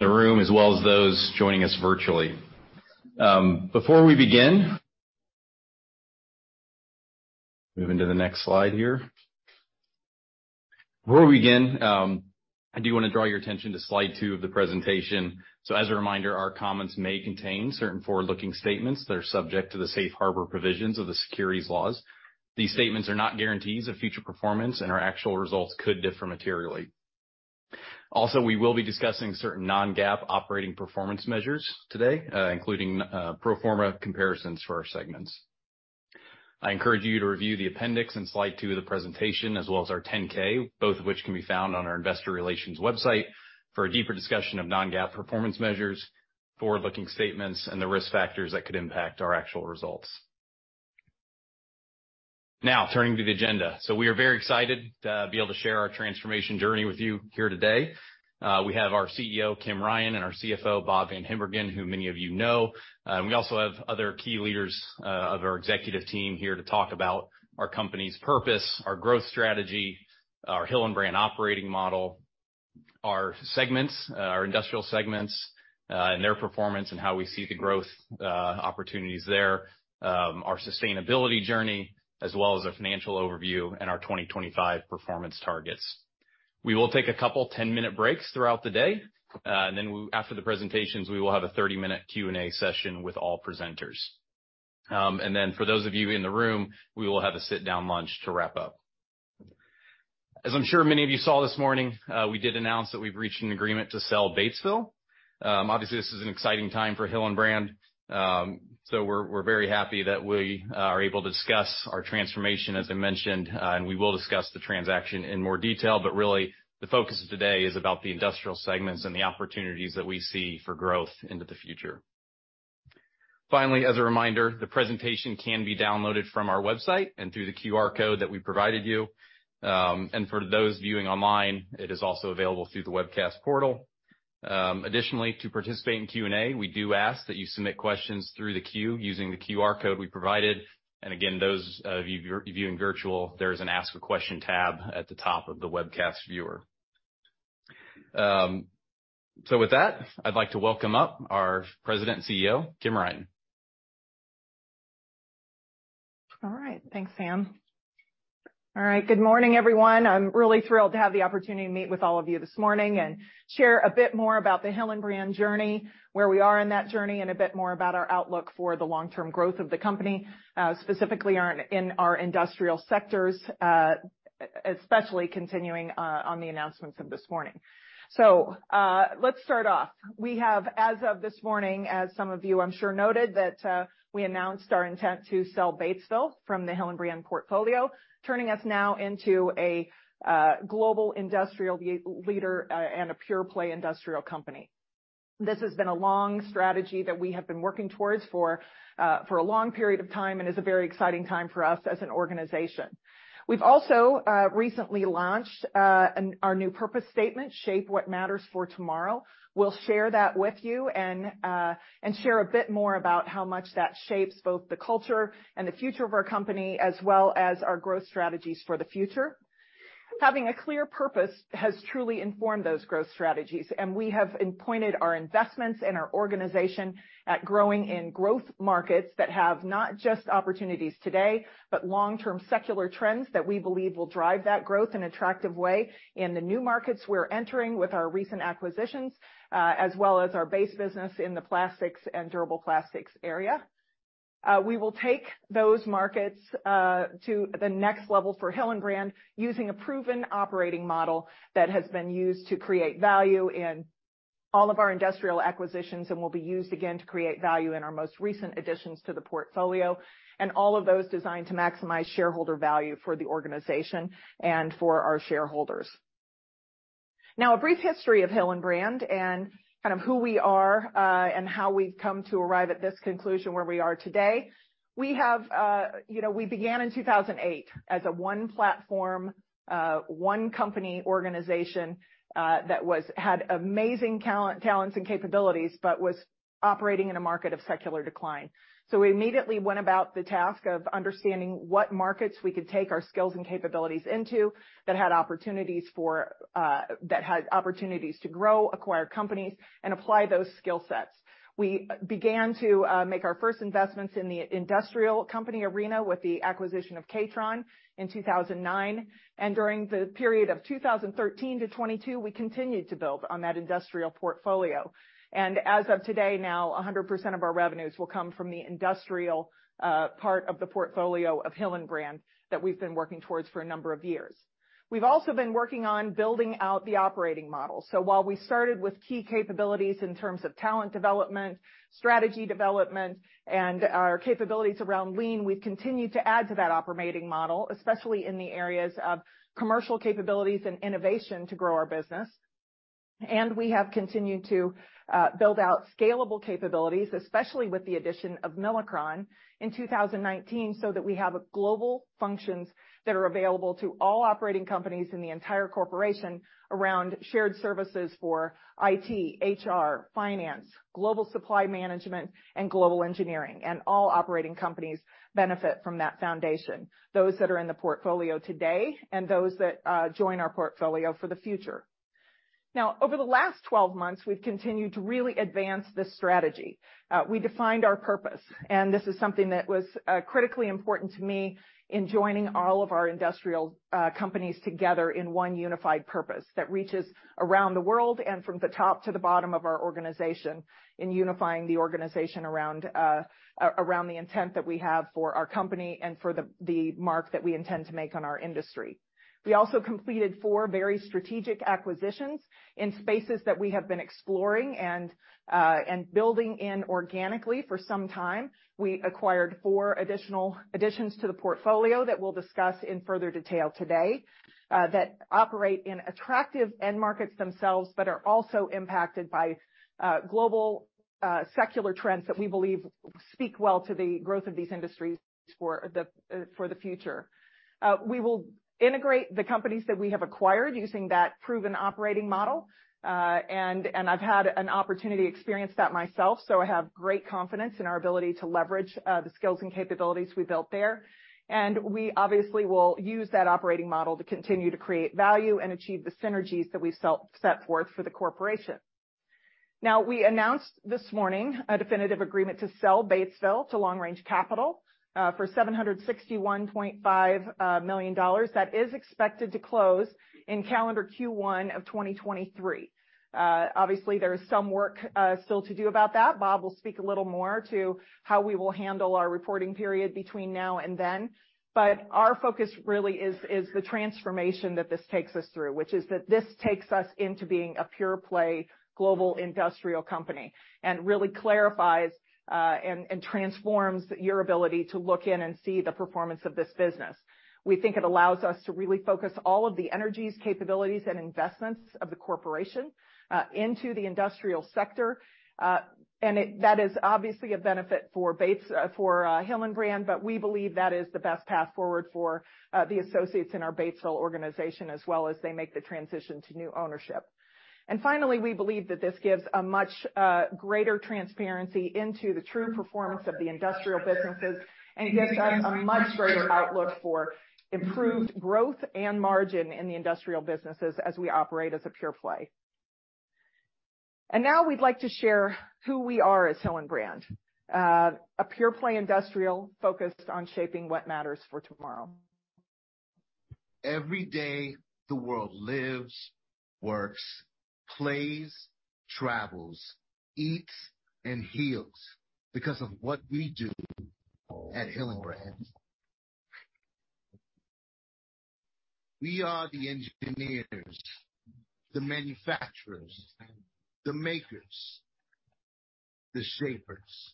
The room as well as those joining us virtually. Before we begin, move into the next slide here. Before we begin, I do wanna draw your attention to slide two of the presentation. As a reminder, our comments may contain certain forward-looking statements that are subject to the safe harbor provisions of the securities laws. These statements are not guarantees of future performance, and our actual results could differ materially. We will be discussing certain non-GAAP operating performance measures today, including pro forma comparisons for our segments. I encourage you to review the appendix in slide two of the presentation, as well as our 10-K, both of which can be found on our investor relations website, for a deeper discussion of non-GAAP performance measures, forward-looking statements, and the risk factors that could impact our actual results. Turning to the agenda. We are very excited to be able to share our transformation journey with you here today. We have our CEO, Kim Ryan, and our CFO, Bob VanHimbergen, who many of you know. We also have other key leaders of our executive team here to talk about our company's purpose, our growth strategy, our Hillenbrand operating model, our segments, our industrial segments, and their performance, and how we see the growth opportunities there, our sustainability journey, as well as a financial overview and our 2025 performance targets. We will take a couple 10-minute breaks throughout the day. After the presentations, we will have a 30-minute Q&A session with all presenters. For those of you in the room, we will have a sit-down lunch to wrap up. As I'm sure many of you saw this morning, we did announce that we've reached an agreement to sell Batesville. Obviously, this is an exciting time for Hillenbrand. We're very happy that we are able to discuss our transformation, as I mentioned, and we will discuss the transaction in more detail, but really the focus of today is about the industrial segments and the opportunities that we see for growth into the future. Finally, as a reminder, the presentation can be downloaded from our website and through the QR code that we provided you. For those viewing online, it is also available through the webcast portal. To participate in Q&A, we do ask that you submit questions through the Q using the QR code we provided. Again, those of you viewing virtual, there's an Ask a Question tab at the top of the webcast viewer. With that, I'd like to welcome up our President and CEO, Kim Ryan. All right. Thanks, Sam. All right. Good morning, everyone. I'm really thrilled to have the opportunity to meet with all of you this morning and share a bit more about the Hillenbrand journey, where we are in that journey, and a bit more about our outlook for the long-term growth of the company, specifically our, in our industrial sectors, especially continuing on the announcements of this morning. Let's start off. We have, as of this morning, as some of you I'm sure noted, that we announced our intent to sell Batesville from the Hillenbrand portfolio, turning us now into a global industrial leader and a pure play industrial company. This has been a long strategy that we have been working towards for a long period of time and is a very exciting time for us as an organization. We've also recently launched our new purpose statement, Shape What Matters for Tomorrow. We'll share that with you and share a bit more about how much that shapes both the culture and the future of our company, as well as our growth strategies for the future. Having a clear purpose has truly informed those growth strategies. We have appointed our investments and our organization at growing in growth markets that have not just opportunities today, but long-term secular trends that we believe will drive that growth in attractive way in the new markets we're entering with our recent acquisitions, as well as our base business in the plastics and durable plastics area. We will take those markets to the next level for Hillenbrand, using a proven operating model that has been used to create value in all of our industrial acquisitions and will be used again to create value in our most recent additions to the portfolio, and all of those designed to maximize shareholder value for the organization and for our shareholders. A brief history of Hillenbrand and kind of who we are, and how we've come to arrive at this conclusion where we are today. We have, you know, we began in 2008 as a one platform, one company organization, had amazing talents and capabilities but was operating in a market of secular decline. We immediately went about the task of understanding what markets we could take our skills and capabilities into that had opportunities for, that had opportunities to grow, acquire companies, and apply those skill sets. We began to make our first investments in the industrial company arena with the acquisition of K-Tron in 2009. During the period of 2013 to 2022, we continued to build on that industrial portfolio. As of today, now 100% of our revenues will come from the industrial part of the portfolio of Hillenbrand that we've been working towards for a number of years. We've also been working on building out the operating model. While we started with key capabilities in terms of talent development, strategy development, and our capabilities around Lean, we've continued to add to that operating model, especially in the areas of commercial capabilities and innovation to grow our business. We have continued to build out scalable capabilities, especially with the addition of Milacron in 2019, so that we have global functions that are available to all operating companies in the entire corporation around shared services for IT, HR, Finance, Global Supply Management, and Global Engineering, and all operating companies benefit from that foundation, those that are in the portfolio today and those that join our portfolio for the future. Over the last 12 months, we've continued to really advance this strategy. We defined our purpose, this is something that was critically important to me in joining all of our industrial companies together in one unified purpose that reaches around the world and from the top to the bottom of our organization in unifying the organization around the intent that we have for our company and for the mark that we intend to make on our industry. We also completed four very strategic acquisitions in spaces that we have been exploring and building in organically for some time. We acquired four additions to the portfolio that we'll discuss in further detail today, that operate in attractive end markets themselves, but are also impacted by global secular trends that we believe speak well to the growth of these industries for the future. We will integrate the companies that we have acquired using that proven operating model, and I've had an opportunity to experience that myself, so I have great confidence in our ability to leverage the skills and capabilities we built there. We obviously will use that operating model to continue to create value and achieve the synergies that we set forth for the corporation. Now, we announced this morning a definitive agreement to sell Batesville to LongRange Capital for $761.5 million. That is expected to close in calendar Q1 of 2023. Obviously there is some work still to do about that. Bob will speak a little more to how we will handle our reporting period between now and then. Our focus really is the transformation that this takes us through, which is that this takes us into being a pure play global industrial company and really clarifies and transforms your ability to look in and see the performance of this business. We think it allows us to really focus all of the energies, capabilities, and investments of the corporation into the industrial sector. That is obviously a benefit for Hillenbrand, but we believe that is the best path forward for the associates in our Batesville organization as well as they make the transition to new ownership. Finally, we believe that this gives a much greater transparency into the true performance of the industrial businesses, and it gives us a much greater outlook for improved growth and margin in the industrial businesses as we operate as a pure play. Now we'd like to share who we are as Hillenbrand. A pure play industrial focused on Shape What Matters For Tomorrow. Every day the world lives, works, plays, travels, eats, and heals because of what we do at Hillenbrand. We are the engineers, the manufacturers, the makers, the shapers.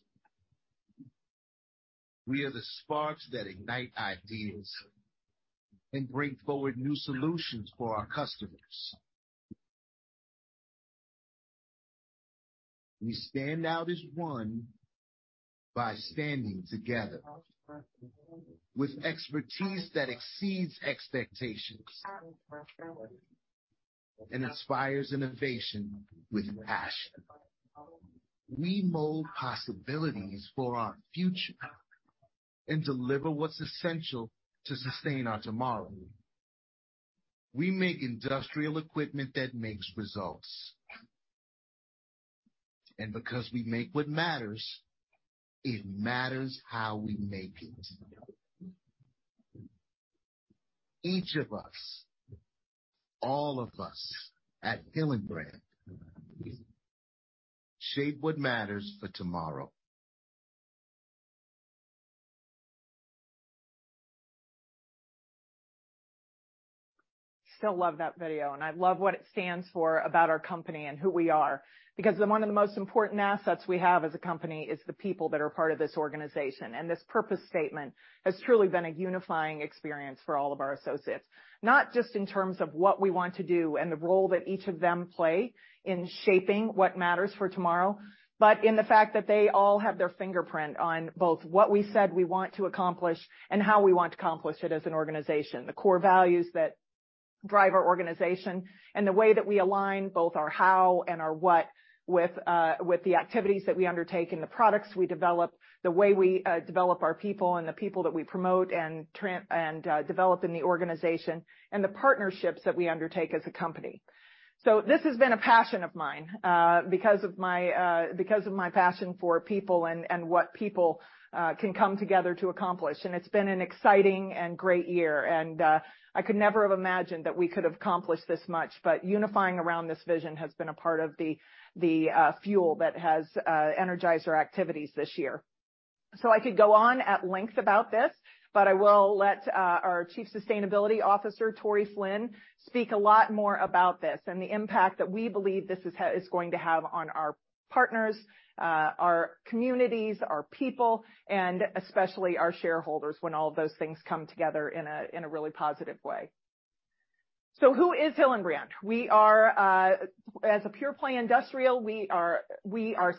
We are the sparks that ignite ideas and bring forward new solutions for our customers. We stand out as one by standing together with expertise that exceeds expectations and inspires innovation with passion. We mold possibilities for our future and deliver what's essential to sustain our tomorrow. We make industrial equipment that makes results. Because we make what matters, it matters how we make it. Each of us, all of us at Hillenbrand Shape What Matters For Tomorrow. Still love that video, I love what it stands for about our company and who we are, because one of the most important assets we have as a company is the people that are part of this organization. This purpose statement has truly been a unifying experience for all of our associates, not just in terms of what we want to do and the role that each of them play in Shape What Matters For Tomorrow, but in the fact that they all have their fingerprint on both what we said we want to accomplish and how we want to accomplish it as an organization. The core values that drive our organization and the way that we align both our how and our what with the activities that we undertake and the products we develop, the way we develop our people and the people that we promote and develop in the organization and the partnerships that we undertake as a company. So this has been a passion of mine because of my because of my passion for people and what people can come together to accomplish. And it's been an exciting and great year, and I could never have imagined that we could have accomplished this much. But unifying around this vision has been a part of the fuel that has energized our activities this year. I could go on at length about this, but I will let our Chief Sustainability Officer, Tory Flynn, speak a lot more about this and the impact that we believe this is going to have on our partners, our communities, our people, and especially our shareholders when all of those things come together in a really positive way. Who is Hillenbrand? We are as a pure play industrial, we are 60+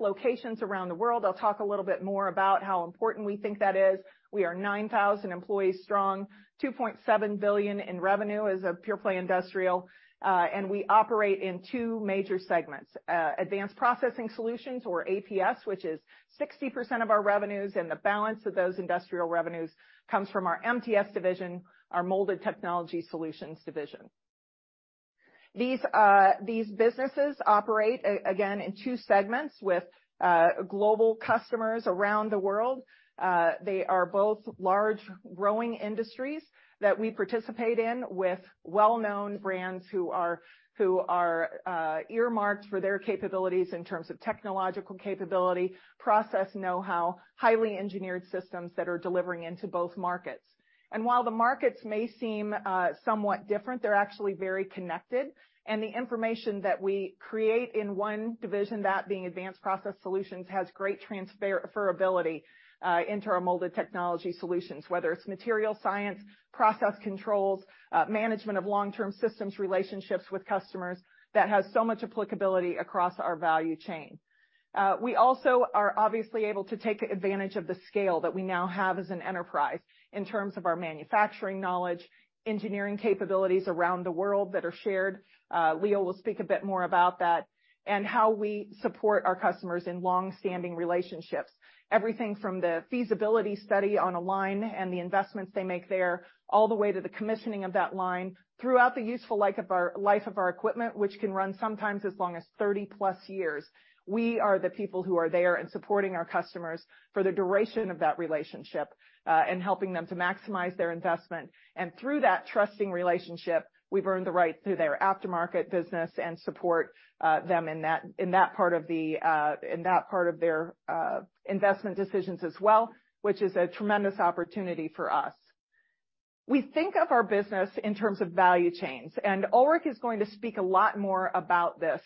locations around the world. I'll talk a little bit more about how important we think that is. We are 9,000 employees strong, $2.7 billion in revenue as a pure play industrial. We operate in two major segments, Advanced Process Solutions, or APS, which is 60% of our revenues, and the balance of those industrial revenues comes from our MTS division, our Molding Technology Solutions division. These businesses operate again, in two segments with global customers around the world. They are both large growing industries that we participate in with well-known brands who are earmarked for their capabilities in terms of technological capability, process know-how, highly engineered systems that are delivering into both markets. While the markets may seem somewhat different, they're actually very connected. The information that we create in one division, that being Advanced Process Solutions, has great transferability into our Molding Technology Solutions, whether it's material science, process controls, management of long-term systems, relationships with customers that has so much applicability across our value chain. We also are obviously able to take advantage of the scale that we now have as an enterprise in terms of our manufacturing knowledge, engineering capabilities around the world that are shared. Leo will speak a bit more about that, and how we support our customers in long-standing relationships. Everything from the feasibility study on a line and the investments they make there, all the way to the commissioning of that line throughout the useful life of our equipment, which can run sometimes as long as 30+ years. We are the people who are there and supporting our customers for the duration of that relationship, and helping them to maximize their investment. Through that trusting relationship, we've earned the right to their aftermarket business and support them in that, in that part of the, in that part of their, investment decisions as well, which is a tremendous opportunity for us. We think of our business in terms of value chains, Ulrich is going to speak a lot more about this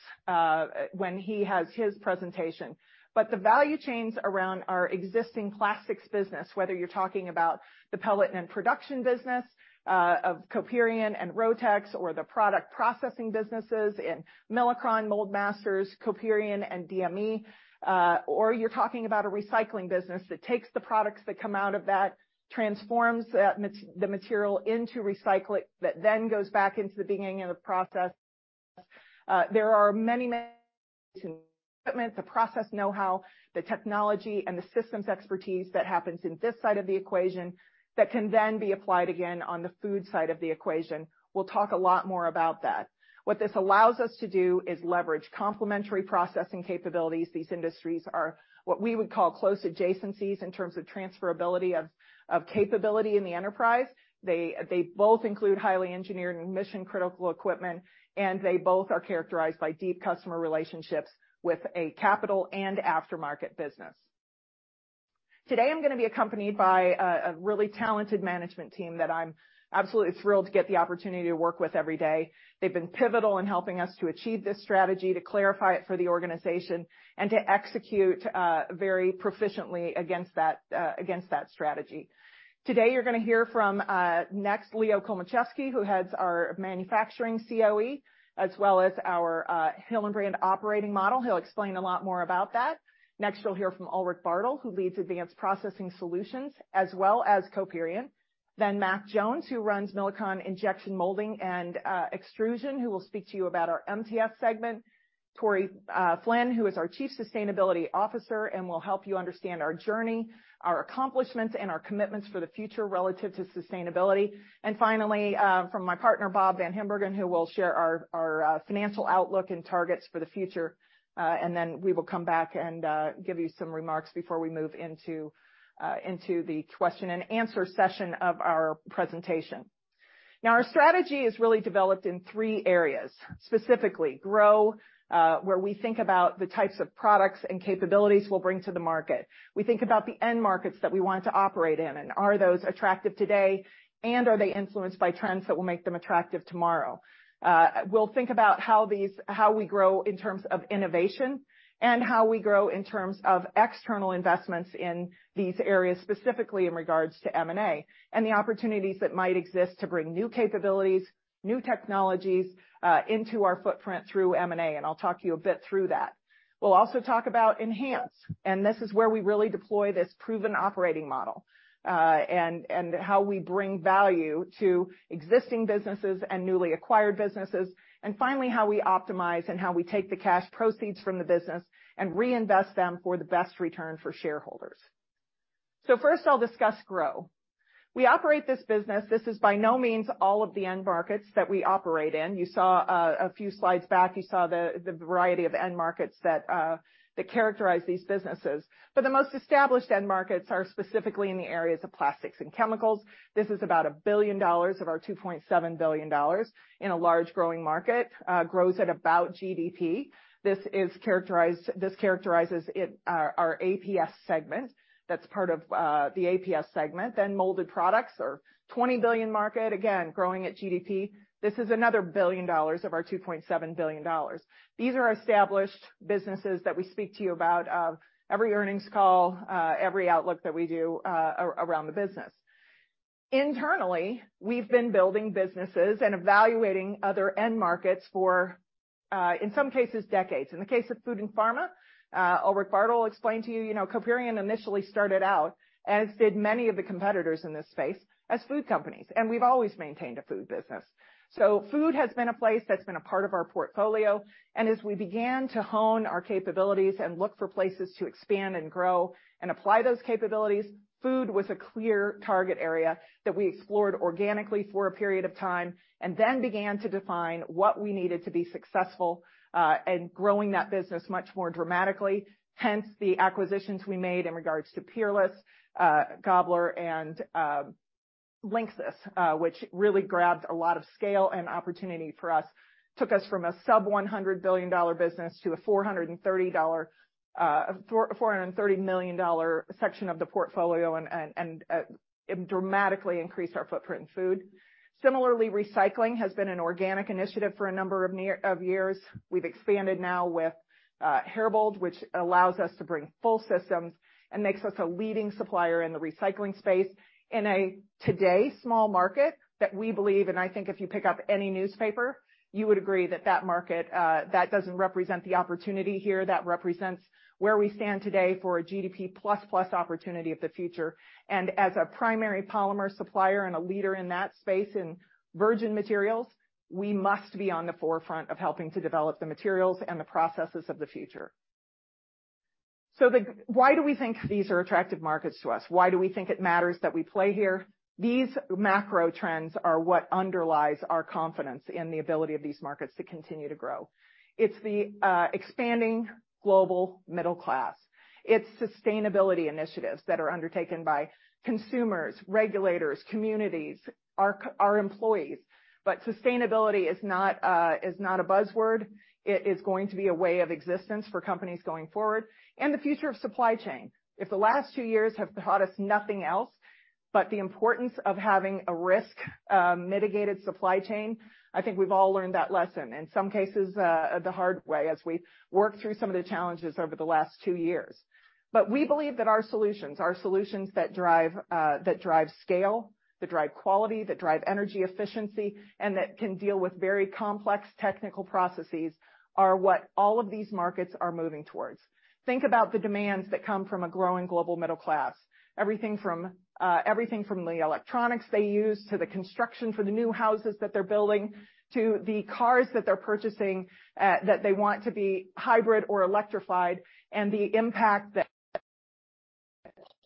when he has his presentation. ns around our existing existing plastics business, whether you're talking about the pellet and production business of Coperion and Rotex, or the product processing businesses in Milacron, Mold-Masters, Coperion, and DME, or you're talking about a recycling business that takes the products that come out of that, transforms the material into recycling, that then goes back into the beginning of the process. There are many, many. Today, I'm going to be accompanied by a really talented management team that I'm absolutely thrilled to get the opportunity to work with every day. They've been pivotal in helping us to achieve this strategy, to clarify it for the organization, and to execute very proficiently against that against that strategy. Today, you're going to hear from next, Leo Kulmaczewski, who heads our manufacturing COE, as well as our Hillenbrand operating model He'll explain a lot more about that. Next, you'll hear from Ulrich Bartel, who leads Advanced Process Solutions, as well as Coperion. Mac Jones, who runs Milacron Injection Molding and Extrusion, who will speak to you about our MTS segment. Tory Flynn, who is our Chief Sustainability Officer, and will help you understand our journey, our accomplishments, and our commitments for the future relative to sustainability. Finally, from my partner, Bob VanHimbergen, who will share our financial outlook and targets for the future. Then we will come back and give you some remarks before we move into the question and answer session of our presentation. Our strategy is really developed in three areas, specifically grow, where we think about the types of products and capabilities we'll bring to the market. We think about the end markets that we want to operate in and are those attractive today, and are they influenced by trends that will make them attractive tomorrow? We'll think about how we grow in terms of innovation and how we grow in terms of external investments in these areas, specifically in regards to M&A, and the opportunities that might exist to bring new capabilities, new technologies, into our footprint through M&A, and I'll talk to you a bit through that. We'll also talk about enhance, and this is where we really deploy this proven operating model, and how we bring value to existing businesses and newly acquired businesses. Finally, how we optimize and how we take the cash proceeds from the business and reinvest them for the best return for shareholders. First, I'll discuss grow. We operate this business, this is by no means all of the end markets that we operate in. You saw a few slides back, you saw the variety of end markets that characterize these businesses. The most established end markets are specifically in the areas of plastics and chemicals. This is about $1 billion of our $2.7 billion in a large growing market, grows at about GDP. This characterizes it, our APS segment. That's part of the APS segment. Molded products are $20 billion market, again, growing at GDP. This is another $1 billion of our $2.7 billion. These are established businesses that we speak to you about, every earnings call, every outlook that we do, around the business. Internally, we've been building businesses and evaluating other end markets for, in some cases, decades. In the case of food and pharma, Ulrich Bartel explained to you know, Coperion initially started out, as did many of the competitors in this space, as food companies, and we've always maintained a food business. Food has been a place that's been a part of our portfolio, and as we began to hone our capabilities and look for places to expand and grow and apply those capabilities, food was a clear target area that we explored organically for a period of time, and then began to define what we needed to be successful in growing that business much more dramatically. Hence, the acquisitions we made in regards to Peerless, Gabler, and LINXIS, which really grabs a lot of scale and opportunity for us, took us from a sub-$100 billion business to a $430 million section of the portfolio and dramatically increased our footprint in food. Similarly, recycling has been an organic initiative for a number of years. We've expanded now with Herbold, which allows us to bring full systems and makes us a leading supplier in the recycling space in a, today, small market that we believe, and I think if you pick up any newspaper, you would agree that that market that doesn't represent the opportunity here. That represents where we stand today for a GDP plus opportunity of the future. As a primary polymer supplier and a leader in that space in virgin materials, we must be on the forefront of helping to develop the materials and the processes of the future. Why do we think these are attractive markets to us? Why do we think it matters that we play here? These macro trends are what underlies our confidence in the ability of these markets to continue to grow. It's the expanding global middle class. It's sustainability initiatives that are undertaken by consumers, regulators, communities, our employees. Sustainability is not, is not a buzzword. It is going to be a way of existence for companies going forward and the future of supply chain. If the last two years have taught us nothing else but the importance of having a risk, mitigated supply chain, I think we've all learned that lesson, in some cases, the hard way as we work through some of the challenges over the last two years. We believe that our solutions, our solutions that drive, that drive scale, that drive quality, that drive energy efficiency, and that can deal with very complex technical processes are what all of these markets are moving towards. Think about the demands that come from a growing global middle class. Everything from, everything from the electronics they use to the construction for the new houses that they're building, to the cars that they're purchasing, that they want to be hybrid or electrified, and the impact that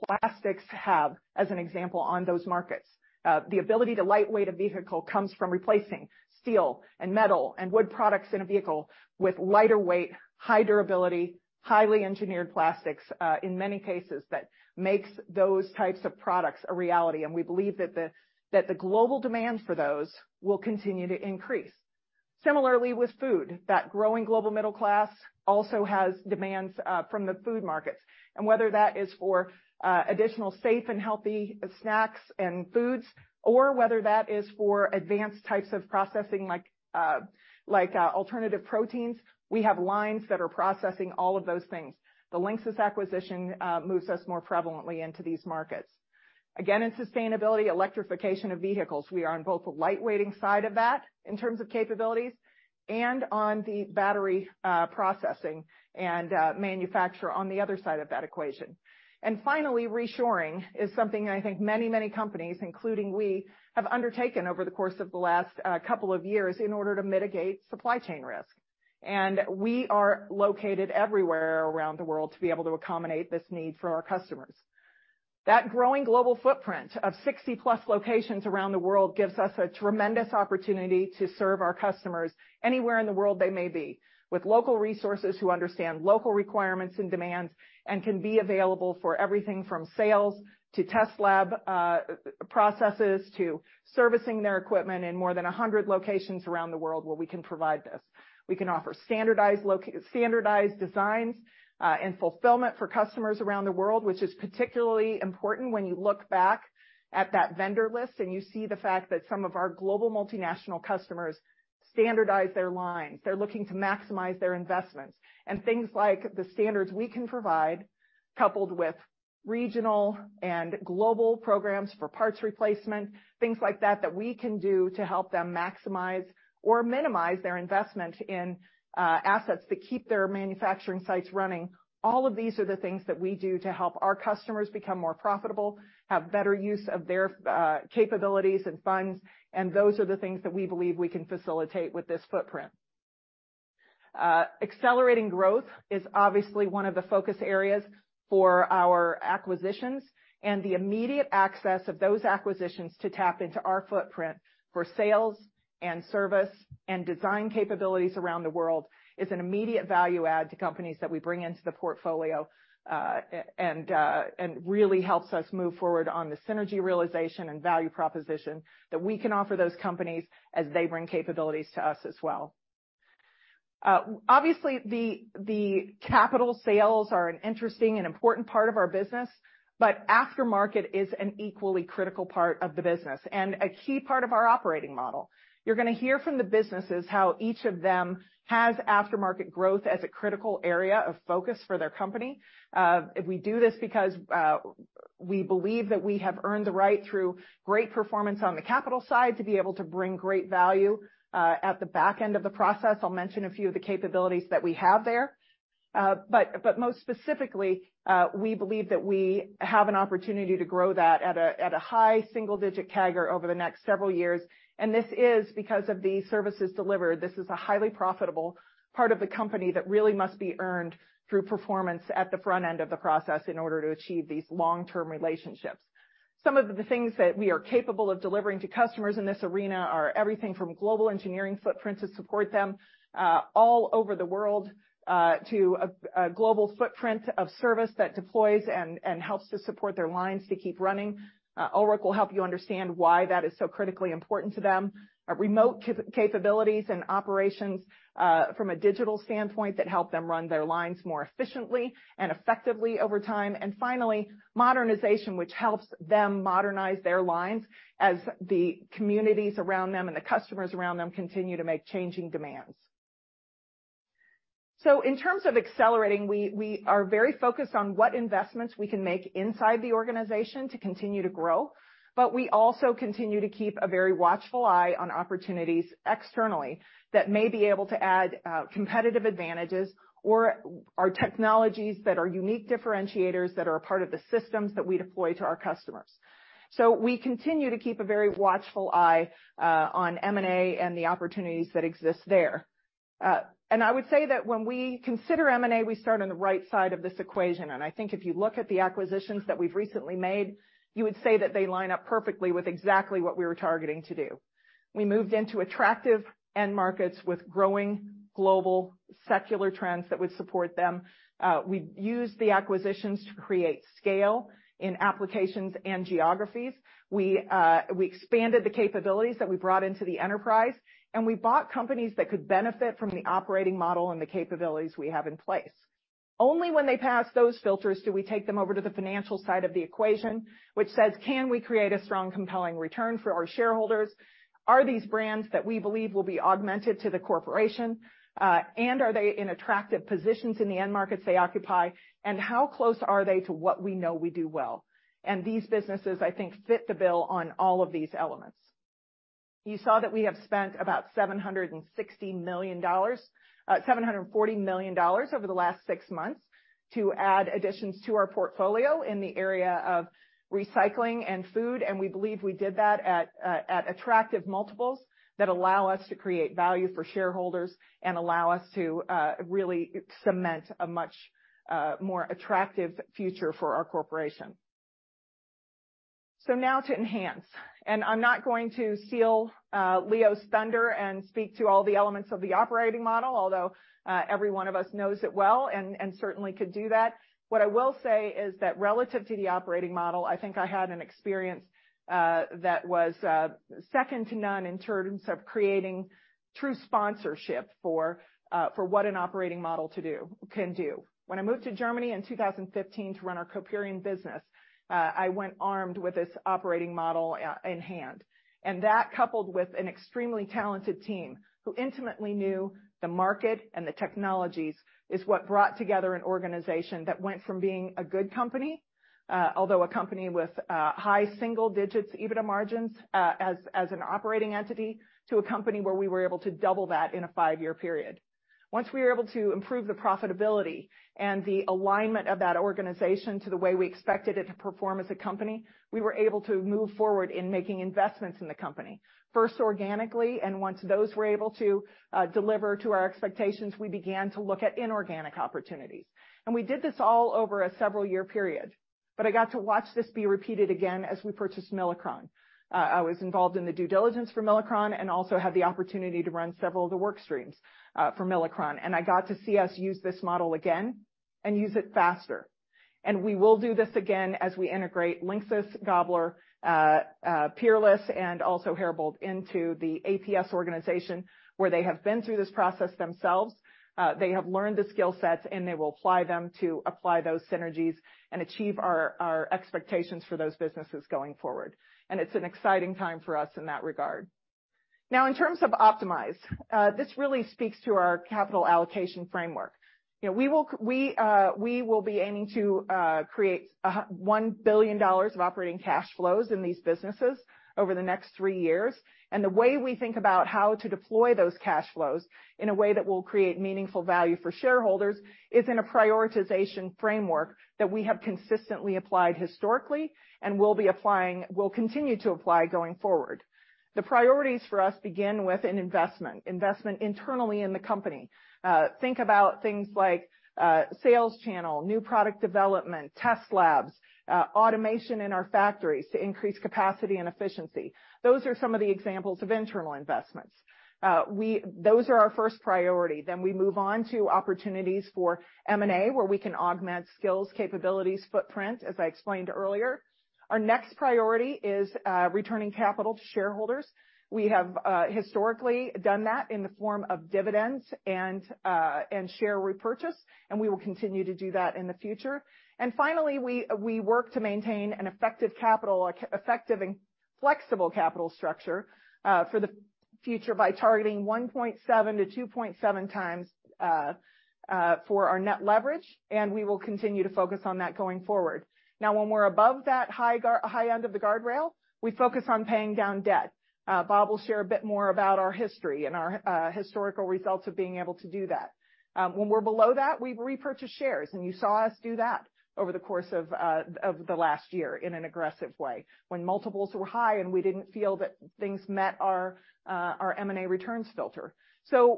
plastics have, as an example, on those markets. The ability to lightweight a vehicle comes from replacing steel and metal and wood products in a vehicle with lighter weight, high durability, highly engineered plastics, in many cases that makes those types of products a reality. We believe that the global demand for those will continue to increase. Similarly with food, that growing global middle class also has demands from the food markets, and whether that is for additional safe and healthy snacks and foods, or whether that is for advanced types of processing like alternative proteins, we have lines that are processing all of those things. The LINXIS acquisition moves us more prevalently into these markets. Again, in sustainability, electrification of vehicles, we are on both the lightweighting side of that in terms of capabilities and on the battery, processing and manufacture on the other side of that equation. Finally, reshoring is something I think many, many companies, including we, have undertaken over the course of the last couple of years in order to mitigate supply chain risk. We are located everywhere around the world to be able to accommodate this need for our customers. That growing global footprint of 60+ locations around the world gives us a tremendous opportunity to serve our customers anywhere in the world they may be, with local resources who understand local requirements and demands and can be available for everything from sales to test lab, processes to servicing their equipment in more than 100 locations around the world where we can provide this. We can offer standardized designs, and fulfillment for customers around the world, which is particularly important when you look back at that vendor list and you see the fact that some of our global multinational customers standardize their lines. They're looking to maximize their investments and things like the standards we can provide, coupled with regional and global programs for parts replacement, things like that we can do to help them maximize or minimize their investment in assets that keep their manufacturing sites running. All of these are the things that we do to help our customers become more profitable, have better use of their capabilities and funds. Those are the things that we believe we can facilitate with this footprint. Accelerating growth is obviously one of the focus areas for our acquisitions and the immediate access of those acquisitions to tap into our footprint for sales and service and design capabilities around the world is an immediate value add to companies that we bring into the portfolio, and really helps us move forward on the synergy realization and value proposition that we can offer those companies as they bring capabilities to us as well. Obviously the capital sales are an interesting and important part of our business, but aftermarket is an equally critical part of the business and a key part of our operating model. You're gonna hear from the businesses how each of them has aftermarket growth as a critical area of focus for their company. We do this because we believe that we have earned the right through great performance on the capital side to be able to bring great value at the back end of the process. I'll mention a few of the capabilities that we have there. Most specifically, we believe that we have an opportunity to grow that at a high single-digit CAGR over the next several years. This is because of the services delivered. This is a highly profitable part of the company that really must be earned through performance at the front end of the process in order to achieve these long-term relationships. Some of the things that we are capable of delivering to customers in this arena are everything from global engineering footprints to support them, all over the world, to a global footprint of service that deploys and helps to support their lines to keep running. Ulrich will help you understand why that is so critically important to them. Remote capabilities and operations from a digital standpoint that help them run their lines more efficiently and effectively over time. Finally, modernization, which helps them modernize their lines as the communities around them and the customers around them continue to make changing demands. In terms of accelerating, we are very focused on what investments we can make inside the organization to continue to grow, but we also continue to keep a very watchful eye on opportunities externally that may be able to add competitive advantages or are technologies that are unique differentiators that are a part of the systems that we deploy to our customers. We continue to keep a very watchful eye on M&A and the opportunities that exist there. I would say that when we consider M&A, we start on the right side of this equation. I think if you look at the acquisitions that we've recently made, you would say that they line up perfectly with exactly what we were targeting to do. We moved into attractive end markets with growing global secular trends that would support them. We used the acquisitions to create scale in applications and geographies. We expanded the capabilities that we brought into the enterprise, and we bought companies that could benefit from the operating model and the capabilities we have in place. Only when they pass those filters, do we take them over to the financial side of the equation, which says, can we create a strong, compelling return for our shareholders? Are these brands that we believe will be augmented to the corporation, and are they in attractive positions in the end markets they occupy, and how close are they to what we know we do well? These businesses, I think, fit the bill on all of these elements. You saw that we have spent about $760 million, $740 million over the last six months to add additions to our portfolio in the area of recycling and food. We believe we did that at attractive multiples that allow us to create value for shareholders and allow us to really cement a much more attractive future for our corporation. Now to enhance, and I'm not going to steal, Leo's thunder and speak to all the elements of the operating model, although every one of us knows it well and certainly could do that. What I will say is that relative to the operating model, I think I had an experience that was second to none in terms of creating true sponsorship for what an operating model can do. When I moved to Germany in 2015 to run our Coperion business, I went armed with this operating model in hand. That coupled with an extremely talented team who intimately knew the market and the technologies, is what brought together an organization that went from being a good company, although a company with high single-digit EBITDA margins, as an operating entity, to a company where we were able to double that in a five-year period. Once we were able to improve the profitability and the alignment of that organization to the way we expected it to perform as a company, we were able to move forward in making investments in the company, first organically, and once those were able to deliver to our expectations, we began to look at inorganic opportunities. We did this all over a several-year period. I got to watch this be repeated again as we purchased Milacron. I was involved in the due diligence for Milacron and also had the opportunity to run several of the work streams for Milacron. I got to see us use this model again and use it faster. We will do this again as we integrate LINXIS, Gabler, Peerless, and also Herbold into the APS organization, where they have been through this process themselves. They have learned the skill sets, and they will apply them to apply those synergies and achieve our expectations for those businesses going forward. It's an exciting time for us in that regard. Now, in terms of optimize, this really speaks to our capital allocation framework. You know, we will be aiming to create $1 billion of operating cash flows in these businesses over the next three years. The way we think about how to deploy those cash flows in a way that will create meaningful value for shareholders is in a prioritization framework that we have consistently applied historically and will continue to apply going forward. The priorities for us begin with an investment internally in the company. Think about things like sales channel, new product development, test labs, automation in our factories to increase capacity and efficiency. Those are some of the examples of internal investments. Those are our first priority. We move on to opportunities for M&A, where we can augment skills, capabilities, footprint, as I explained earlier. Our next priority is returning capital to shareholders. We have historically done that in the form of dividends and share repurchase, we will continue to do that in the future. Finally, we work to maintain an effective capital, effective and flexible capital structure for the future by targeting 1.7x-2.7x for our net leverage, and we will continue to focus on that going forward. When we're above that high end of the guardrail, we focus on paying down debt. Bob will share a bit more about our history and our historical results of being able to do that. When we're below that, we repurchase shares, and you saw us do that over the course of the last year in an aggressive way when multiples were high and we didn't feel that things met our M&A returns filter.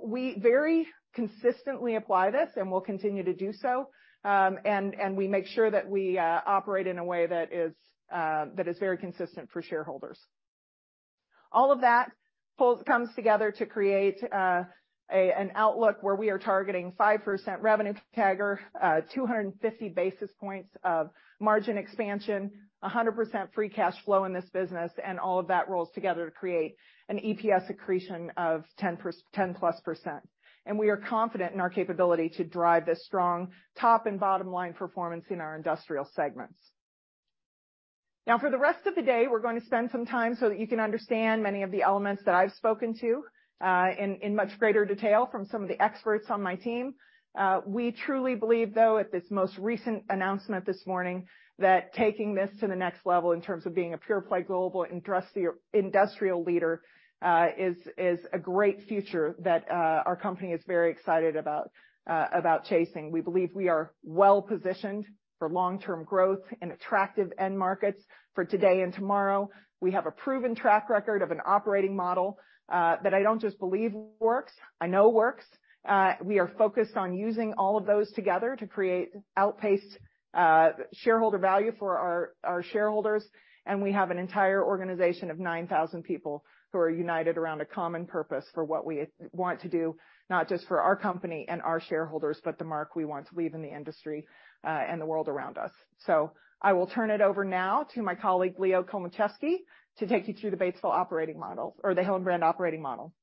We very consistently apply this and will continue to do so. And we make sure that we operate in a way that is very consistent for shareholders. All of that comes together to create an outlook where we are targeting 5% revenue CAGR, 250 basis points of margin expansion, 100% free cash flow in this business, and all of that rolls together to create an EPS accretion of 10%+. We are confident in our capability to drive this strong top and bottom line performance in our industrial segments. For the rest of the day, we're gonna spend some time so that you can understand many of the elements that I've spoken to in much greater detail from some of the experts on my team. We truly believe, though, at this most recent announcement this morning, that taking this to the next level in terms of being a pure-play global industrial leader, is a great future that our company is very excited about chasing. We believe we are well-positioned for long-term growth in attractive end markets for today and tomorrow. We have a proven track record of an operating model that I don't just believe works, I know works. We are focused on using all of those together to create outpaced shareholder value for our shareholders, and we have an entire organization of 9,000 people who are united around a common purpose for what we want to do, not just for our company and our shareholders, but the mark we want to leave in the industry, and the world around us. I will turn it over now to my colleague, Leo Kulmaczewski, to take you through the Batesville operating model or the Hillenbrand operating model.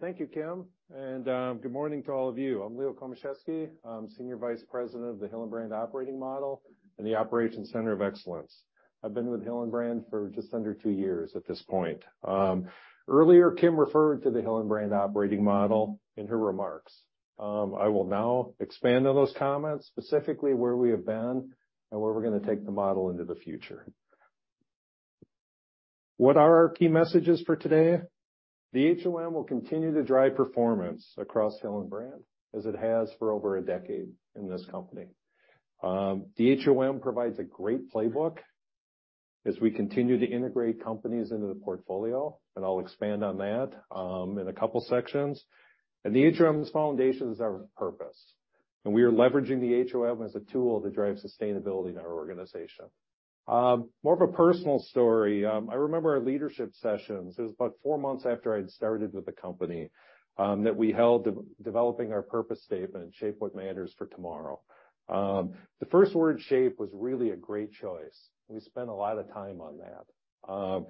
Thank you, Kim, good morning to all of you. I'm Leo Kulmaczewski. I'm Senior Vice President of the Hillenbrand operating model and the Operations Center of Excellence. I've been with Hillenbrand for just under two years at this point. Earlier, Kim referred to the Hillenbrand operating model in her remarks. I will now expand on those comments, specifically where we have been and where we're gonna take the model into the future. What are our key messages for today? The HOM will continue to drive performance across Hillenbrand, as it has for over a decade in this company. The HOM provides a great playbook as we continue to integrate companies into the portfolio, and I'll expand on that in a couple sections. The HOM's foundation is our purpose, and we are leveraging the HOM as a tool to drive sustainability in our organization. More of a personal story. I remember our leadership sessions. It was about four months after I'd started with the company that we held de-developing our purpose statement, Shape What Matters For Tomorrow. The first word, shape, was really a great choice. We spent a lot of time on that.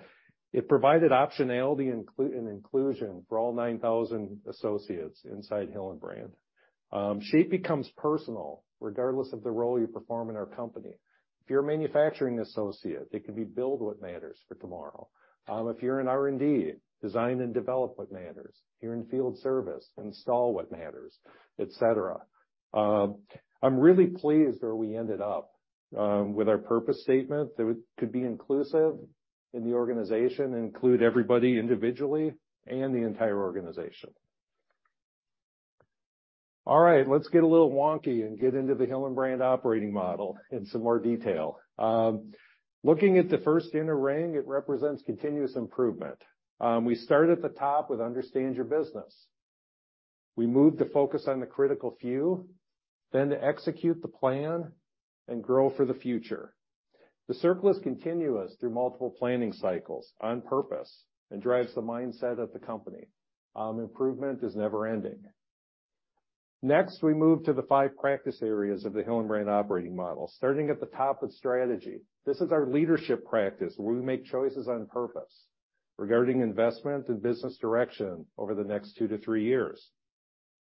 It provided optionality and inclusion for all 9,000 associates inside Hillenbrand. Shape becomes personal regardless of the role you perform in our company. If you're a manufacturing associate, it can be build what matters for tomorrow. If you're in R&D, design and develop what matters. If you're in field service, install what matters, et cetera. I'm really pleased where we ended up with our purpose statement that could be inclusive in the organization, include everybody individually and the entire organization. All right, let's get a little wonky and get into the Hillenbrand operating model in some more detail. Looking at the first inner ring, it represents continuous improvement. We start at the top with understand your business. We move to focus on the critical few, then to execute the plan and grow for the future. The circle is continuous through multiple planning cycles on purpose and drives the mindset of the company. Improvement is never-ending. Next, we move to the five practice areas of the Hillenbrand operating model, starting at the top with strategy. This is our leadership practice, where we make choices on purpose regarding investment and business direction over the next two to three years.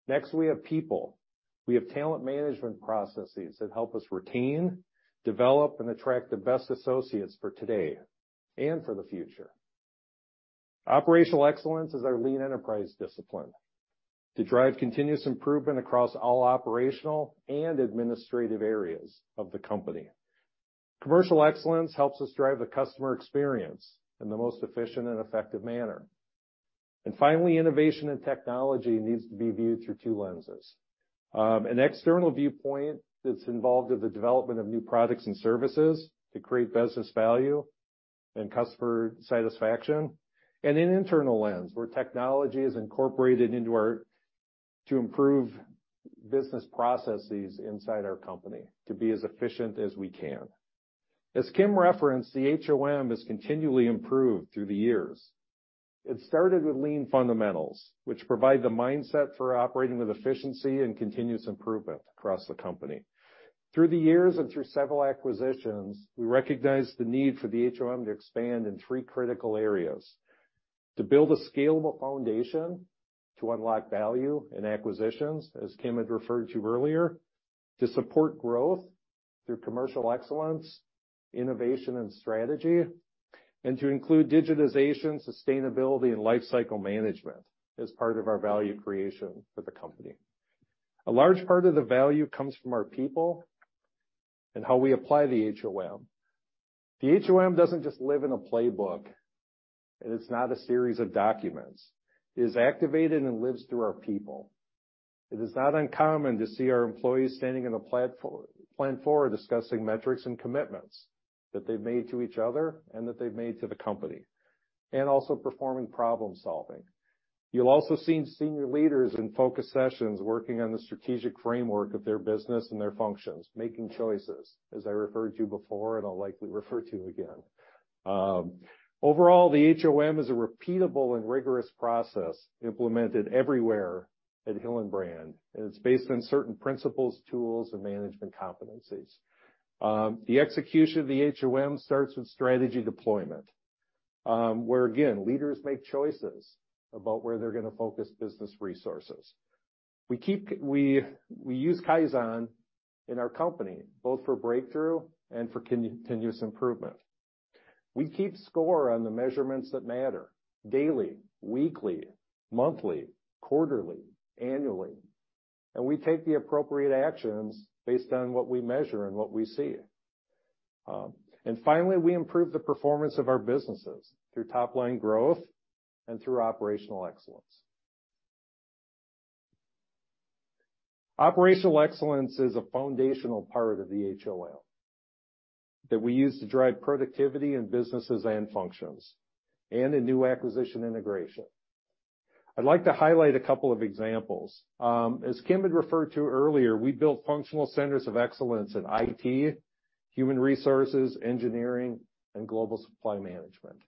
Next, we have people. We have talent management processes that help us retain, develop, and attract the best associates for today and for the future. Operational excellence is our lean enterprise discipline to drive continuous improvement across all operational and administrative areas of the company. Commercial excellence helps us drive the customer experience in the most efficient and effective manner. Finally, innovation and technology needs to be viewed through two lenses. An external viewpoint that's involved in the development of new products and services to create business value and customer satisfaction. An internal lens, where technology is incorporated to improve business processes inside our company to be as efficient as we can. As Kim referenced, the HOM has continually improved through the years. It started with lean fundamentals, which provide the mindset for operating with efficiency and continuous improvement across the company. Through the years and through several acquisitions, we recognized the need for the HOM to expand in three critical areas: to build a scalable foundation to unlock value in acquisitions, as Kim had referred to earlier, to support growth through commercial excellence, innovation, and strategy, and to include digitization, sustainability, and lifecycle management as part of our value creation for the company. A large part of the value comes from our people and how we apply the HOM. The HOM doesn't just live in a playbook, and it's not a series of documents. It is activated and lives through our people. It is not uncommon to see our employees standing in a plant floor discussing metrics and commitments that they've made to each other and that they've made to the company, and also performing problem-solving. You'll also see senior leaders in focus sessions working on the strategic framework of their business and their functions, making choices, as I referred to before and I'll likely refer to again. Overall, the HOM is a repeatable and rigorous process implemented everywhere at Hillenbrand, and it's based on certain principles, tools, and management competencies. The execution of the HOM starts with strategy deployment. Where again, leaders make choices about where they're gonna focus business resources. We use Kaizen in our company, both for breakthrough and for continuous improvement. We keep score on the measurements that matter daily, weekly, monthly, quarterly, annually, and we take the appropriate actions based on what we measure and what we see. Finally, we improve the performance of our businesses through top-line growth and through operational excellence. Operational excellence is a foundational part of the HOM that we use to drive productivity in businesses and functions and in new acquisition integration. I'd like to highlight a couple of examples. As Kim had referred to earlier, we built functional centers of excellence in IT, Human Resources, Engineering, and Global Supply Management.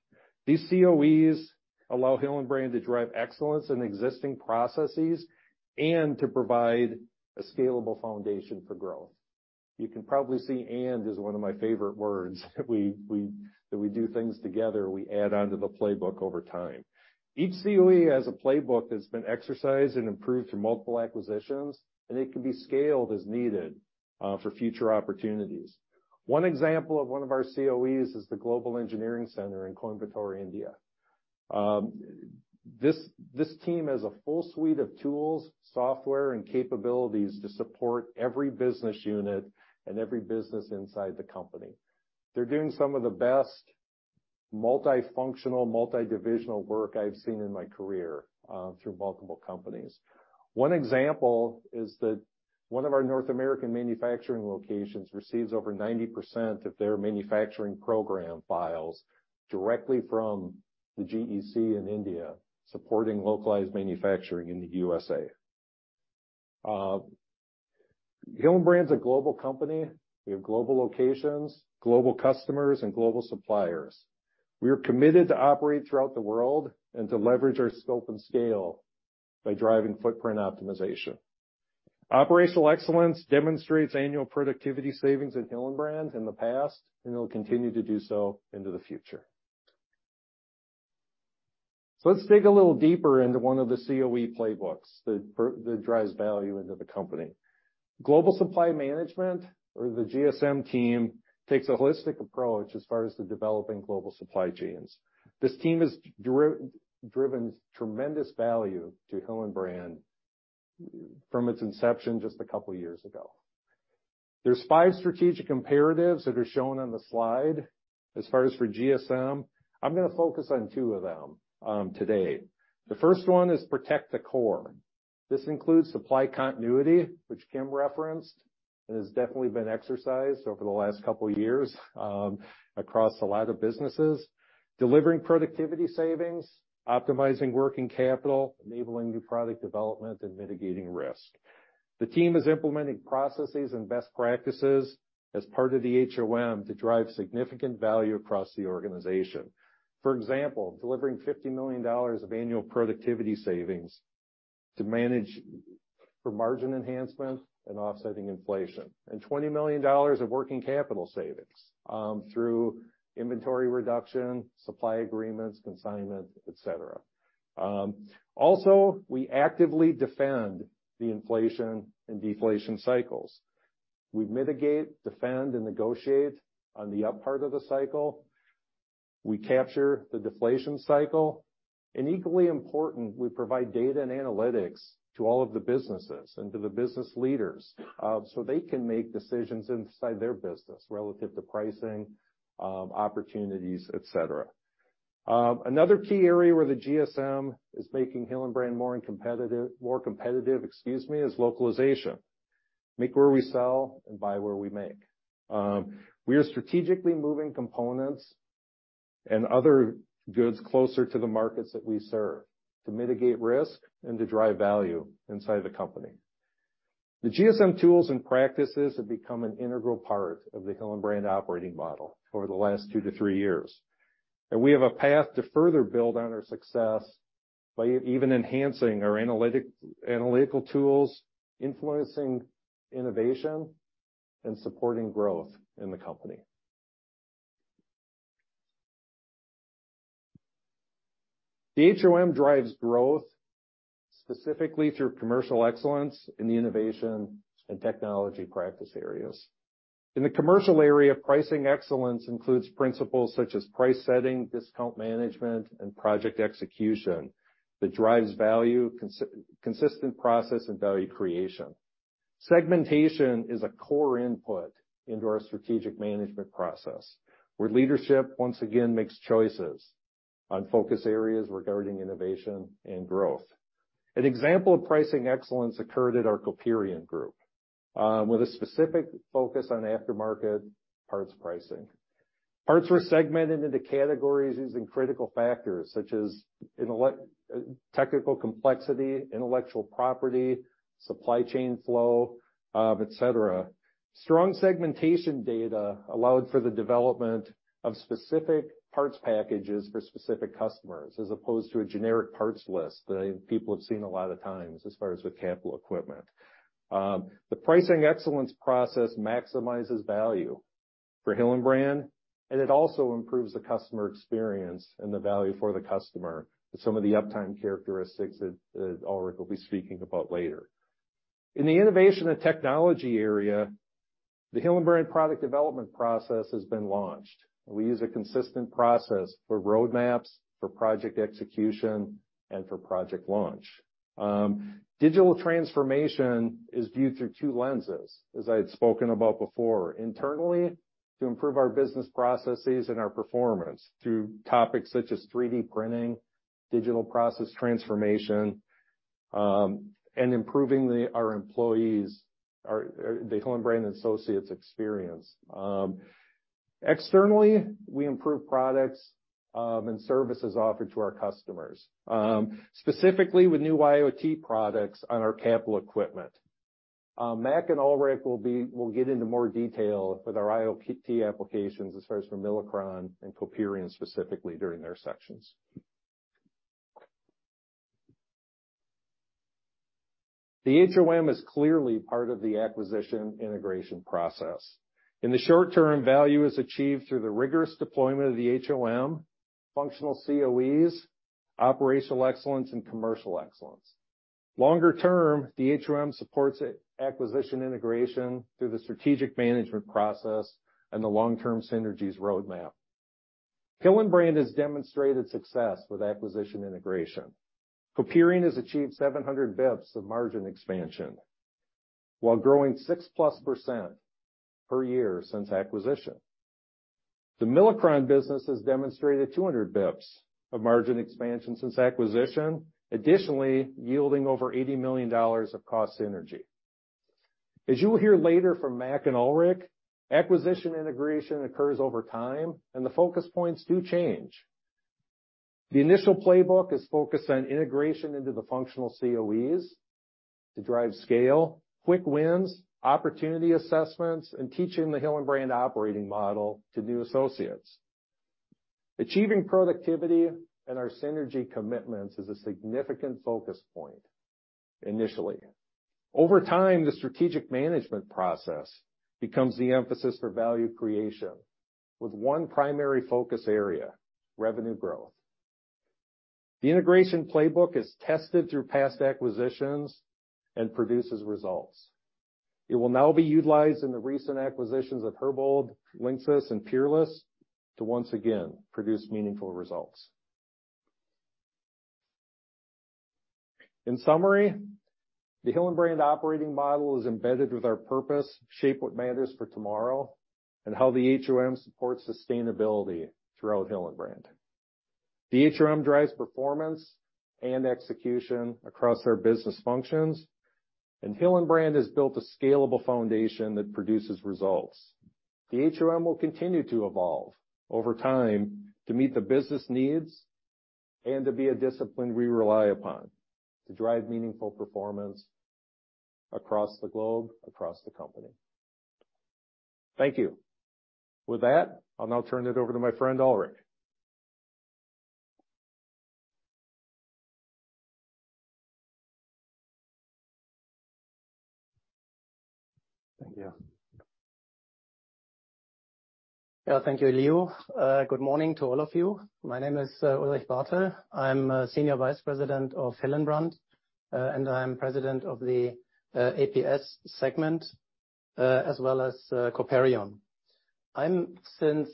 These COEs allow Hillenbrand to drive excellence in existing processes and to provide a scalable foundation for growth. You can probably see "and" is one of my favorite words we that we do things together, we add on to the playbook over time. Each COE has a playbook that's been exercised and improved through multiple acquisitions. It can be scaled as needed for future opportunities. One example of one of our COEs is the Global Engineering Center in Coimbatore, India. This team has a full suite of tools, software, and capabilities to support every business unit and every business inside the company. They're doing some of the best multifunctional, multidivisional work I've seen in my career through multiple companies. One example is that one of our North American manufacturing locations receives over 90% of their manufacturing program files directly from the GEC in India, supporting localized manufacturing in the U.S.A. Hillenbrand's a global company. We have global locations, global customers, and global suppliers. We are committed to operate throughout the world and to leverage our scope and scale by driving footprint optimization. Operational excellence demonstrates annual productivity savings at Hillenbrand in the past, and it'll continue to do so into the future. Let's dig a little deeper into one of the COE playbooks that drives value into the company. Global supply management, or the GSM team, takes a holistic approach as far as the developing global supply chains. This team has driven tremendous value to Hillenbrand from its inception just a couple years ago. There's five strategic imperatives that are shown on the slide as far as for GSM. I'm gonna focus on two of them today. The first one is protect the core. This includes supply continuity, which Kim referenced, and has definitely been exercised over the last couple years across a lot of businesses. Delivering productivity savings, optimizing working capital, enabling new product development, and mitigating risk. The team is implementing processes and best practices as part of the HOM to drive significant value across the organization. For example, delivering $50 million of annual productivity savings to manage for margin enhancement and offsetting inflation, and $20 million of working capital savings, through inventory reduction, supply agreements, consignment, et cetera. Also, we actively defend the inflation and deflation cycles. We mitigate, defend, and negotiate on the up part of the cycle. We capture the deflation cycle, and equally important, we provide data and analytics to all of the businesses and to the business leaders, so they can make decisions inside their business relative to pricing, opportunities, et cetera. Another key area where the GSM is making Hillenbrand more competitive, excuse me, is localization. Make where we sell and buy where we make. We are strategically moving components and other goods closer to the markets that we serve to mitigate risk and to drive value inside the company. The GSM tools and practices have become an integral part of the Hillenbrand operating model over the last two to three years. We have a path to further build on our success by even enhancing our analytical tools, influencing innovation, and supporting growth in the company. The HOM drives growth specifically through commercial excellence in the innovation and technology practice areas. In the commercial area, pricing excellence includes principles such as price setting, discount management, and project execution that drives value, consistent process, and value creation. Segmentation is a core input into our strategic management process, where leadership, once again, makes choices on focus areas regarding innovation and growth. An example of pricing excellence occurred at our Coperion group with a specific focus on aftermarket parts pricing. Parts were segmented into categories using critical factors such as technical complexity, intellectual property, supply chain flow, et cetera. Strong segmentation data allowed for the development of specific parts packages for specific customers, as opposed to a generic parts list that people have seen a lot of times as far as with capital equipment. The pricing excellence process maximizes value for Hillenbrand, and it also improves the customer experience and the value for the customer with some of the uptime characteristics that Ulrich will be speaking about later. In the innovation and technology area, the Hillenbrand product development process has been launched. We use a consistent process for roadmaps, for project execution, and for project launch. Digital transformation is viewed through two lenses, as I had spoken about before. Internally, to improve our business processes and our performance through topics such as 3D printing, digital process transformation, and improving our employees' or the Hillenbrand associates' experience. Externally, we improve products and services offered to our customers, specifically with new IoT products on our capital equipment. Mac and Ulrich will get into more detail with our IIoT applications as far as for Milacron and Coperion specifically during their sections. The HOM is clearly part of the acquisition integration process. In the short term, value is achieved through the rigorous deployment of the HOM, functional COEs, operational excellence, and commercial excellence. Longer term, the HOM supports acquisition integration through the strategic management process and the long-term synergies roadmap. Hillenbrand has demonstrated success with acquisition integration. Coperion has achieved 700 basis points of margin expansion while growing 6%+ per year since acquisition. The Milacron business has demonstrated 200 basis points of margin expansion since acquisition. Yielding over $80 million of cost synergy. As you will hear later from Mac and Ulrich, acquisition integration occurs over time, and the focus points do change. The initial playbook is focused on integration into the functional COEs to drive scale, quick wins, opportunity assessments, and teaching the Hillenbrand operating model to new associates. Achieving productivity and our synergy commitments is a significant focus point initially. Over time, the strategic management process becomes the emphasis for value creation, with one primary focus area, revenue growth. The integration playbook is tested through past acquisitions and produces results. It will now be utilized in the recent acquisitions of Herbold, LINXIS, and Peerless to once again produce meaningful results. In summary, the Hillenbrand operating model is embedded with our purpose, Shape What Matters For Tomorrow, and how the HOM supports sustainability throughout Hillenbrand. The HOM drives performance and execution across our business functions, and Hillenbrand has built a scalable foundation that produces results. The HOM will continue to evolve over time to meet the business needs and to be a discipline we rely upon to drive meaningful performance across the globe, across the company. Thank you. With that, I'll now turn it over to my friend, Ulrich. Thank you. Yeah, thank you, Leo. Good morning to all of you. My name is Ulrich Bartel. I'm Senior Vice President of Hillenbrand, and I'm President of the APS segment, as well as Coperion. I'm since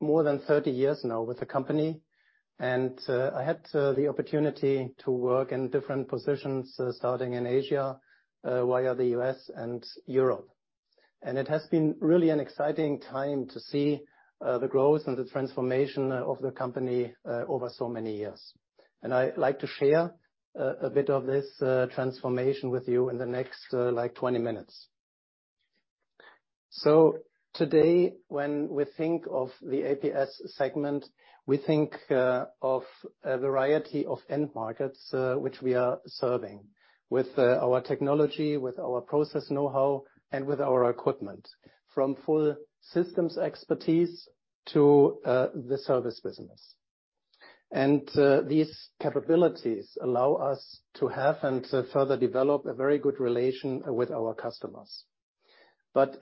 more than 30 years now with the company, and I had the opportunity to work in different positions, starting in Asia, via the U.S. and Europe. It has been really an exciting time to see the growth and the transformation of the company over so many years. I'd like to share a bit of this transformation with you in the next like 20 minutes. Today, when we think of the APS segment, we think of a variety of end markets, which we are serving with our technology, with our process know-how, and with our equipment. From full systems expertise to the service business. These capabilities allow us to have and to further develop a very good relation with our customers.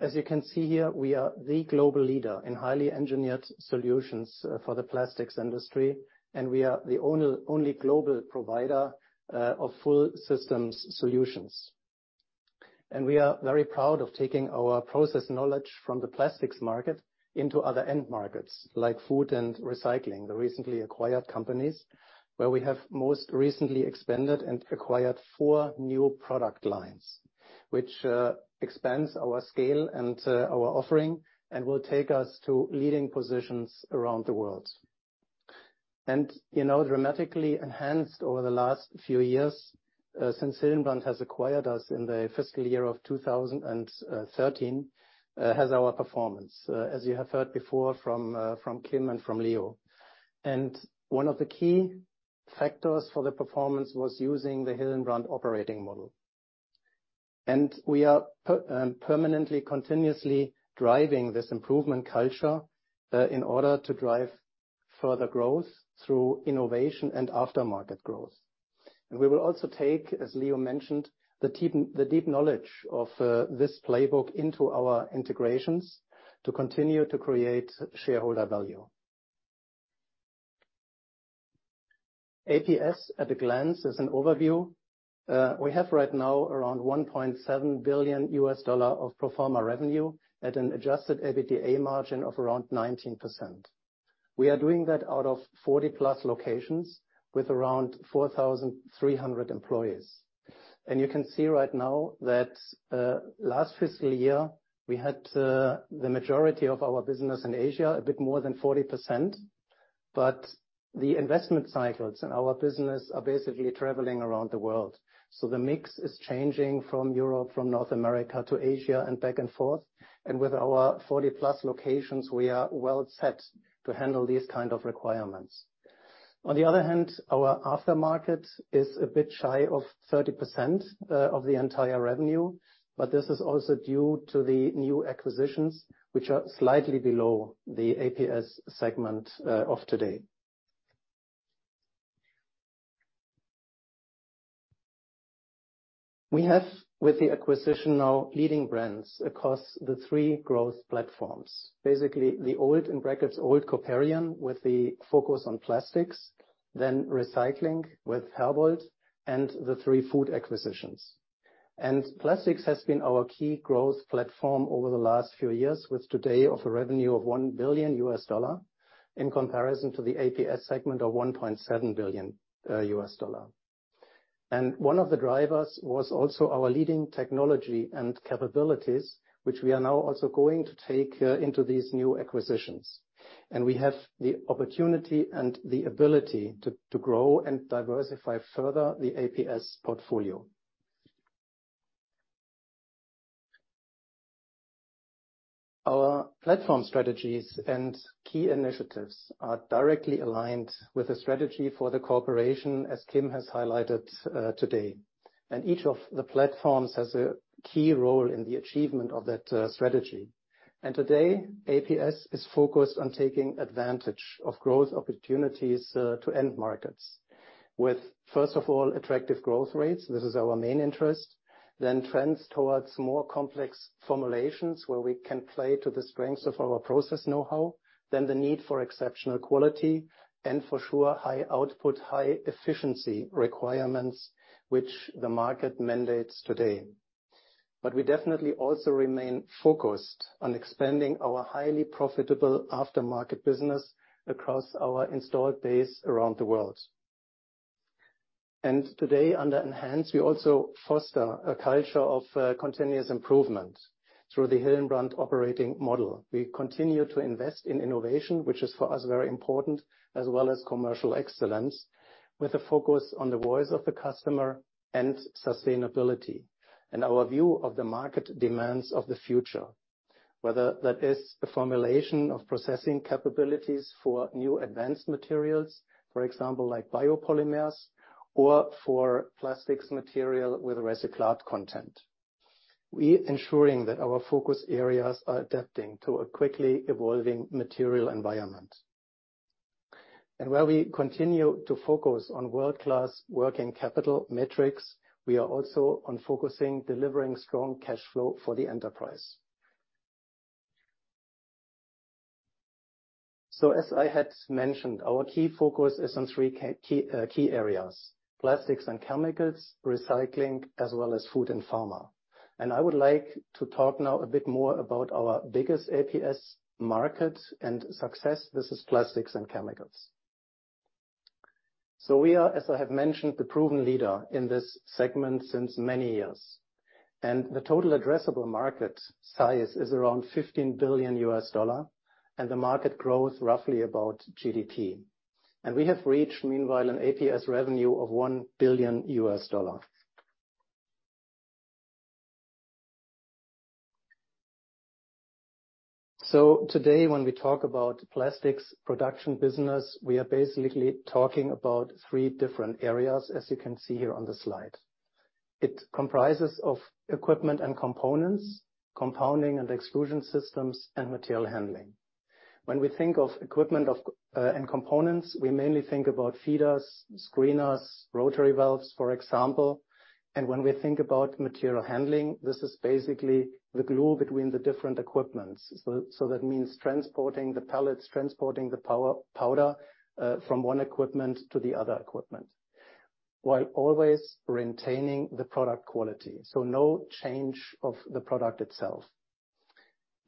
As you can see here, we are the global leader in highly engineered solutions for the plastics industry, and we are the only global provider of full systems solutions. We are very proud of taking our process knowledge from the plastics market into other end markets, like food and recycling, the recently acquired companies, where we have most recently expanded and acquired four new product lines, which expands our scale and our offering and will take us to leading positions around the world. You know, dramatically enhanced over the last few years since Hillenbrand has acquired us in the fiscal year of 2013 has our performance as you have heard before from Kim and from Leo. One of the key factors for the performance was using the Hillenbrand operating model. We are permanently, continuously driving this improvement culture in order to drive further growth through innovation and aftermarket growth. We will also take, as Leo mentioned, the deep knowledge of this playbook into our integrations to continue to create shareholder value. APS at a glance is an overview. We have right now around $1.7 billion of pro forma revenue at an adjusted EBITDA margin of around 19%. We are doing that out of 40+ locations with around 4,300 employees. You can see right now that last fiscal year we had the majority of our business in Asia, a bit more than 40%. The investment cycles in our business are basically traveling around the world. The mix is changing from Europe, from North America to Asia and back and forth. With our 40+ locations we are well set to handle these kind of requirements. On the other hand, our aftermarket is a bit shy of 30%, of the entire revenue. This is also due to the new acquisitions, which are slightly below the APS segment, of today. We have, with the acquisition now, leading brands across the three growth platforms. Basically the old, in brackets, old Coperion with the focus on plastics, then recycling with Herbold, and the three food acquisitions. Plastics has been our key growth platform over the last few years, with today of a revenue of $1 billion in comparison to the APS segment of $1.7 billion. One of the drivers was also our leading technology and capabilities, which we are now also going to take into these new acquisitions. We have the opportunity and the ability to grow and diversify further the APS portfolio. Our platform strategies and key initiatives are directly aligned with the strategy for the corporation, as Kim has highlighted today. Each of the platforms has a key role in the achievement of that strategy. Today, APS is focused on taking advantage of growth opportunities to end markets with, first of all, attractive growth rates, this is our main interest. Trends towards more complex formulations, where we can play to the strengths of our process know-how. The need for exceptional quality. For sure, high output, high efficiency requirements which the market mandates today. We definitely also remain focused on expanding our highly profitable aftermarket business across our installed base around the world. Today under Enhance we also foster a culture of continuous improvement through the Hillenbrand operating model. We continue to invest in innovation, which is for us very important, as well as commercial excellence, with a focus on the voice of the customer and sustainability. Our view of the market demands of the future, whether that is the formulation of processing capabilities for new advanced materials, for example, like biopolymers or for plastics material with recycled content. We ensuring that our focus areas are adapting to a quickly evolving material environment. While we continue to focus on world-class working capital metrics, we are also on focusing delivering strong cash flow for the enterprise. As I had mentioned, our key focus is on three key areas, plastics and chemicals, recycling, as well as food and pharma. I would like to talk now a bit more about our biggest APS market and success. This is plastics and chemicals. We are, as I have mentioned, the proven leader in this segment since many years, and the total addressable market size is around $15 billion and the market grows roughly about GDP. We have reached meanwhile an APS revenue of $1 billion. Today when we talk about plastics production business, we are basically talking about three different areas, as you can see here on the slide. It comprises of equipment and components, compounding and extrusion systems and material handling. When we think of equipment and components, we mainly think about feeders, screeners, rotary valves, for example. When we think about material handling, this is basically the glue between the different equipments. That means transporting the pellets, transporting the powder from one equipment to the other equipment, while always retaining the product quality. No change of the product itself.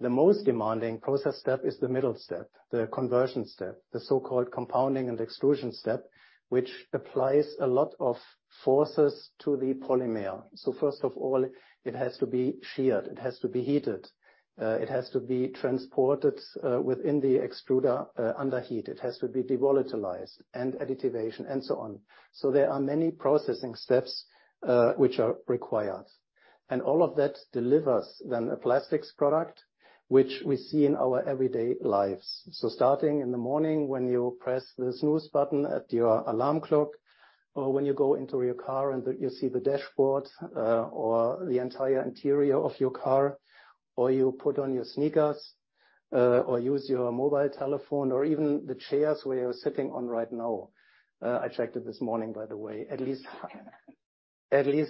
The most demanding process step is the middle step, the conversion step, the so-called compounding and extrusion step, which applies a lot of forces to the polymer. First of all, it has to be sheared, it has to be heated, it has to be transported within the extruder under heat. It has to be devolatilized and additivation and so on. There are many processing steps which are required. All of that delivers then a plastics product which we see in our everyday lives. Starting in the morning when you press the snooze button at your alarm clock, or when you go into your car and you see the dashboard, or the entire interior of your car, or you put on your sneakers, or use your mobile telephone or even the chairs where you're sitting on right now. I checked it this morning, by the way. At least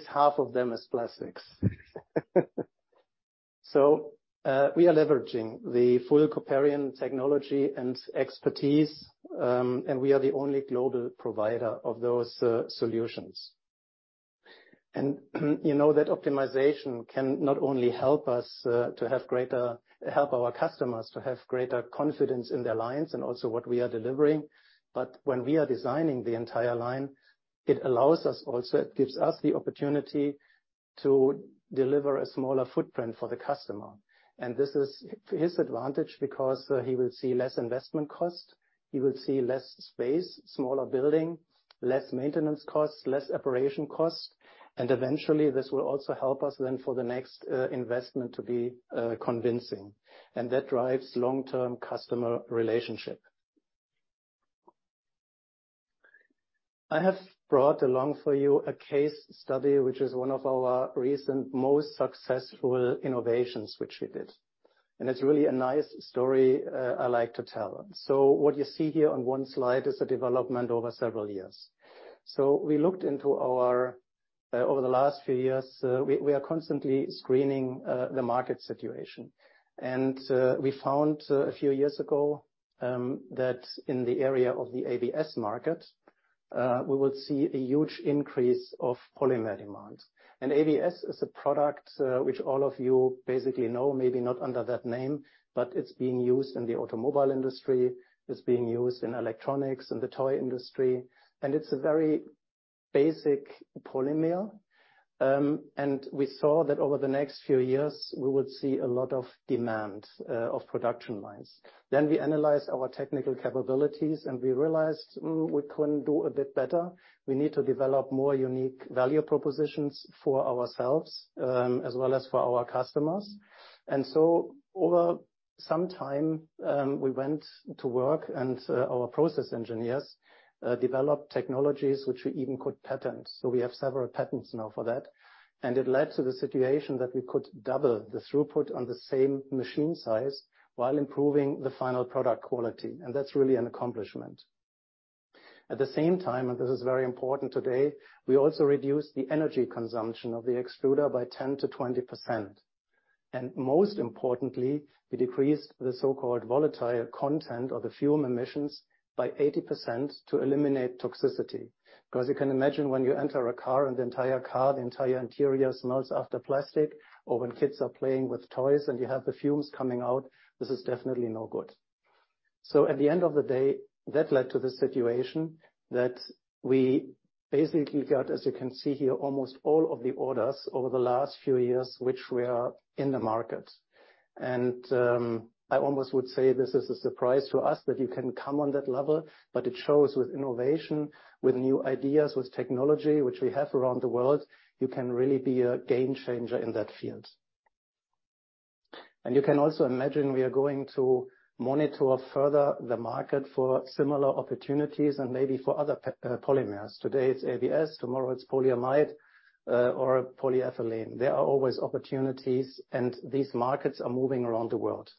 half of them is plastics. We are leveraging the full Coperion technology and expertise, and we are the only global provider of those solutions. You know that optimization can not only help our customers to have greater confidence in their lines and also what we are delivering. When we are designing the entire line, it allows us also, it gives us the opportunity to deliver a smaller footprint for the customer. This is his advantage because he will see less investment cost, he will see less space, smaller building, less maintenance costs, less operation costs, and eventually this will also help us then for the next investment to be convincing. That drives long-term customer relationship. I have brought along for you a case study, which is one of our recent most successful innovations which we did. It's really a nice story I like to tell. What you see here on one slide is a development over several years. We looked into our over the last few years, we are constantly screening the market situation. We found a few years ago that in the area of the ABS market, we would see a huge increase of polymer demand. ABS is a product which all of you basically know, maybe not under that name, but it's being used in the automobile industry, it's being used in electronics and the toy industry, and it's a very basic polymer. We saw that over the next few years we would see a lot of demand of production lines. We analyzed our technical capabilities and we realized we can do a bit better. We need to develop more unique value propositions for ourselves as well as for our customers. Over some time, we went to work and our process engineers developed technologies which we even could patent. We have several patents now for that. It led to the situation that we could double the throughput on the same machine size while improving the final product quality. That's really an accomplishment. At the same time, and this is very important today, we also reduced the energy consumption of the extruder by 10%-20%. Most importantly, we decreased the so-called volatile content of the fume emissions by 80% to eliminate toxicity. Because you can imagine when you enter a car and the entire car, the entire interior smells after plastic, or when kids are playing with toys and you have the fumes coming out, this is definitely no good. At the end of the day, that led to the situation that we basically got, as you can see here, almost all of the orders over the last few years, which were in the market. I almost would say this is a surprise to us that you can come on that level, but it shows with innovation, with new ideas, with technology, which we have around the world, you can really be a game changer in that field. You can also imagine we are going to monitor further the market for similar opportunities and maybe for other polymers. Today it's ABS, tomorrow it's polyamide or polyethylene. There are always opportunities, and these markets are moving around the world.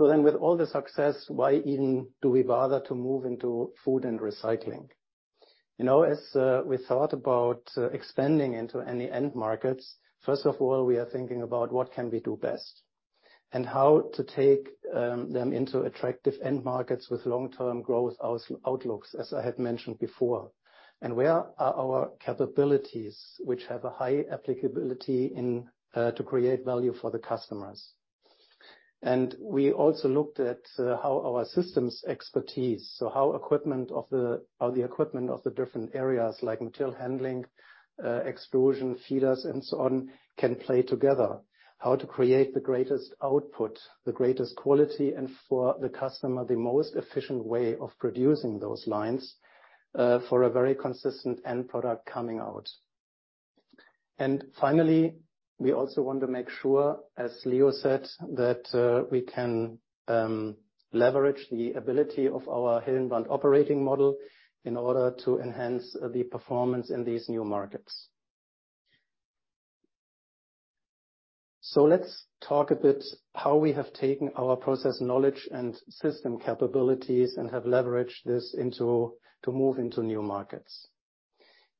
With all the success, why even do we bother to move into food and recycling? You know, as we thought about expanding into any end markets, first of all, we are thinking about what can we do best, and how to take them into attractive end markets with long-term growth outlooks, as I had mentioned before. Where are our capabilities which have a high applicability in to create value for the customers. We also looked at how our systems expertise, so how equipment of the different areas like material handling, extrusion, feeders and so on, can play together. How to create the greatest output, the greatest quality, and for the customer, the most efficient way of producing those lines for a very consistent end product coming out. Finally, we also want to make sure, as Leo said, that we can leverage the ability of our Hillenbrand operating model in order to enhance the performance in these new markets. Let's talk a bit how we have taken our process knowledge and system capabilities and have leveraged this to move into new markets.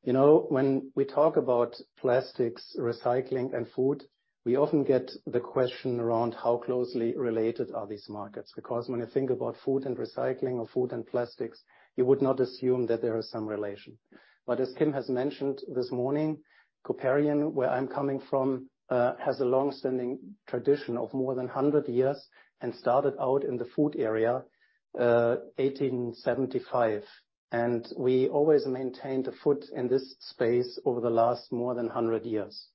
You know, when we talk about plastics, recycling and food, we often get the question around how closely related are these markets. When you think about food and recycling or food and plastics, you would not assume that there is some relation. As Kim has mentioned this morning, Coperion, where I'm coming from, has a long-standing tradition of more than 100 years and started out in the food area, 1875. We always maintained a foot in this space over the last more than 100 years.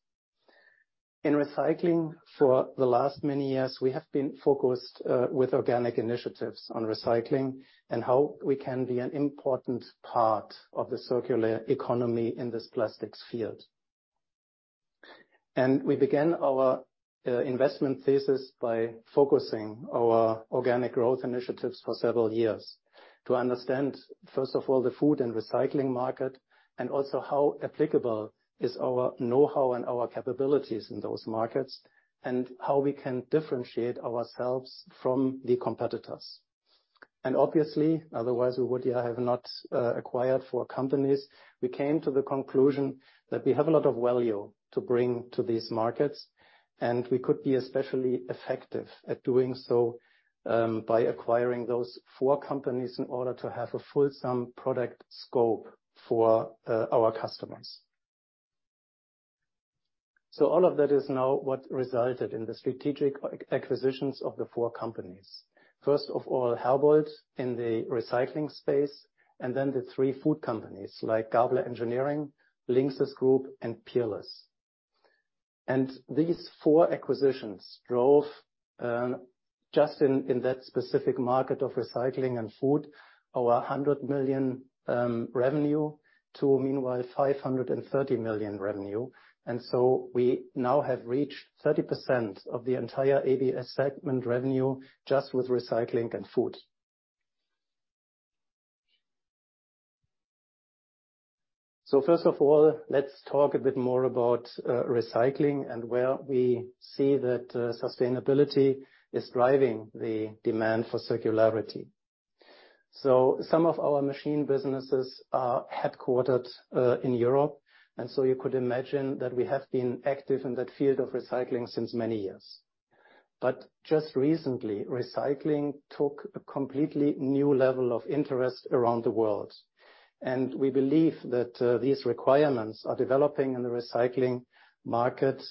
In recycling for the last many years, we have been focused with organic initiatives on recycling and how we can be an important part of the circular economy in this plastics field. We began our investment thesis by focusing our organic growth initiatives for several years to understand, first of all, the food and recycling market, and also how applicable is our know-how and our capabilities in those markets, and how we can differentiate ourselves from the competitors. Obviously, otherwise we would have not acquired four companies. We came to the conclusion that we have a lot of value to bring to these markets, we could be especially effective at doing so by acquiring those four companies in order to have a full sum product scope for our customers. All of that is now what resulted in the strategic acquisitions of the four companies. First of all, Herbold in the recycling space then the three food companies like Gabler Engineering, LINXIS Group and Peerless. These four acquisitions drove just in that specific market of recycling and food, our $100 million revenue to meanwhile $530 million revenue. We now have reached 30% of the entire APS segment revenue just with recycling and food. First of all, let's talk a bit more about recycling and where we see that sustainability is driving the demand for circularity. Some of our machine businesses are headquartered in Europe. You could imagine that we have been active in that field of recycling since many years. Just recently, recycling took a completely new level of interest around the world. We believe that these requirements are developing in the recycling market,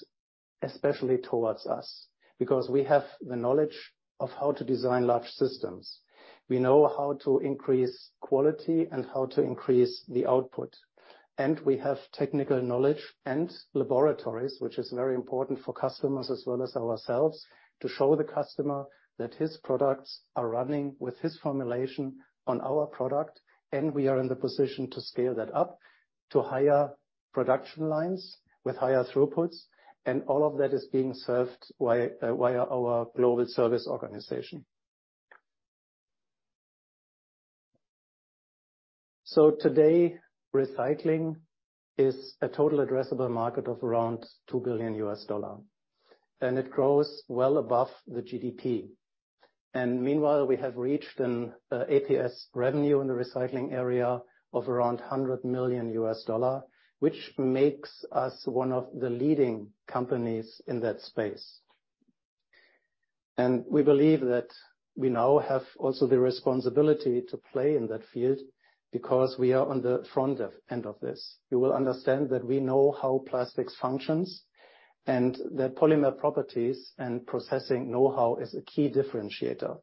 especially towards us, because we have the knowledge of how to design large systems. We know how to increase quality and how to increase the output. We have technical knowledge and laboratories, which is very important for customers as well as ourselves, to show the customer that his products are running with his formulation on our product. We are in the position to scale that up to higher production lines with higher throughputs. All of that is being served by our global service organization. Today, recycling is a total addressable market of around $2 billion, and it grows well above the GDP. Meanwhile, we have reached an APS revenue in the recycling area of around $100 million, which makes us one of the leading companies in that space. We believe that we now have also the responsibility to play in that field because we are on the front end of this. You will understand that we know how plastics functions and that polymer properties and processing know-how is a key differentiator.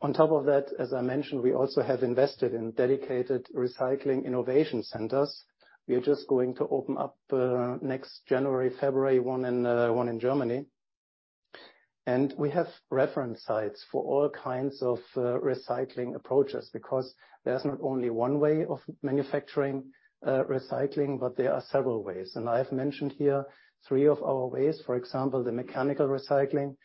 On top of that, as I mentioned, we also have invested in dedicated recycling innovation centers. We are just going to open up next January, February, one in Germany. We have reference sites for all kinds of recycling approaches because there's not only one way of manufacturing recycling, but there are several ways. I have mentioned here three of our ways. For example, the mechanical recycling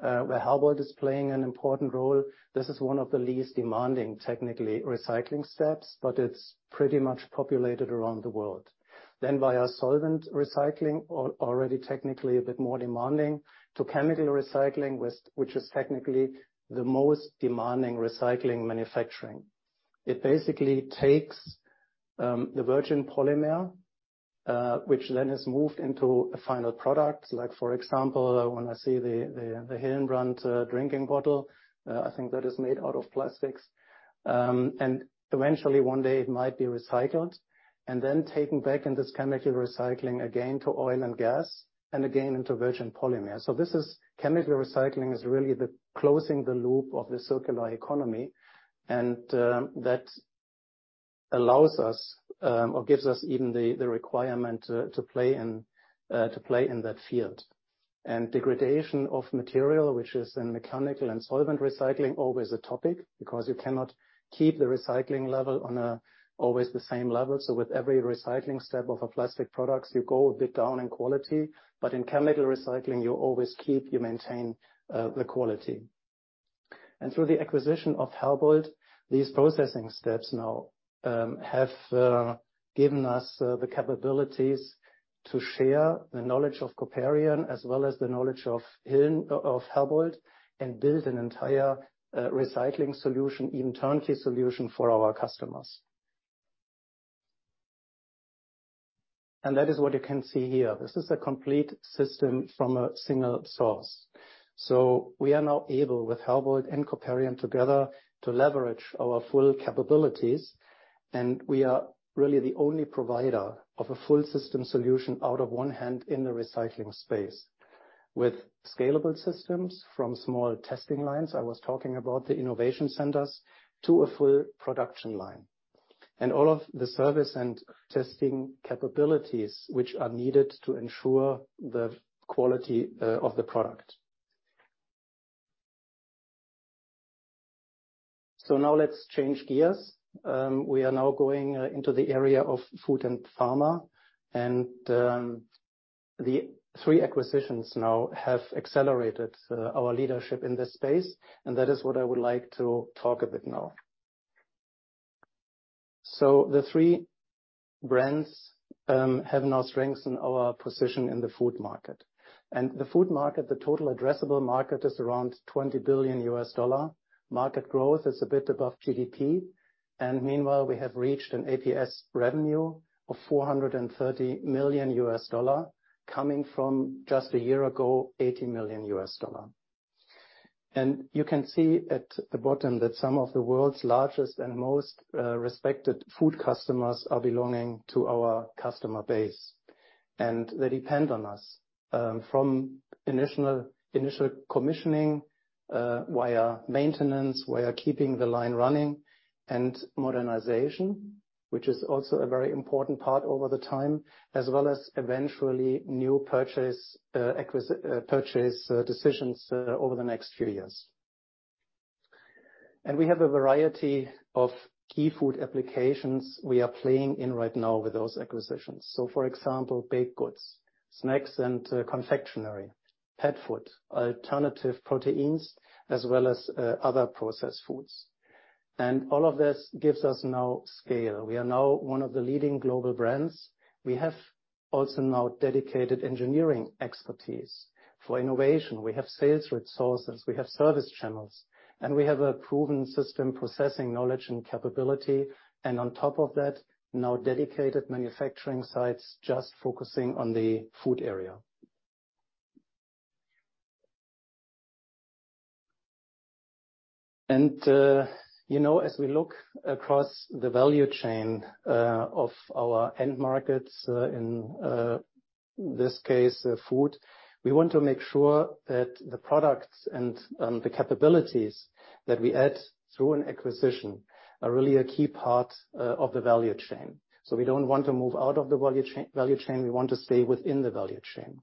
where Herbold is playing an important role. This is one of the least demanding, technically, recycling steps, but it's pretty much populated around the world. Via solvent recycling, already technically a bit more demanding, to chemical recycling which is technically the most demanding recycling manufacturing. It basically takes the virgin polymer which then is moved into a final product. Like, for example, when I see the Hillenbrand drinking bottle, I think that is made out of plastics. Eventually one day it might be recycled and then taken back in this chemical recycling again to oil and gas and again into virgin polymer. Chemical recycling is really the closing the loop of the circular economy, and that allows us, or gives us even the requirement to play in that field. Degradation of material, which is in mechanical and solvent recycling, always a topic because you cannot keep the recycling level on, always the same level. With every recycling step of a plastic products, you go a bit down in quality. In chemical recycling, you always keep, maintain, the quality. Through the acquisition of Herbold, these processing steps now have given us the capabilities to share the knowledge of Coperion as well as the knowledge of Herbold and build an entire recycling solution, even turnkey solution for our customers. That is what you can see here. This is a complete system from a single source. We are now able, with Herbold and Coperion together, to leverage our full capabilities. We are really the only provider of a full system solution out of one hand in the recycling space with scalable systems from small testing lines, I was talking about the innovation centers, to a full production line, and all of the service and testing capabilities which are needed to ensure the quality of the product. Now let's change gears. We are now going into the area of food and pharma, and the three acquisitions now have accelerated our leadership in this space, and that is what I would like to talk a bit now. The three brands have now strengthened our position in the food market. The food market, the total addressable market is around $20 billion. Market growth is a bit above GDP. Meanwhile, we have reached an APS revenue of $430 million, coming from just a year ago, $80 million. You can see at the bottom that some of the world's largest and most respected food customers are belonging to our customer base. They depend on us from initial commissioning via maintenance, via keeping the line running and modernization, which is also a very important part over the time, as well as eventually new purchase decisions over the next few years. We have a variety of key food applications we are playing in right now with those acquisitions. For example, baked goods, snacks and confectionery, pet food, alternative proteins, as well as other processed foods. All of this gives us now scale. We are now one of the leading global brands. We have also now dedicated engineering expertise. For innovation, we have sales resources, we have service channels, and we have a proven system processing knowledge and capability. On top of that, now dedicated manufacturing sites just focusing on the food area. You know, as we look across the value chain of our end markets, in this case, food, we want to make sure that the products and the capabilities that we add through an acquisition are really a key part of the value chain. We don't want to move out of the value chain, we want to stay within the value chain.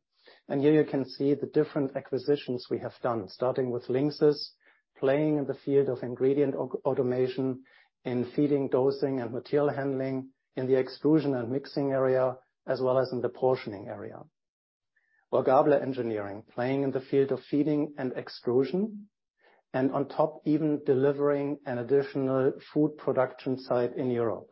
Here you can see the different acquisitions we have done. Starting with LINXIS, playing in the field of ingredient automation in feeding, dosing, and material handling, in the extrusion and mixing area, as well as in the portioning area. Gabler Engineering, playing in the field of feeding and extrusion, and on top even delivering an additional food production site in Europe.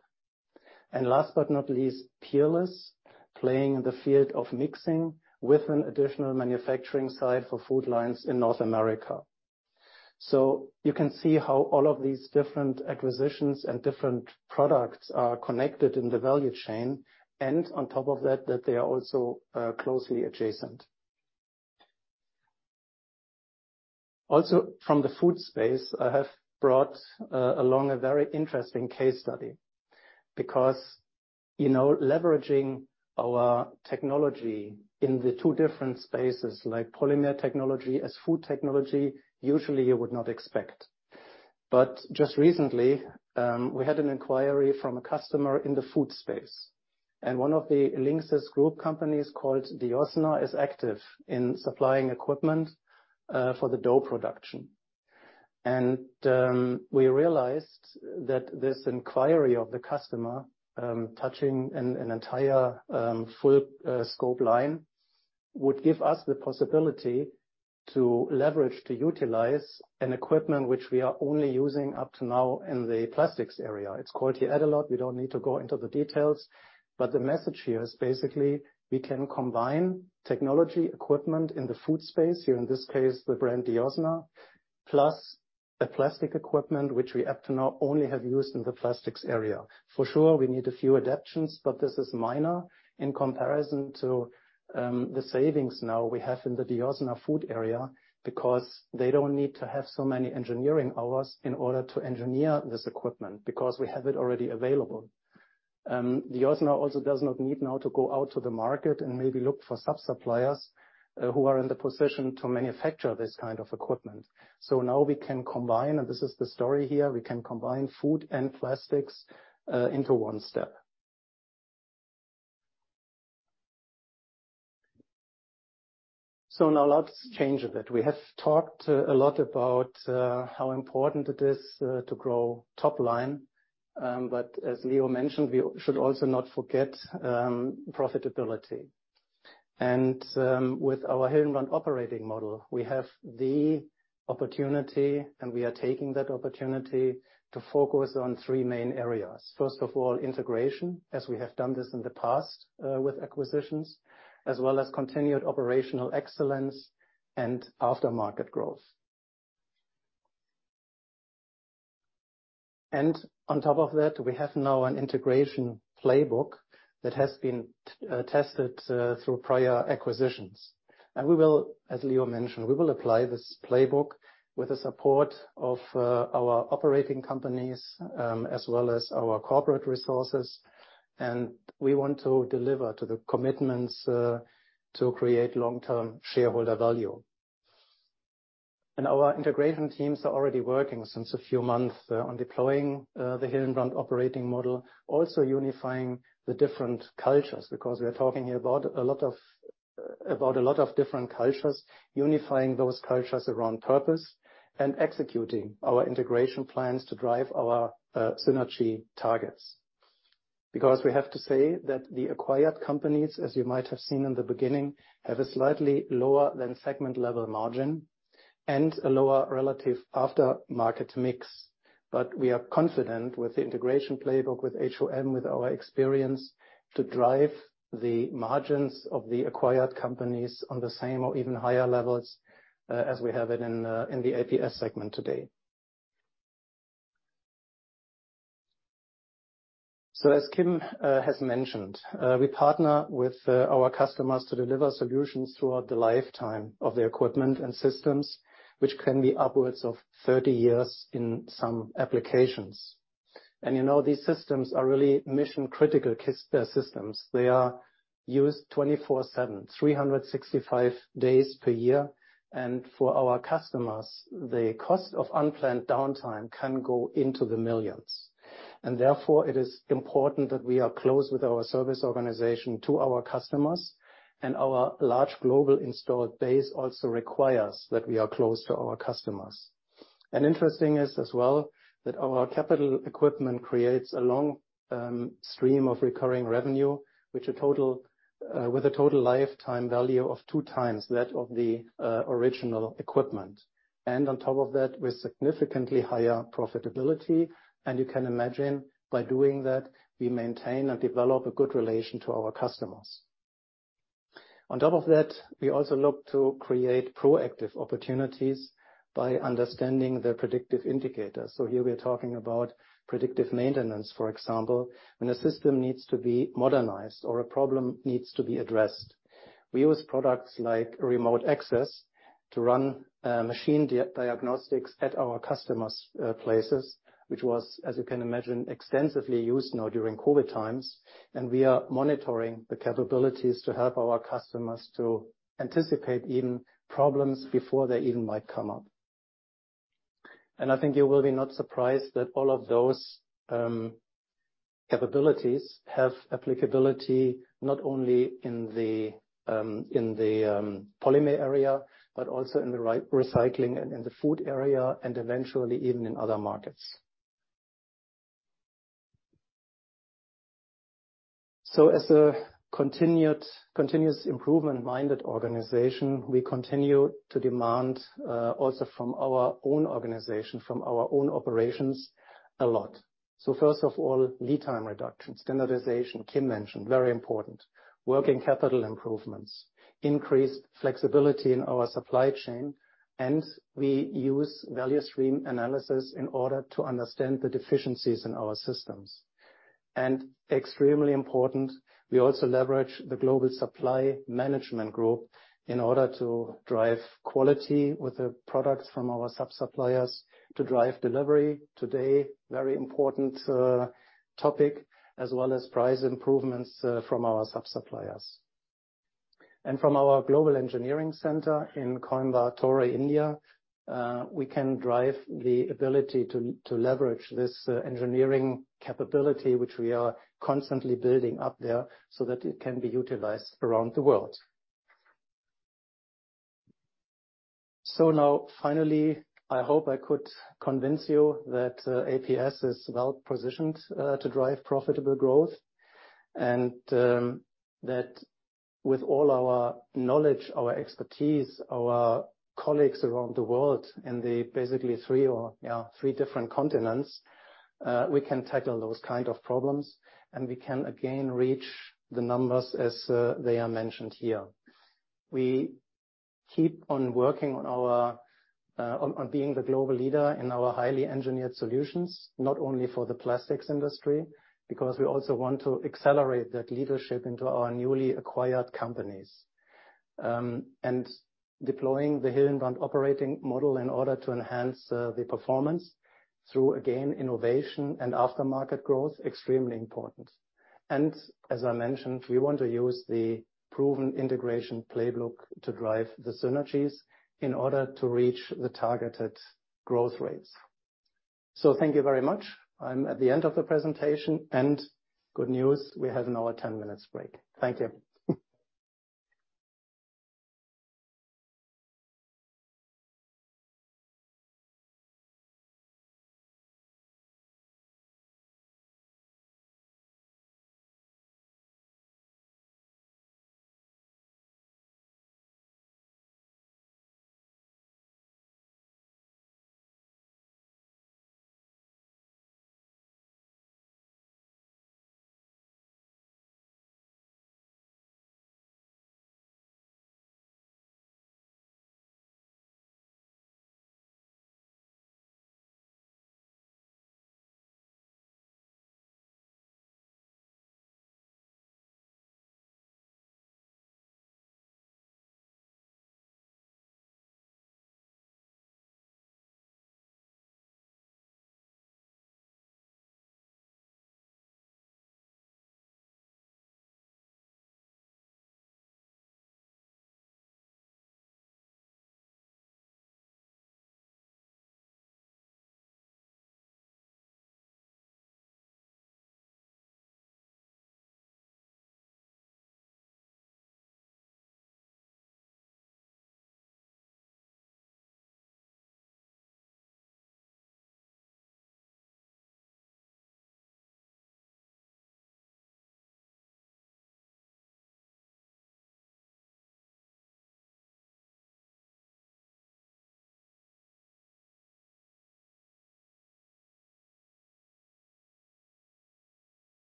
Last but not least, Peerless, playing in the field of mixing with an additional manufacturing site for food lines in North America. You can see how all of these different acquisitions and different products are connected in the value chain, and on top of that they are also closely adjacent. From the food space, I have brought along a very interesting case study because, you know, leveraging our technology in the two different spaces like polymer technology as food technology, usually you would not expect. Just recently, we had an inquiry from a customer in the food space, and one of the LINXIS Group companies called DIOSNA is active in supplying equipment for the dough production. We realized that this inquiry of the customer, touching an entire full scope line, would give us the possibility to leverage, to utilize an equipment which we are only using up to now in the plastics area. It's called the [Adalot. We don't need to go into the details. The message here is basically we can combine technology equipment in the food space, here in this case, the brand DIOSNA, plus the plastic equipment which we up to now only have used in the plastics area. For sure, we need a few adaptations. This is minor in comparison to the savings now we have in the DIOSNA food area because they don't need to have so many engineering hours in order to engineer this equipment because we have it already available. DIOSNA also does not need now to go out to the market and maybe look for sub-suppliers who are in the position to manufacture this kind of equipment. Now we can combine, and this is the story here, we can combine food and plastics into one step. Now let's change a bit. We have talked a lot about how important it is to grow top line. As Leo mentioned, we should also not forget profitability. With our Hillenbrand operating model, we have the opportunity, and we are taking that opportunity, to focus on three main areas. First of all, integration, as we have done this in the past with acquisitions, as well as continued operational excellence and after-market growth. On top of that, we have now an integration playbook that has been tested through prior acquisitions. We will, as Leo mentioned, we will apply this playbook with the support of our operating companies, as well as our corporate resources, and we want to deliver to the commitments to create long-term shareholder value. Our integration teams are already working since a few months on deploying the Hillenbrand operating model, also unifying the different cultures, because we are talking here about a lot of different cultures, unifying those cultures around purpose and executing our integration plans to drive our synergy targets. We have to say that the acquired companies, as you might have seen in the beginning, have a slightly lower than segment level margin and a lower relative after-market mix. We are confident with the integration playbook with HOM, with our experience, to drive the margins of the acquired companies on the same or even higher levels, as we have it in the APS segment today. As Kim has mentioned, we partner with our customers to deliver solutions throughout the lifetime of the equipment and systems, which can be upwards of 30 years in some applications. You know, these systems are really mission-critical systems. They are used 24/7, 365 days per year. For our customers, the cost of unplanned downtime can go into the $ millions. Therefore, it is important that we are close with our service organization to our customers, and our large global installed base also requires that we are close to our customers. Interesting is as well, that our capital equipment creates a long stream of recurring revenue, which a total with a total lifetime value of 2x that of the original equipment. On top of that, with significantly higher profitability. You can imagine by doing that, we maintain and develop a good relation to our customers. On top of that, we also look to create proactive opportunities by understanding the predictive indicators. Here we are talking about predictive maintenance, for example, when a system needs to be modernized or a problem needs to be addressed. We use products like remote access to run machine diagnostics at our customers' places, which was, as you can imagine, extensively used now during COVID times. We are monitoring the capabilities to help our customers to anticipate even problems before they even might come up. I think you will be not surprised that all of those capabilities have applicability not only in the polymer area, but also in the recycling and in the food area, and eventually even in other markets. As a continuous improvement-minded organization, we continue to demand also from our own organization, from our own operations, a lot. First of all, lead time reduction, standardization, Kim mentioned, very important. Working capital improvements, increased flexibility in our supply chain, and we use value stream analysis in order to understand the deficiencies in our systems. Extremely important, we also leverage the global supply management group in order to drive quality with the products from our sub-suppliers to drive delivery. Today, very important topic, as well as price improvements from our sub-suppliers. From our global engineering center in Coimbatore, India, we can drive the ability to leverage this engineering capability, which we are constantly building up there so that it can be utilized around the world. Now finally, I hope I could convince you that APS is well positioned to drive profitable growth. That with all our knowledge, our expertise, our colleagues around the world in the basically three or, you know, three different continents, we can tackle those kind of problems, and we can again reach the numbers as they are mentioned here. We keep on working on our being the global leader in our highly engineered solutions, not only for the plastics industry, because we also want to accelerate that leadership into our newly acquired companies. Deploying the Hillenbrand operating model in order to enhance the performance through, again, innovation and aftermarket growth, extremely important. As I mentioned, we want to use the proven integration playbook to drive the synergies in order to reach the targeted growth rates. Thank you very much. I'm at the end of the presentation. Good news, we have now a 10 minutes break. Thank you.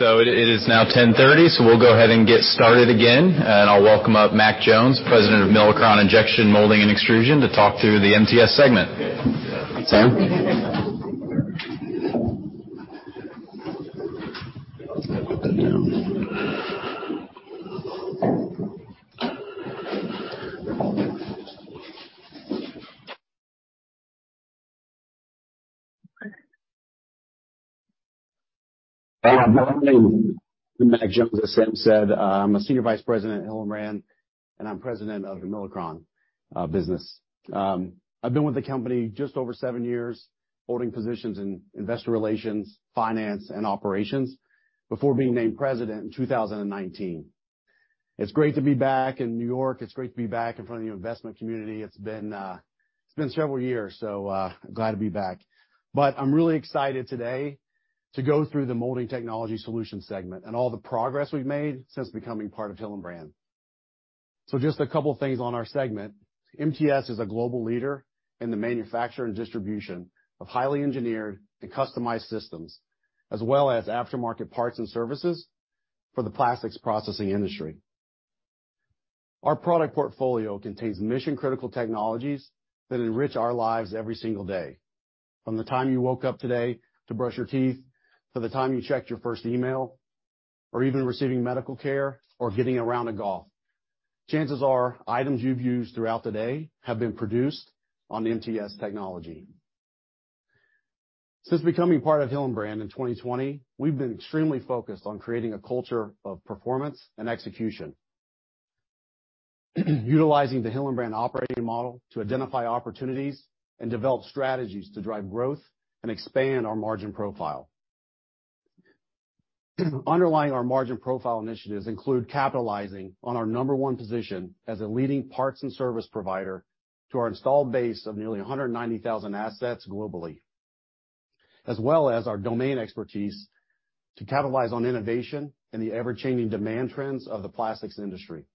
It is now 10:30, we'll go ahead and get started again. I'll welcome up Mac Jones, President of Milacron Injection Molding and Extrusion, to talk through the MTS segment. Sam? I'll put that down. Good morning. Mac Jones, as Sam said. I'm a Senior Vice President at Hillenbrand, and I'm President of the Milacron business. I've been with the company just over seven years, holding positions in Investor Relations, Finance and Operations before being named President in 2019. It's great to be back in New York. It's great to be back in front of the investment community. It's been several years, glad to be back. I'm really excited today to go through the Molding Technology Solutions segment and all the progress we've made since becoming part of Hillenbrand. Just a couple of things on our segment. MTS is a global leader in the manufacture and distribution of highly engineered and customized systems, as well as aftermarket parts and services for the plastics processing industry. Our product portfolio contains mission-critical technologies that enrich our lives every single day. From the time you woke up today to brush your teeth, to the time you checked your first email, or even receiving medical care or getting a round of golf, chances are items you've used throughout the day have been produced on MTS technology. Since becoming part of Hillenbrand in 2020, we've been extremely focused on creating a culture of performance and execution, utilizing the Hillenbrand operating model to identify opportunities and develop strategies to drive growth and expand our margin profile. Underlying our margin profile initiatives include capitalizing on our number one position as a leading parts and service provider to our installed base of nearly 190,000 assets globally. As well as our domain expertise to capitalize on innovation and the ever-changing demand trends of the plastics industry.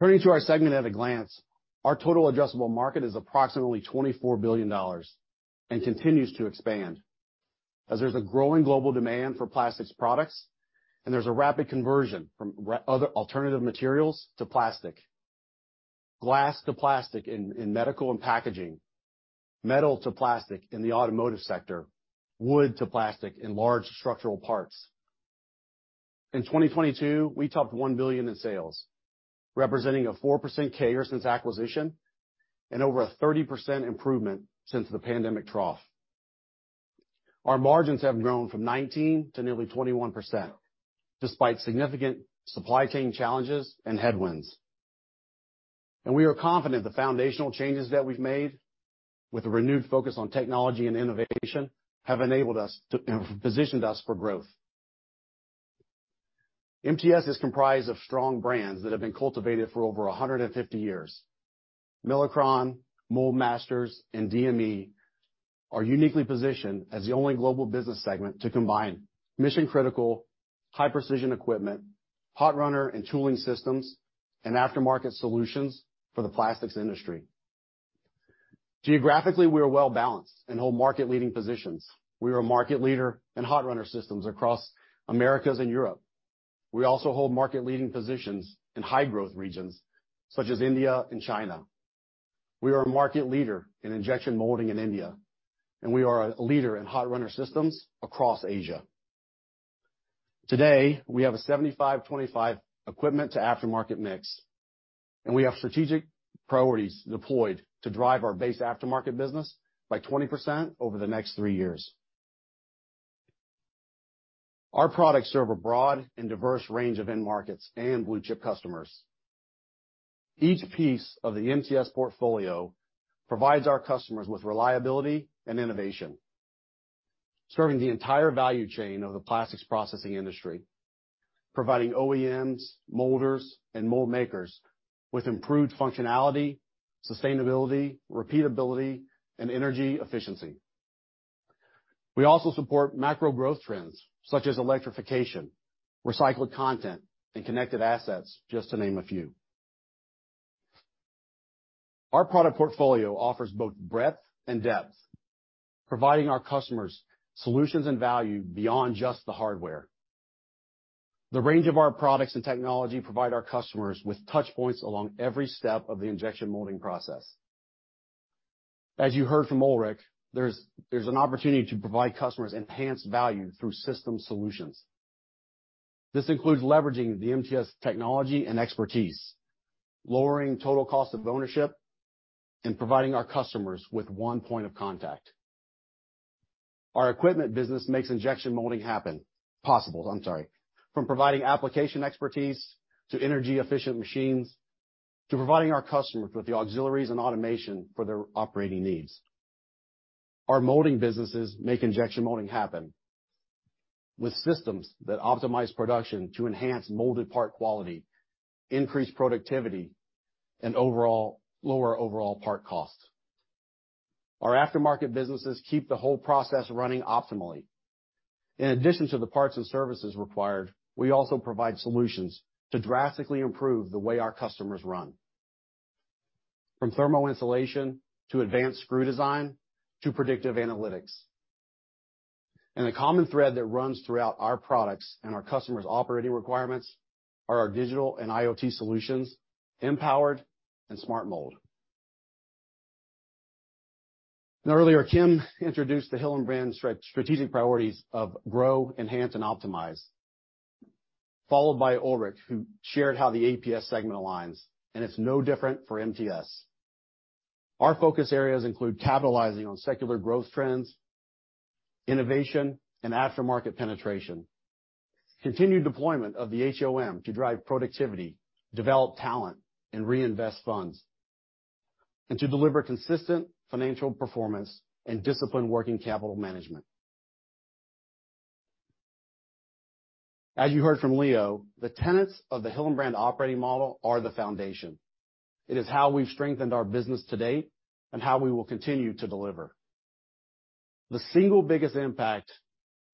Turning to our segment at a glance, our total adjustable market is approximately $24 billion and continues to expand as there's a growing global demand for plastics products, there's a rapid conversion from other alternative materials to plastic. Glass to plastic in medical and packaging, metal to plastic in the automotive sector, wood to plastic in large structural parts. In 2022, we topped $1 billion in sales, representing a 4% CAGR since acquisition and over a 30% improvement since the pandemic trough. Our margins have grown from 19% to nearly 21% despite significant supply chain challenges and headwinds. We are confident the foundational changes that we've made with a renewed focus on technology and innovation have positioned us for growth. MTS is comprised of strong brands that have been cultivated for over 150 years. Milacron, Mold-Masters, and DME are uniquely positioned as the only global business segment to combine mission-critical, high-precision equipment, hot runner and tooling systems, and aftermarket solutions for the plastics industry. Geographically, we are well-balanced and hold market-leading positions. We are a market leader in hot runner systems across Americas and Europe. We also hold market-leading positions in high-growth regions such as India and China. We are a market leader in injection molding in India, and we are a leader in hot runner systems across Asia. Today, we have a 75/25 equipment to aftermarket mix, and we have strategic priorities deployed to drive our base aftermarket business by 20% over the next three years. Our products serve a broad and diverse range of end markets and blue-chip customers. Each piece of the MTS portfolio provides our customers with reliability and innovation, serving the entire value chain of the plastics processing industry, providing OEMs, molders and mold makers with improved functionality, sustainability, repeatability, and energy efficiency. We also support macro growth trends such as electrification, recycled content, and connected assets, just to name a few. Our product portfolio offers both breadth and depth, providing our customers solutions and value beyond just the hardware. The range of our products and technology provide our customers with touch points along every step of the injection molding process. As you heard from Ulrich, there's an opportunity to provide customers enhanced value through system solutions. This includes leveraging the MTS technology and expertise, lowering total cost of ownership, and providing our customers with one point of contact. Our equipment business makes injection molding happen. Possible, I'm sorry. From providing application expertise to energy-efficient machines, to providing our customers with the auxiliaries and automation for their operating needs. Our molding businesses make injection molding happen with systems that optimize production to enhance molded part quality, increase productivity, and lower overall part costs. Our aftermarket businesses keep the whole process running optimally. In addition to the parts and services required, we also provide solutions to drastically improve the way our customers run, from thermal insulation to advanced screw design to predictive analytics. The common thread that runs throughout our products and our customers' operating requirements are our digital and IoT solutions, M-Powered and SmartMOLD. Earlier, Kim introduced the Hillenbrand strategic priorities of grow, enhance and optimize, followed by Ulrich, who shared how the APS segment aligns, and it's no different for MTS. Our focus areas include capitalizing on secular growth trends, innovation and aftermarket penetration, continued deployment of the HOM to drive productivity, develop talent, and reinvest funds, and to deliver consistent financial performance and disciplined working capital management. As you heard from Leo, the tenets of the Hillenbrand operating model are the foundation. It is how we've strengthened our business to date and how we will continue to deliver. The single biggest impact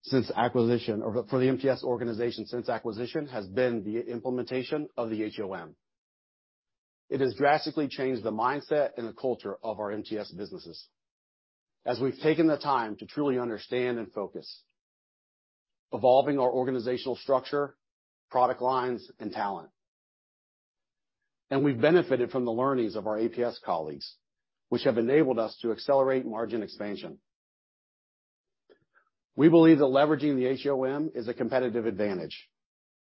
since acquisition or for the MTS organization since acquisition has been the implementation of the HOM. It has drastically changed the mindset and the culture of our MTS businesses as we've taken the time to truly understand and focus, evolving our organizational structure, product lines, and talent. We've benefited from the learnings of our APS colleagues, which have enabled us to accelerate margin expansion. We believe that leveraging the HOM is a competitive advantage,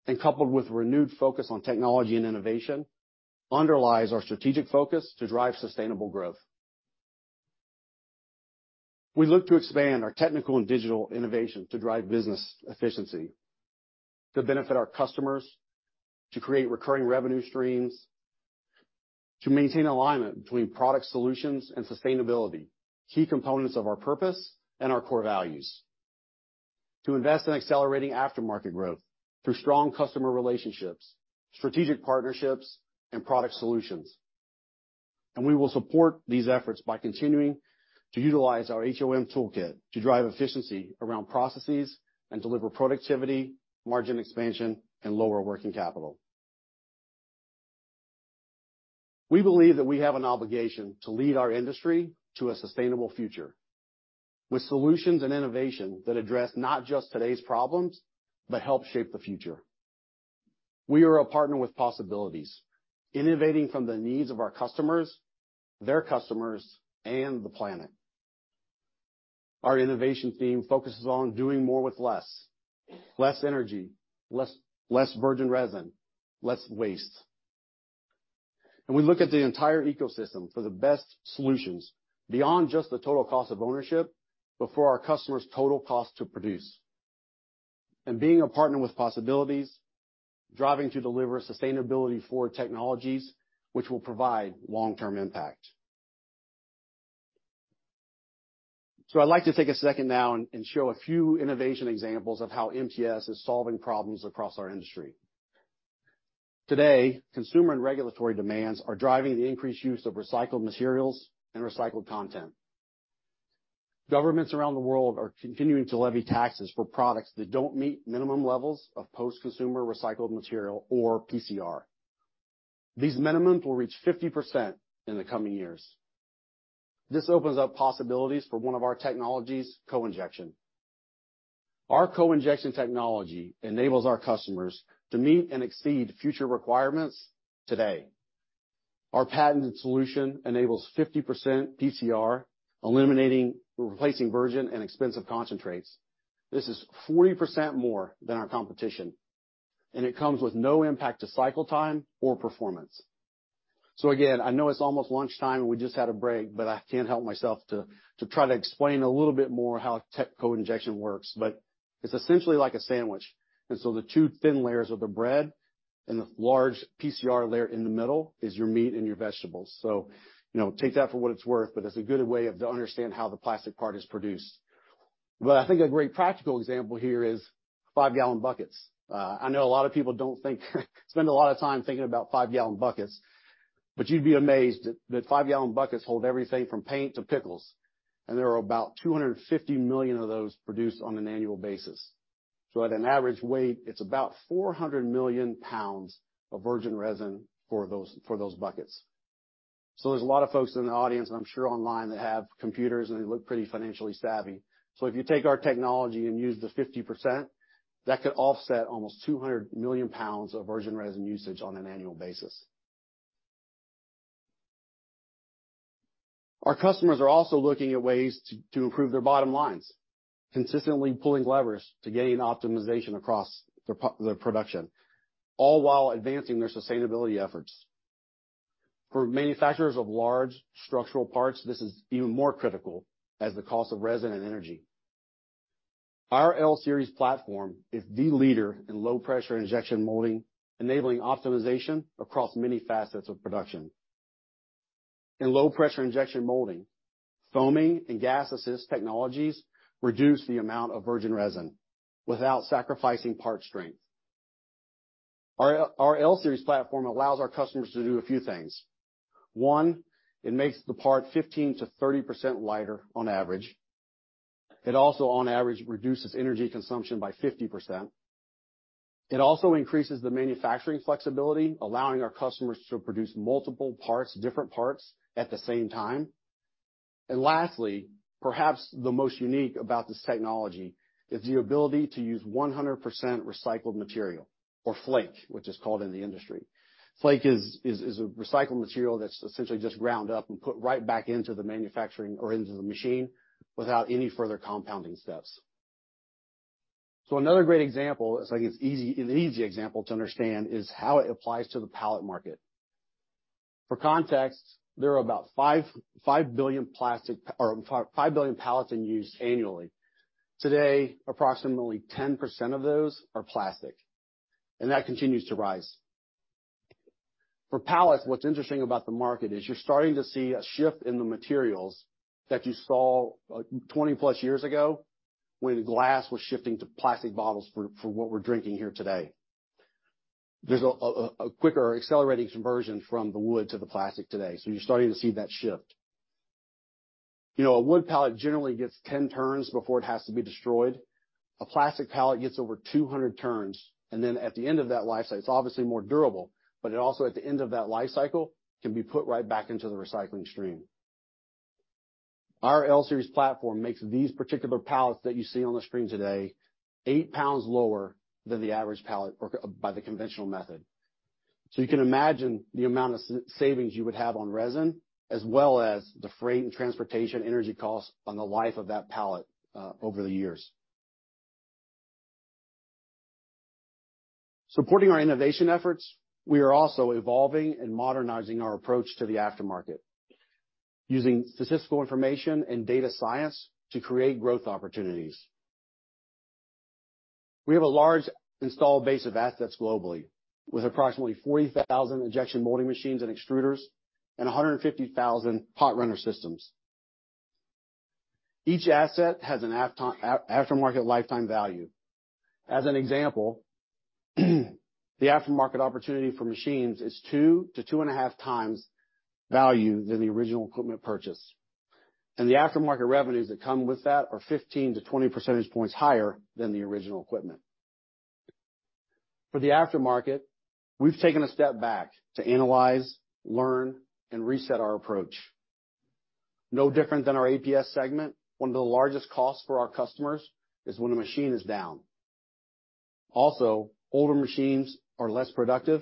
and coupled with renewed focus on technology and innovation, underlies our strategic focus to drive sustainable growth. We look to expand our technical and digital innovation to drive business efficiency, to benefit our customers, to create recurring revenue streams, to maintain alignment between product solutions and sustainability, key components of our purpose and our core values. To invest in accelerating aftermarket growth through strong customer relationships, strategic partnerships, and product solutions. We will support these efforts by continuing to utilize our HOM toolkit to drive efficiency around processes and deliver productivity, margin expansion, and lower working capital. We believe that we have an obligation to lead our industry to a sustainable future with solutions and innovation that address not just today's problems, but help shape the future. We are a partner with possibilities, innovating from the needs of our customers, their customers, and the planet. Our innovation theme focuses on doing more with less. Less energy, less virgin resin, less waste. We look at the entire ecosystem for the best solutions beyond just the total cost of ownership, but for our customers' total cost to produce. Being a partner with possibilities, driving to deliver sustainability for technologies which will provide long-term impact. I'd like to take a second now and show a few innovation examples of how MTS is solving problems across our industry. Today, consumer and regulatory demands are driving the increased use of recycled materials and recycled content. Governments around the world are continuing to levy taxes for products that don't meet minimum levels of post-consumer recycled material or PCR. These minimums will reach 50% in the coming years. This opens up possibilities for one of our technologies, co-injection. Our co-injection technology enables our customers to meet and exceed future requirements today. Our patented solution enables 50% PCR, eliminating or replacing virgin and expensive concentrates. This is 40% more than our competition, and it comes with no impact to cycle time or performance. Again, I know it's almost lunchtime, and we just had a break, but I can't help myself to try to explain a little bit more how tech co-injection works. It's essentially like a sandwich. The two thin layers of the bread and the large PCR layer in the middle is your meat and your vegetables. You know, take that for what it's worth, but it's a good way of to understand how the plastic part is produced. I think a great practical example here is 5 gal buckets. I know a lot of people spend a lot of time thinking about 5 gal buckets, you'd be amazed that five-gallon buckets hold everything from paint to pickles, and there are about 250 million of those produced on an annual basis. At an average weight, it's about 400 million lbs of virgin resin for those buckets. There's a lot of folks in the audience, I'm sure online that have computers, they look pretty financially savvy. If you take our technology and use the 50%, that could offset almost 200 million lbs of virgin resin usage on an annual basis. Our customers are also looking at ways to improve their bottom lines, consistently pulling levers to gain optimization across their production, all while advancing their sustainability efforts. For manufacturers of large structural parts, this is even more critical as the cost of resin and energy. Our L-Series platform is the leader in low pressure injection molding, enabling optimization across many facets of production. In low pressure injection molding, foaming and gas assist technologies reduce the amount of virgin resin without sacrificing part strength. Our L-Series platform allows our customers to do a few things. One, it makes the part 15%-30% lighter on average. It also, on average, reduces energy consumption by 50%. It also increases the manufacturing flexibility, allowing our customers to produce multiple parts, different parts, at the same time. Lastly, perhaps the most unique about this technology is the ability to use 100% recycled material or flake, which is called in the industry. Flake is a recycled material that's essentially just ground up and put right back into the manufacturing or into the machine without any further compounding steps. Another great example, it's like it's easy, an easy example to understand is how it applies to the pallet market. For context, there are about 5 billion plastic or 5 billion pallets in use annually. Today, approximately 10% of those are plastic, and that continues to rise. For pallets, what's interesting about the market is you're starting to see a shift in the materials that you saw 20+ years ago when glass was shifting to plastic bottles for what we're drinking here today. There's a quicker accelerating conversion from the wood to the plastic today. You're starting to see that shift. You know, a wood pallet generally gets 10 turns before it has to be destroyed. A plastic pallet gets over 200 turns, and then at the end of that life cycle, it's obviously more durable, but it also, at the end of that life cycle, can be put right back into the recycling stream. Our L-Series platform makes these particular pallets that you see on the screen today 8 lbs lower than the average pallet or by the conventional method. You can imagine the amount of savings you would have on resin as well as the freight and transportation energy costs on the life of that pallet over the years. Supporting our innovation efforts, we are also evolving and modernizing our approach to the aftermarket, using statistical information and data science to create growth opportunities. We have a large installed base of assets globally, with approximately 40,000 injection molding machines and extruders, and 150,000 hot runner systems. Each asset has an aftermarket lifetime value. As an example, the aftermarket opporunity for machines is 2x to 2.5x value than the original equipment purchase. The aftermarket revenues that come with that are 15 to 20 percentage points higher than the original equipment. For the aftermarket, we've taken a step back to analyze, learn, and reset our approach. No different than our APS segment, one of the largest costs for our customers is when a machine is down. Also, older machines are less productive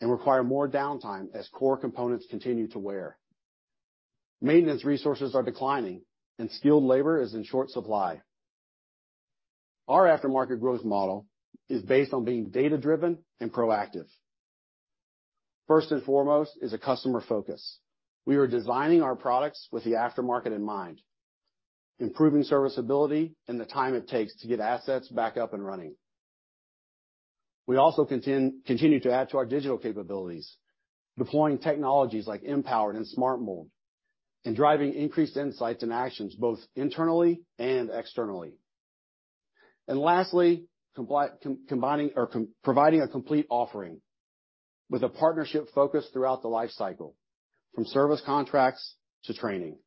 and require more downtime as core components continue to wear. Maintenance resources are declining, and skilled labor is in short supply. Our aftermarket growth model is based on being data-driven and proactive. First and foremost is a customer focus. We are designing our products with the aftermarket in mind, improving serviceability and the time it takes to get assets back up and running. We also continue to add to our digital capabilities, deploying technologies like M-Powered and SmartMOLD and driving increased insights and actions both internally and externally. Lastly, combining or providing a complete offering with a partnership focus throughout the life cycle, from service contracts to training.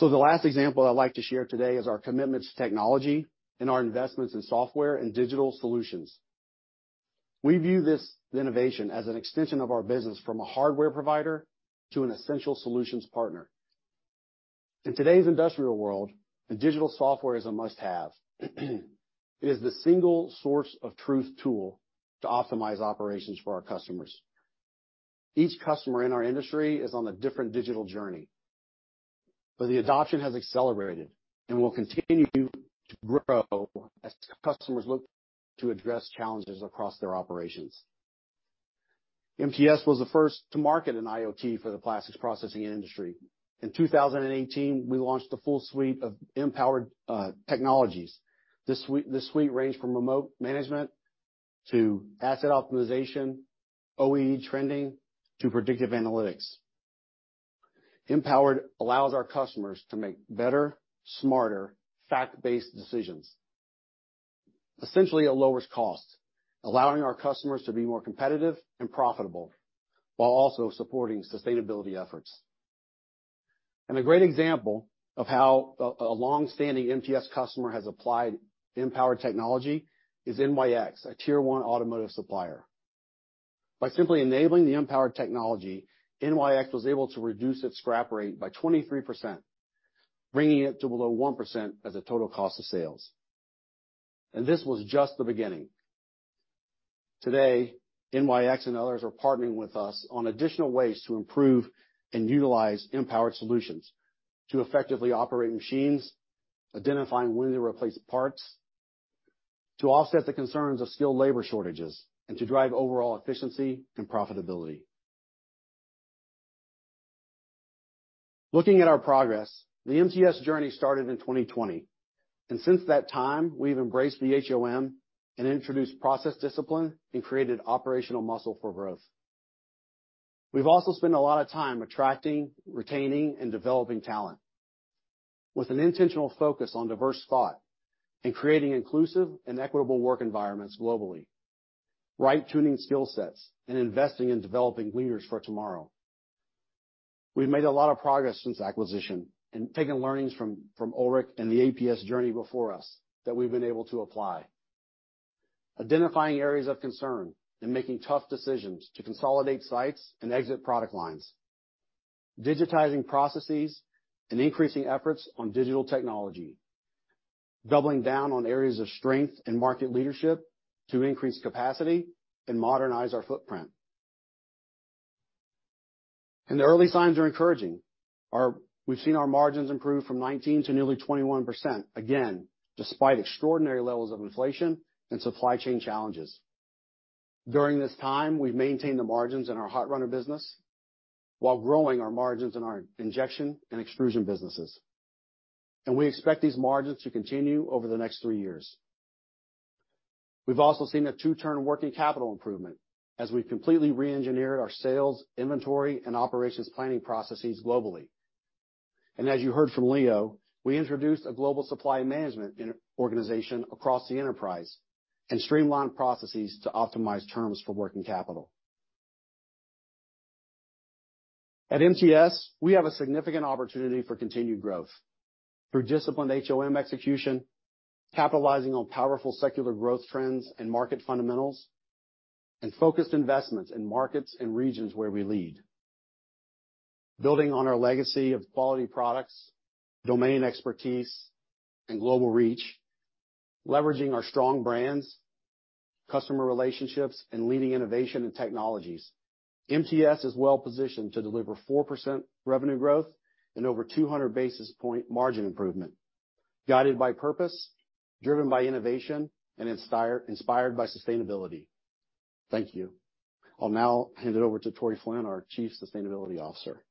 The last example I'd like to share today is our commitment to technology and our investments in software and digital solutions. We view this innovation as an extension of our business from a hardware provider to an essential solutions partner. In today's industrial world, the digital software is a must-have. It is the single source of truth tool to optimize operations for our customers. Each customer in our industry is on a different digital journey, the adoption has accelerated and will continue to grow as customers look to address challenges across their operations. MTS was the first to market an IoT for the plastics processing industry. In 2018, we launched a full suite of M-Powered technologies. The suite ranged from remote management to asset optimization, OEE trending to predictive analytics. M-Powered allows our customers to make better, smarter, fact-based decisions. Essentially, it lowers costs, allowing our customers to be more competitive and profitable while also supporting sustainability efforts. A great example of how a long-standing MTS customer has applied M-Powered technology is NYX, a tier-one automotive supplier. By simply enabling the M-Powered technology, NYX was able to reduce its scrap rate by 23%, bringing it to below 1% as a total cost of sales. This was just the beginning. Today, NYX and others are partnering with us on additional ways to improve and utilize M-Powered solutions to effectively operate machines, identifying when to replace parts, to offset the concerns of skilled labor shortages, and to drive overall efficiency and profitability. Looking at our progress, the MTS journey started in 2020, and since that time, we've embraced the HOM and introduced process discipline and created operational muscle for growth. We've also spent a lot of time attracting, retaining, and developing talent with an intentional focus on diverse thought and creating inclusive and equitable work environments globally. Right-tuning skill sets and investing in developing leaders for tomorrow. We've made a lot of progress since acquisition and taken learnings from Ulrich and the APS journey before us that we've been able to apply. Identifying areas of concern and making tough decisions to consolidate sites and exit product lines. Digitizing processes and increasing efforts on digital technology. Doubling down on areas of strength and market leadership to increase capacity and modernize our footprint. The early signs are encouraging. We've seen our margins improve from 19% to nearly 21%, again, despite extraordinary levels of inflation and supply chain challenges. During this time, we've maintained the margins in our hot runner business while growing our margins in our injection and extrusion businesses. We expect these margins to continue over the next three years. We've also seen a two-term working capital improvement as we've completely re-engineered our sales, inventory, and operations planning processes globally. As you heard from Leo, we introduced a global supply management organization across the enterprise and streamlined processes to optimize terms for working capital. At MTS, we have a significant opportunity for continued growth through disciplined HOM execution, capitalizing on powerful secular growth trends and market fundamentals, and focused investments in markets and regions where we lead. Building on our legacy of quality products, domain expertise, and global reach, leveraging our strong brands, customer relationships, and leading innovation and technologies, MTS is well positioned to deliver 4% revenue growth and over 200 basis point margin improvement, guided by purpose, driven by innovation, and inspired by sustainability. Thank you. I'll now hand it over to Tory Flynn, our Chief Sustainability Officer.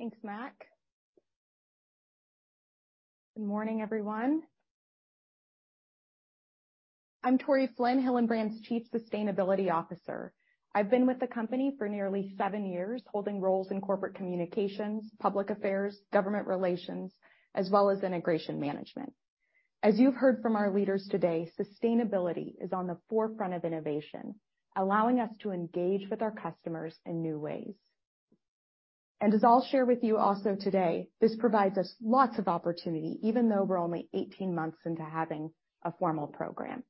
Thanks, Mac. Good morning, everyone. I'm Tory Flynn, Hillenbrand's Chief Sustainability Officer. I've been with the company for nearly seven years, holding roles in corporate communications, public affairs, government relations, as well as integration management. As you've heard from our leaders today, sustainability is on the forefront of innovation, allowing us to engage with our customers in new ways. As I'll share with you also today, this provides us lots of opportunity, even though we're only 18 months into having a formal program.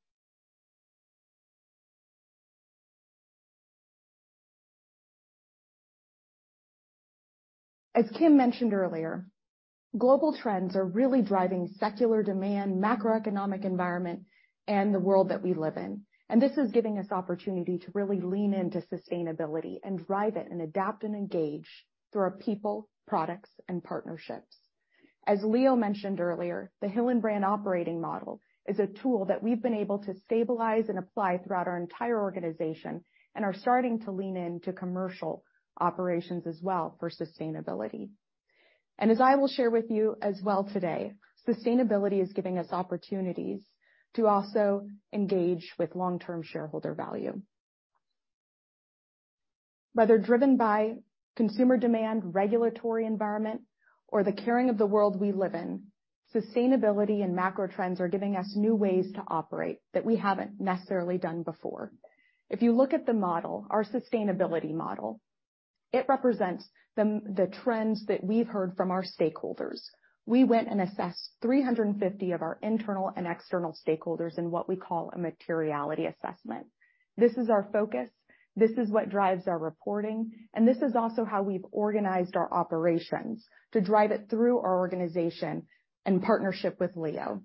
As Kim mentioned earlier, global trends are really driving secular demand, macroeconomic environment, and the world that we live in. This is giving us opportunity to really lean into sustainability and drive it and adapt and engage through our people, products, and partnerships. As Leo mentioned earlier, the Hillenbrand operating model is a tool that we've been able to stabilize and apply throughout our entire organization and are starting to lean in to commercial operations as well for sustainability. As I will share with you as well today, sustainability is giving us opportunities to also engage with long-term shareholder value. Whether driven by consumer demand, regulatory environment, or the caring of the world we live in, sustainability and macro trends are giving us new ways to operate that we haven't necessarily done before. If you look at the model, our sustainability model, it represents the trends that we've heard from our stakeholders. We went and assessed 350 of our internal and external stakeholders in what we call a materiality assessment. This is our focus, this is what drives our reporting, and this is also how we've organized our operations to drive it through our organization in partnership with Leo.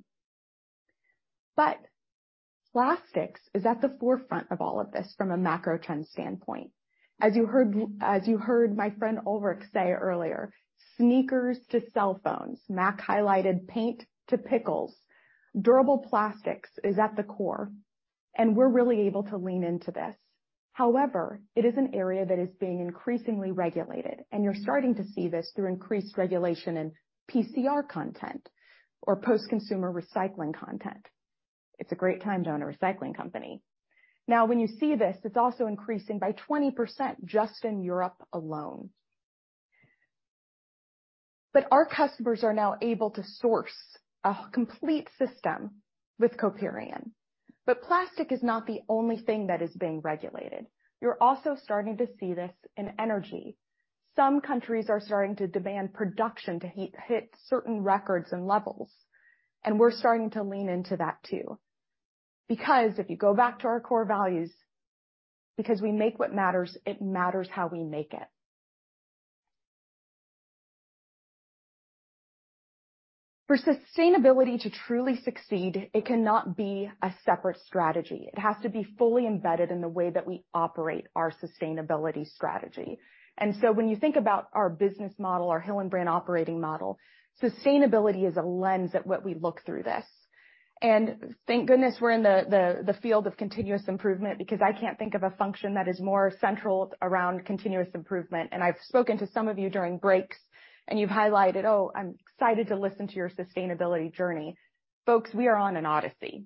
Plastics is at the forefront of all of this from a macro trend standpoint. As you heard my friend Ulrich say earlier, sneakers to cell phones, Mac highlighted paint to pickles. Durable plastics is at the core, and we're really able to lean into this. However, it is an area that is being increasingly regulated, and you're starting to see this through increased regulation in PCR content or post-consumer recycling content. It's a great time to own a recycling company. Now, when you see this, it's also increasing by 20% just in Europe alone. Our customers are now able to source a complete system with Coperion. Plastic is not the only thing that is being regulated. You're also starting to see this in energy. Some countries are starting to demand production to hit certain records and levels, and we're starting to lean into that too. If you go back to our core values, because we make what matters, it matters how we make it. For sustainability to truly succeed, it cannot be a separate strategy. It has to be fully embedded in the way that we operate our sustainability strategy. When you think about our business model, our Hillenbrand operating model, sustainability is a lens at what we look through this. Thank goodness we're in the field of continuous improvement, because I can't think of a function that is more central around continuous improvement. I've spoken to some of you during breaks, and you've highlighted, "Oh, I'm excited to listen to your sustainability journey." Folks, we are on an odyssey.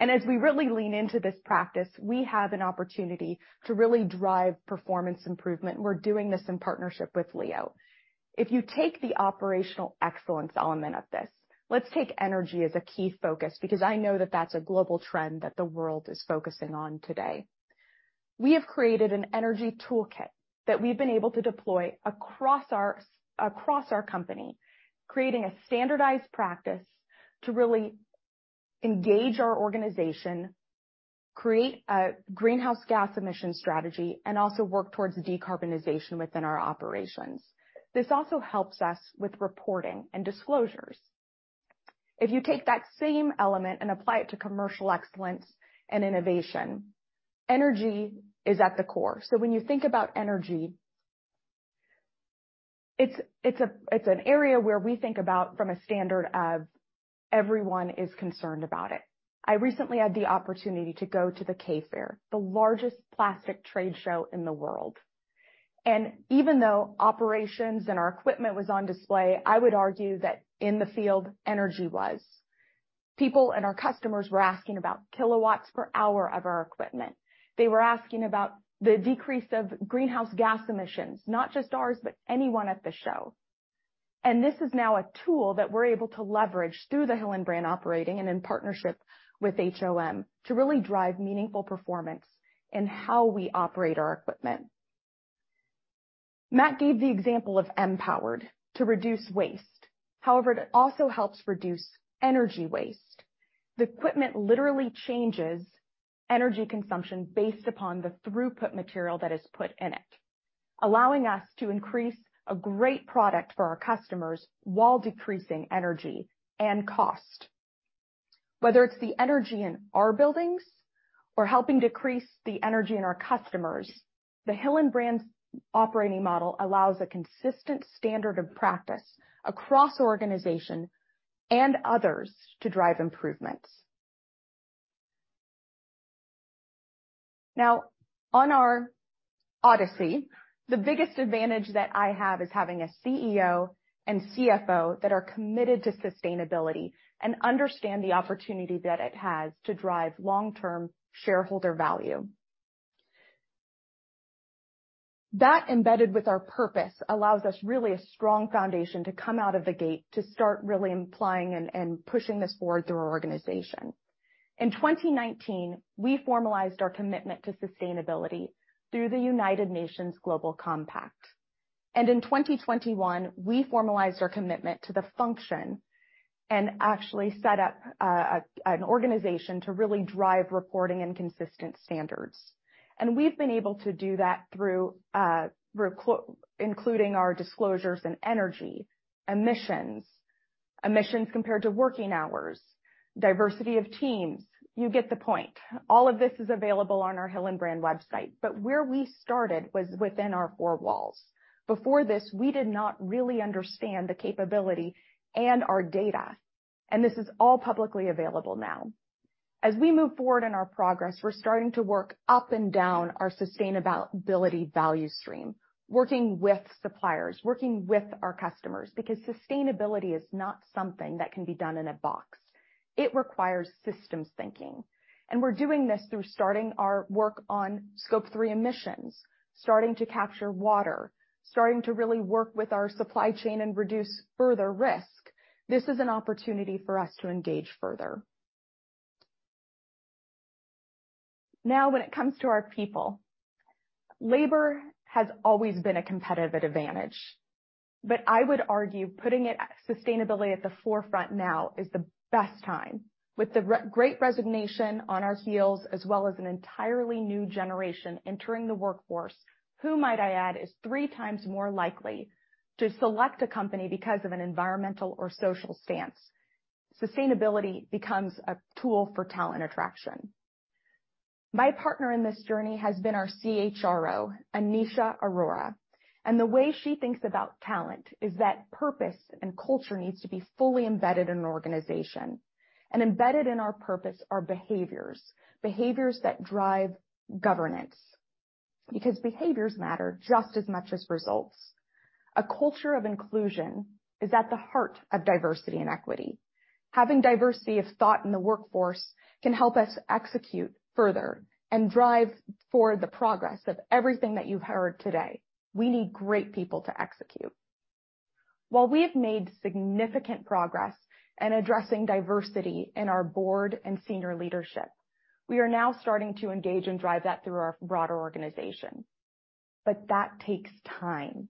As we really lean into this practice, we have an opportunity to really drive performance improvement. We're doing this in partnership with Leo. If you take the operational excellence element of this, let's take energy as a key focus because I know that that's a global trend that the world is focusing on today. We have created an energy toolkit that we've been able to deploy across our company, creating a standardized practice to really engage our organization, create a greenhouse gas emission strategy, and also work towards decarbonization within our operations. This also helps us with reporting and disclosures. If you take that same element and apply it to commercial excellence and innovation, energy is at the core. When you think about energy, it's a, it's an area where we think about from a standard of everyone is concerned about it. I recently had the opportunity to go to the K Show, the largest plastic trade show in the world. Even though operations and our equipment was on display, I would argue that in the field, energy was. People and our customers were asking about kilowatts per hour of our equipment. They were asking about the decrease of greenhouse gas emissions, not just ours, but anyone at the show. This is now a tool that we're able to leverage through the Hillenbrand operating and in partnership with HOM to really drive meaningful performance in how we operate our equipment. Mac gave the example of M-Powered to reduce waste. However, it also helps reduce energy waste. The equipment literally changes energy consumption based upon the throughput material that is put in it, allowing us to increase a great product for our customers while decreasing energy and cost. Whether it's the energy in our buildings or helping decrease the energy in our customers, the Hillenbrand's operating model allows a consistent standard of practice across the organization and others to drive improvements. On our odyssey, the biggest advantage that I have is having a CEO and CFO that are committed to sustainability and understand the opportunity that it has to drive long-term shareholder value. That embedded with our purpose allows us really a strong foundation to come out of the gate to start really implying and pushing this forward through our organization. In 2019, we formalized our commitment to sustainability through the United Nations Global Compact. In 2021, we formalized our commitment to the function and actually set up an organization to really drive reporting and consistent standards. We've been able to do that through including our disclosures in energy emissions compared to working hours, diversity of teams. You get the point. All of this is available on our Hillenbrand website, but where we started was within our four walls. Before this, we did not really understand the capability and our data, and this is all publicly available now. As we move forward in our progress, we're starting to work up and down our sustainability value stream, working with suppliers, working with our customers, because sustainability is not something that can be done in a box. It requires systems thinking. We're doing this through starting our work on Scope 3 emissions, starting to capture water, starting to really work with our supply chain and reduce further risk. This is an opportunity for us to engage further. When it comes to our people, labor has always been a competitive advantage. I would argue putting it, sustainability at the forefront now is the best time. With the Great Resignation on our heels, as well as an entirely new generation entering the workforce, who, might I add, is three times more likely to select a company because of an environmental or social stance. Sustainability becomes a tool for talent attraction. My partner in this journey has been our CHRO, Anisha Arora. The way she thinks about talent is that purpose and culture needs to be fully embedded in an organization. Embedded in our purpose are behaviors that drive governance, because behaviors matter just as much as results. A culture of inclusion is at the heart of diversity and equity. Having diversity of thought in the workforce can help us execute further and drive forward the progress of everything that you've heard today. We need great people to execute. While we have made significant progress in addressing diversity in our board and senior leadership, we are now starting to engage and drive that through our broader organization. That takes time,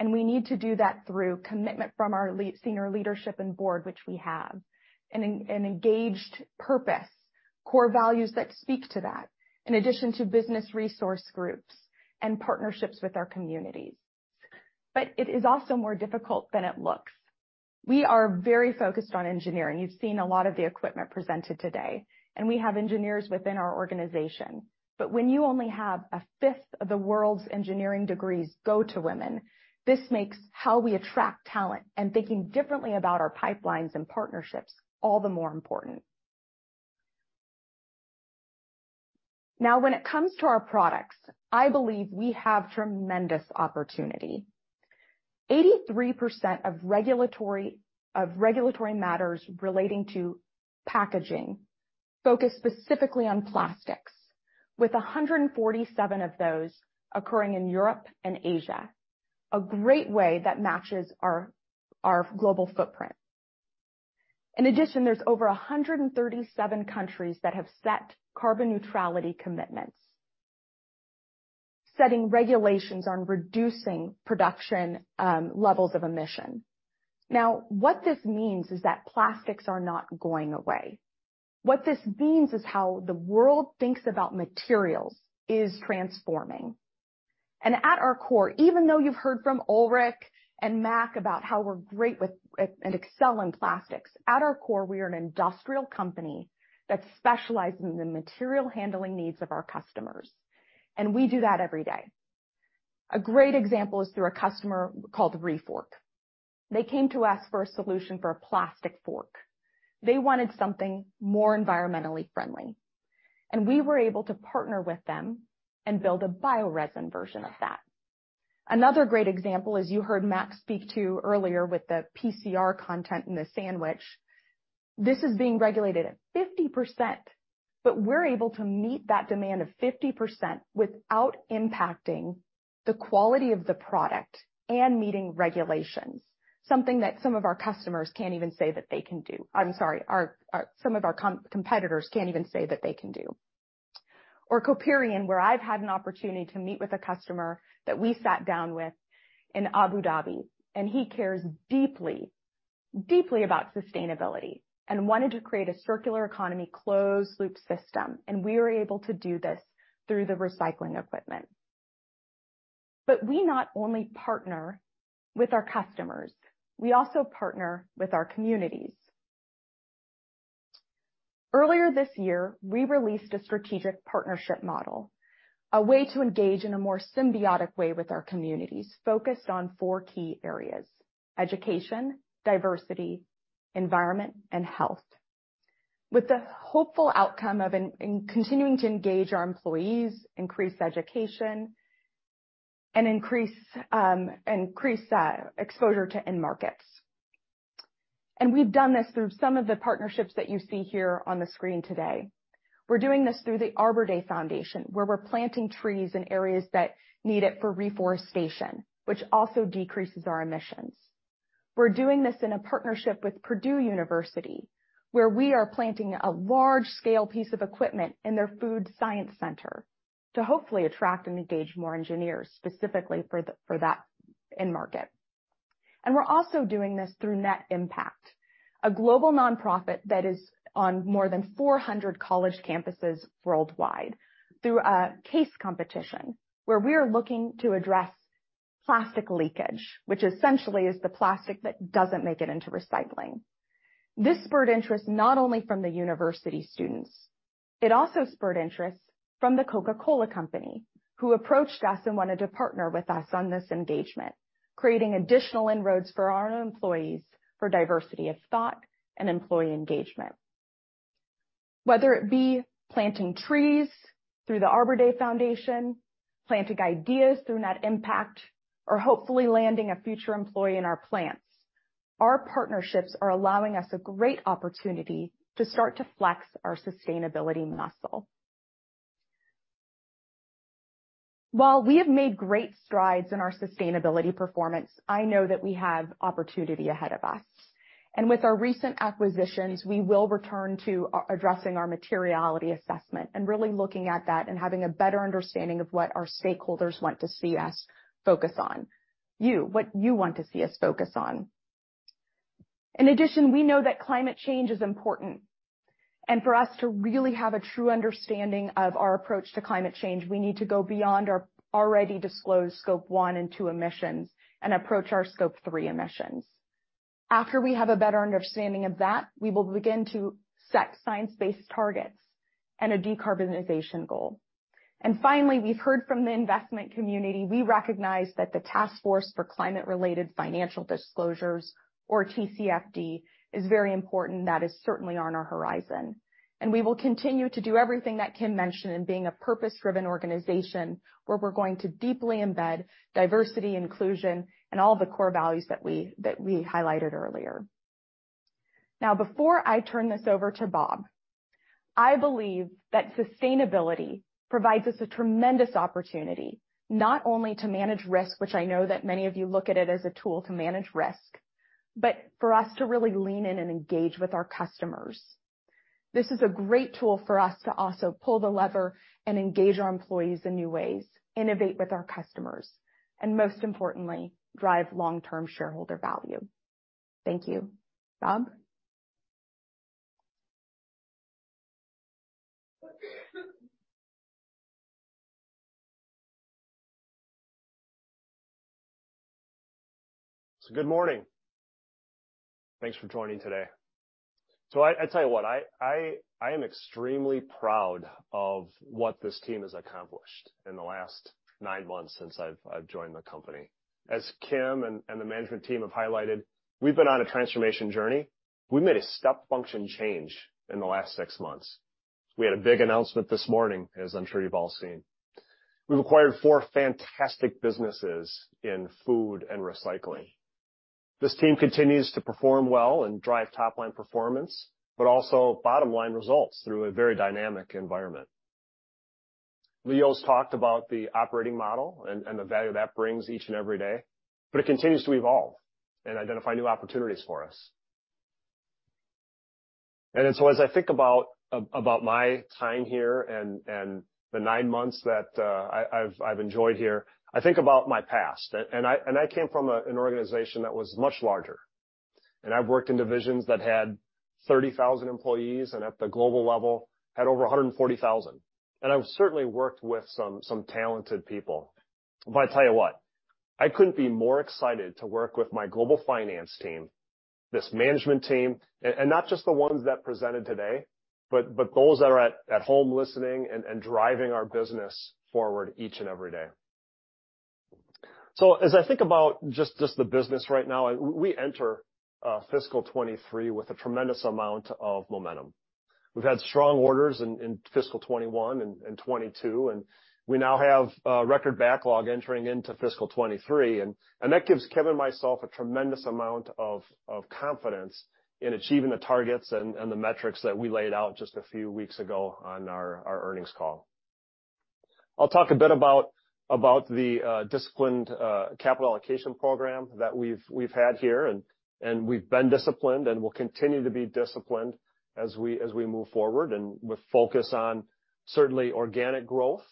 and we need to do that through commitment from our senior leadership and board, which we have, an engaged purpose, core values that speak to that, in addition to business resource groups and partnerships with our communities. It is also more difficult than it looks. We are very focused on engineering. You've seen a lot of the equipment presented today, and we have engineers within our organization. When you only have a fifth of the world's engineering degrees go to women, this makes how we attract talent and thinking differently about our pipelines and partnerships all the more important. When it comes to our products, I believe we have tremendous opportunity. 83% of regulatory matters relating to packaging focus specifically on plastics, with 147 of those occurring in Europe and Asia, a great way that matches our global footprint. In addition, there's over 137 countries that have set carbon neutrality commitments, setting regulations on reducing production levels of emission. What this means is that plastics are not going away. What this means is how the world thinks about materials is transforming. At our core, even though you've heard from Ulrich and Mac about how we're great with and excel in plastics, at our core, we are an industrial company that specializes in the material handling needs of our customers, and we do that every day. A great example is through a customer called Refork. They came to us for a solution for a plastic fork. They wanted something more environmentally friendly. We were able to partner with them and build a bioresin version of that. Another great example, as you heard Mac speak to earlier with the PCR content in the sandwich, this is being regulated at 50%. We're able to meet that demand of 50% without impacting the quality of the product and meeting regulations, something that some of our customers can't even say that they can do. I'm sorry, our some of our competitors can't even say that they can do. Coperion, where I've had an opportunity to meet with a customer that we sat down with in Abu Dhabi, and he cares deeply about sustainability and wanted to create a circular economy closed loop system, and we were able to do this through the recycling equipment. We not only partner with our customers, we also partner with our communities. Earlier this year, we released a strategic partnership model, a way to engage in a more symbiotic way with our communities, focused on four key areas: education, diversity, environment, and health. With the hopeful outcome of in continuing to engage our employees, increase education, and increase exposure to end markets. We've done this through some of the partnerships that you see here on the screen today. We're doing this through the Arbor Day Foundation, where we're planting trees in areas that need it for reforestation, which also decreases our emissions. We're doing this in a partnership with Purdue University, where we are planting a large-scale piece of equipment in their food science center to hopefully attract and engage more engineers, specifically for that end market. We're also doing this through Net Impact, a global nonprofit that is on more than 400 college campuses worldwide, through a case competition where we are looking to address plastic leakage, which essentially is the plastic that doesn't make it into recycling. This spurred interest not only from the university students, it also spurred interest from the Coca-Cola Company, who approached us and wanted to partner with us on this engagement, creating additional inroads for our employees for diversity of thought and employee engagement. Whether it be planting trees through the Arbor Day Foundation, planting ideas through Net Impact, or hopefully landing a future employee in our plants, our partnerships are allowing us a great opportunity to start to flex our sustainability muscle. While we have made great strides in our sustainability performance, I know that we have opportunity ahead of us. With our recent acquisitions, we will return to addressing our materiality assessment and really looking at that and having a better understanding of what our stakeholders want to see us focus on. You, what you want to see us focus on. In addition, we know that climate change is important. For us to really have a true understanding of our approach to climate change, we need to go beyond our already disclosed Scope 1 and Scope 2 emissions and approach our Scope 3 emissions. After we have a better understanding of that, we will begin to set science-based targets and a decarbonization goal. Finally, we've heard from the investment community, we recognize that the Task Force on Climate-related Financial Disclosures, or TCFD, is very important. That is certainly on our horizon. We will continue to do everything that Kim mentioned in being a purpose-driven organization, where we're going to deeply embed diversity, inclusion, and all the core values that we highlighted earlier. Now, before I turn this over to Bob, I believe that sustainability provides us a tremendous opportunity, not only to manage risk, which I know that many of you look at it as a tool to manage risk, but for us to really lean in and engage with our customers. This is a great tool for us to also pull the lever and engage our employees in new ways, innovate with our customers, and most importantly, drive long-term shareholder value. Thank you. Bob? Good morning. Thanks for joining today. I tell you what, I am extremely proud of what this team has accomplished in the last nine months since I've joined the company. As Kim and the management team have highlighted, we've been on a transformation journey. We made a step function change in the last six months. We had a big announcement this morning, as I'm sure you've all seen. We've acquired four fantastic businesses in food and recycling. This team continues to perform well and drive top line performance, but also bottom line results through a very dynamic environment. Leo's talked about the operating model and the value that brings each and every day, but it continues to evolve and identify new opportunities for us. As I think about about my time here and the nine months that I've enjoyed here, I think about my past. I came from an organization that was much larger. I've worked in divisions that had 30,000 employees, and at the global level, had over 140,000. I've certainly worked with some talented people. I tell you what, I couldn't be more excited to work with my global finance team, this management team, and not just the ones that presented today, but those that are at home listening and driving our business forward each and every day. As I think about just the business right now, we enter fiscal 2023 with a tremendous amount of momentum. We've had strong orders in fiscal 2021 and 2022, and we now have record backlog entering into fiscal 2023. That gives Kim and myself a tremendous amount of confidence in achieving the targets and the metrics that we laid out just a few weeks ago on our earnings call. I'll talk a bit about the disciplined capital allocation program that we've had here. We've been disciplined and will continue to be disciplined as we move forward and with focus on certainly organic growth,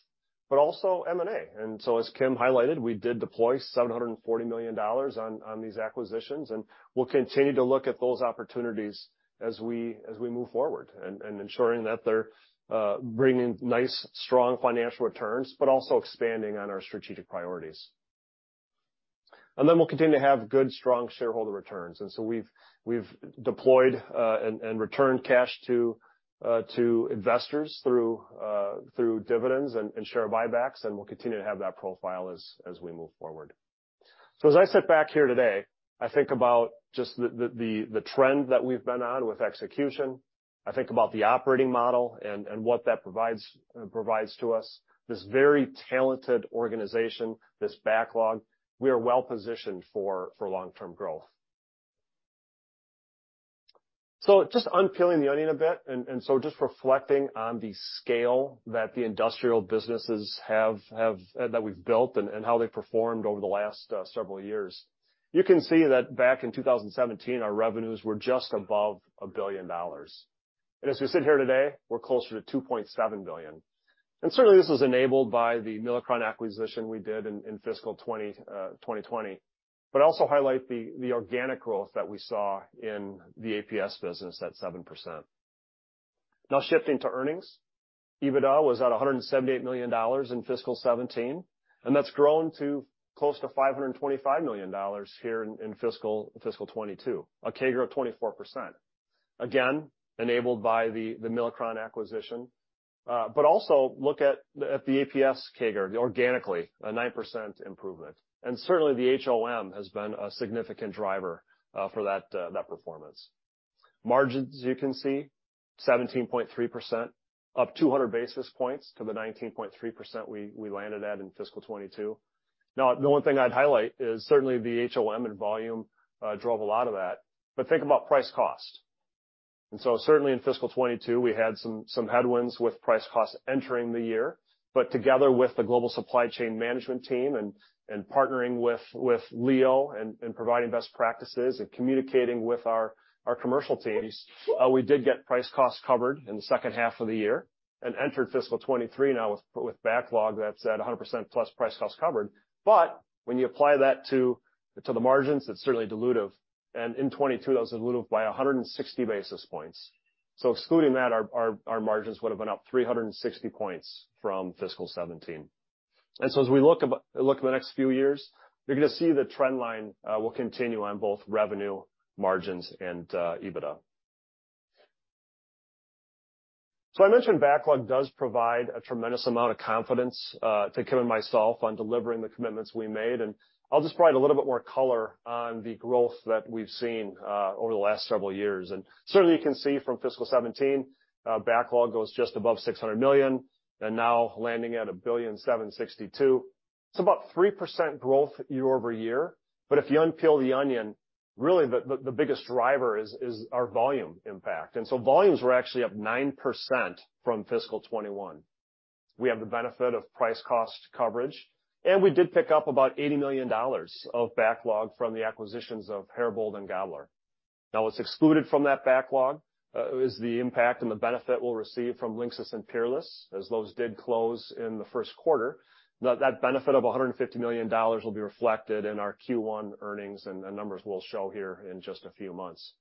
but also M&A. As Kim highlighted, we did deploy $740 million on these acquisitions, and we'll continue to look at those opportunities as we move forward. Ensuring that they're bringing nice, strong financial returns, but also expanding on our strategic priorities. We'll continue to have good, strong shareholder returns. We've deployed and returned cash to investors through dividends and share buybacks, and we'll continue to have that profile as we move forward. As I sit back here today, I think about just the trend that we've been on with execution. I think about the operating model and what that provides to us. This very talented organization, this backlog, we are well-positioned for long-term growth. Just unpeeling the onion a bit, reflecting on the scale that the industrial businesses have that we've built and how they performed over the last several years. You can see that back in 2017, our revenues were just above $1 billion. As we sit here today, we're closer to $2.7 billion. Certainly, this was enabled by the Milacron acquisition we did in fiscal 2020. Also highlight the organic growth that we saw in the APS business at 7%. Now shifting to earnings. EBITDA was at $178 million in fiscal 2017, and that's grown to close to $525 million here in fiscal 2022, a CAGR of 24%. Again, enabled by the Milacron acquisition, but also look at the APS CAGR organically, a 9% improvement. Certainly, the HOM has been a significant driver for that performance. Margins, you can see, 17.3%, up 200 basis points to the 19.3% we landed at in fiscal 2022. Now, the one thing I'd highlight is certainly the HOM and volume drove a lot of that. Think about price cost. Certainly in fiscal 2022, we had some headwinds with price cost entering the year. Together with the global supply chain management team and partnering with Leo and providing best practices and communicating with our commercial teams, we did get price cost covered in the second half of the year and entered fiscal 2023 now with backlog that's at 100%+ price cost covered. When you apply that to the margins, it's certainly dilutive. In 2022, that was dilutive by 160 basis points. Excluding that, our margins would've been up 360 basis points from fiscal 2017. As we look at the next few years, you're gonna see the trend line will continue on both revenue, margins, and EBITDA. I mentioned backlog does provide a tremendous amount of confidence to Kevin and myself on delivering the commitments we made. I'll just provide a little bit more color on the growth that we've seen over the last several years. Certainly, you can see from fiscal 2017, backlog goes just above $600 million and now landing at $1.762 billion. It's about 3% growth year-over-year. If you unpeel the onion, really the biggest driver is our volume impact. Volumes were actually up 9% from fiscal 2021. We have the benefit of price cost coverage, and we did pick up about $80 million of backlog from the acquisitions of Herbold and Gabler. What's excluded from that backlog, is the impact and the benefit we'll receive from LINXIS and Peerless, as those did close in the first quarter. That benefit of $150 million will be reflected in our Q1 earnings and the numbers we'll show here in just a few months.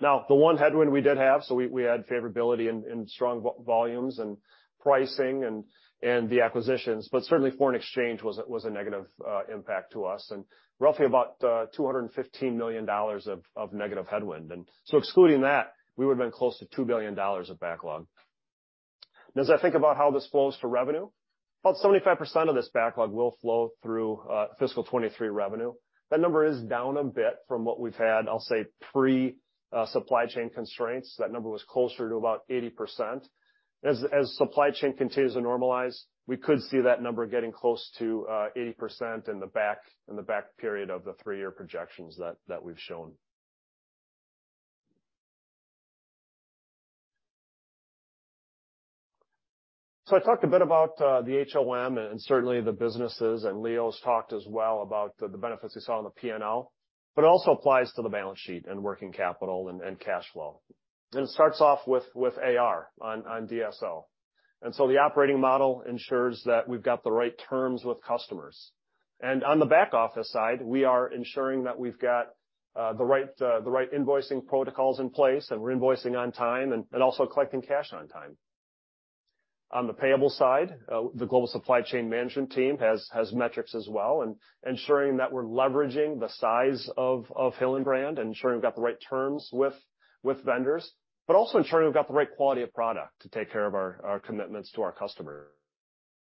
The one headwind we did have, we had favorability in strong volumes and pricing and the acquisitions, but certainly foreign exchange was a negative impact to us, and roughly about $215 million of negative headwind. Excluding that, we would've been close to $2 billion of backlog. As I think about how this flows to revenue, about 75% of this backlog will flow through fiscal 2023 revenue. That number is down a bit from what we've had, I'll say, pre supply chain constraints. That number was closer to about 80%. As supply chain continues to normalize, we could see that number getting close to 80% in the back, in the back period of the three-year projections that we've shown. I talked a bit about the HOM and certainly the businesses, and Leo's talked as well about the benefits we saw in the P&L, but it also applies to the balance sheet and working capital and cash flow. It starts off with AR on DSO. The operating model ensures that we've got the right terms with customers. On the back office side, we are ensuring that we've got the right invoicing protocols in place, and we're invoicing on time and also collecting cash on time. On the payable side, the global supply chain management team has metrics as well in ensuring that we're leveraging the size of Hillenbrand and ensuring we've got the right terms with vendors. Also ensuring we've got the right quality of product to take care of our commitments to our customers,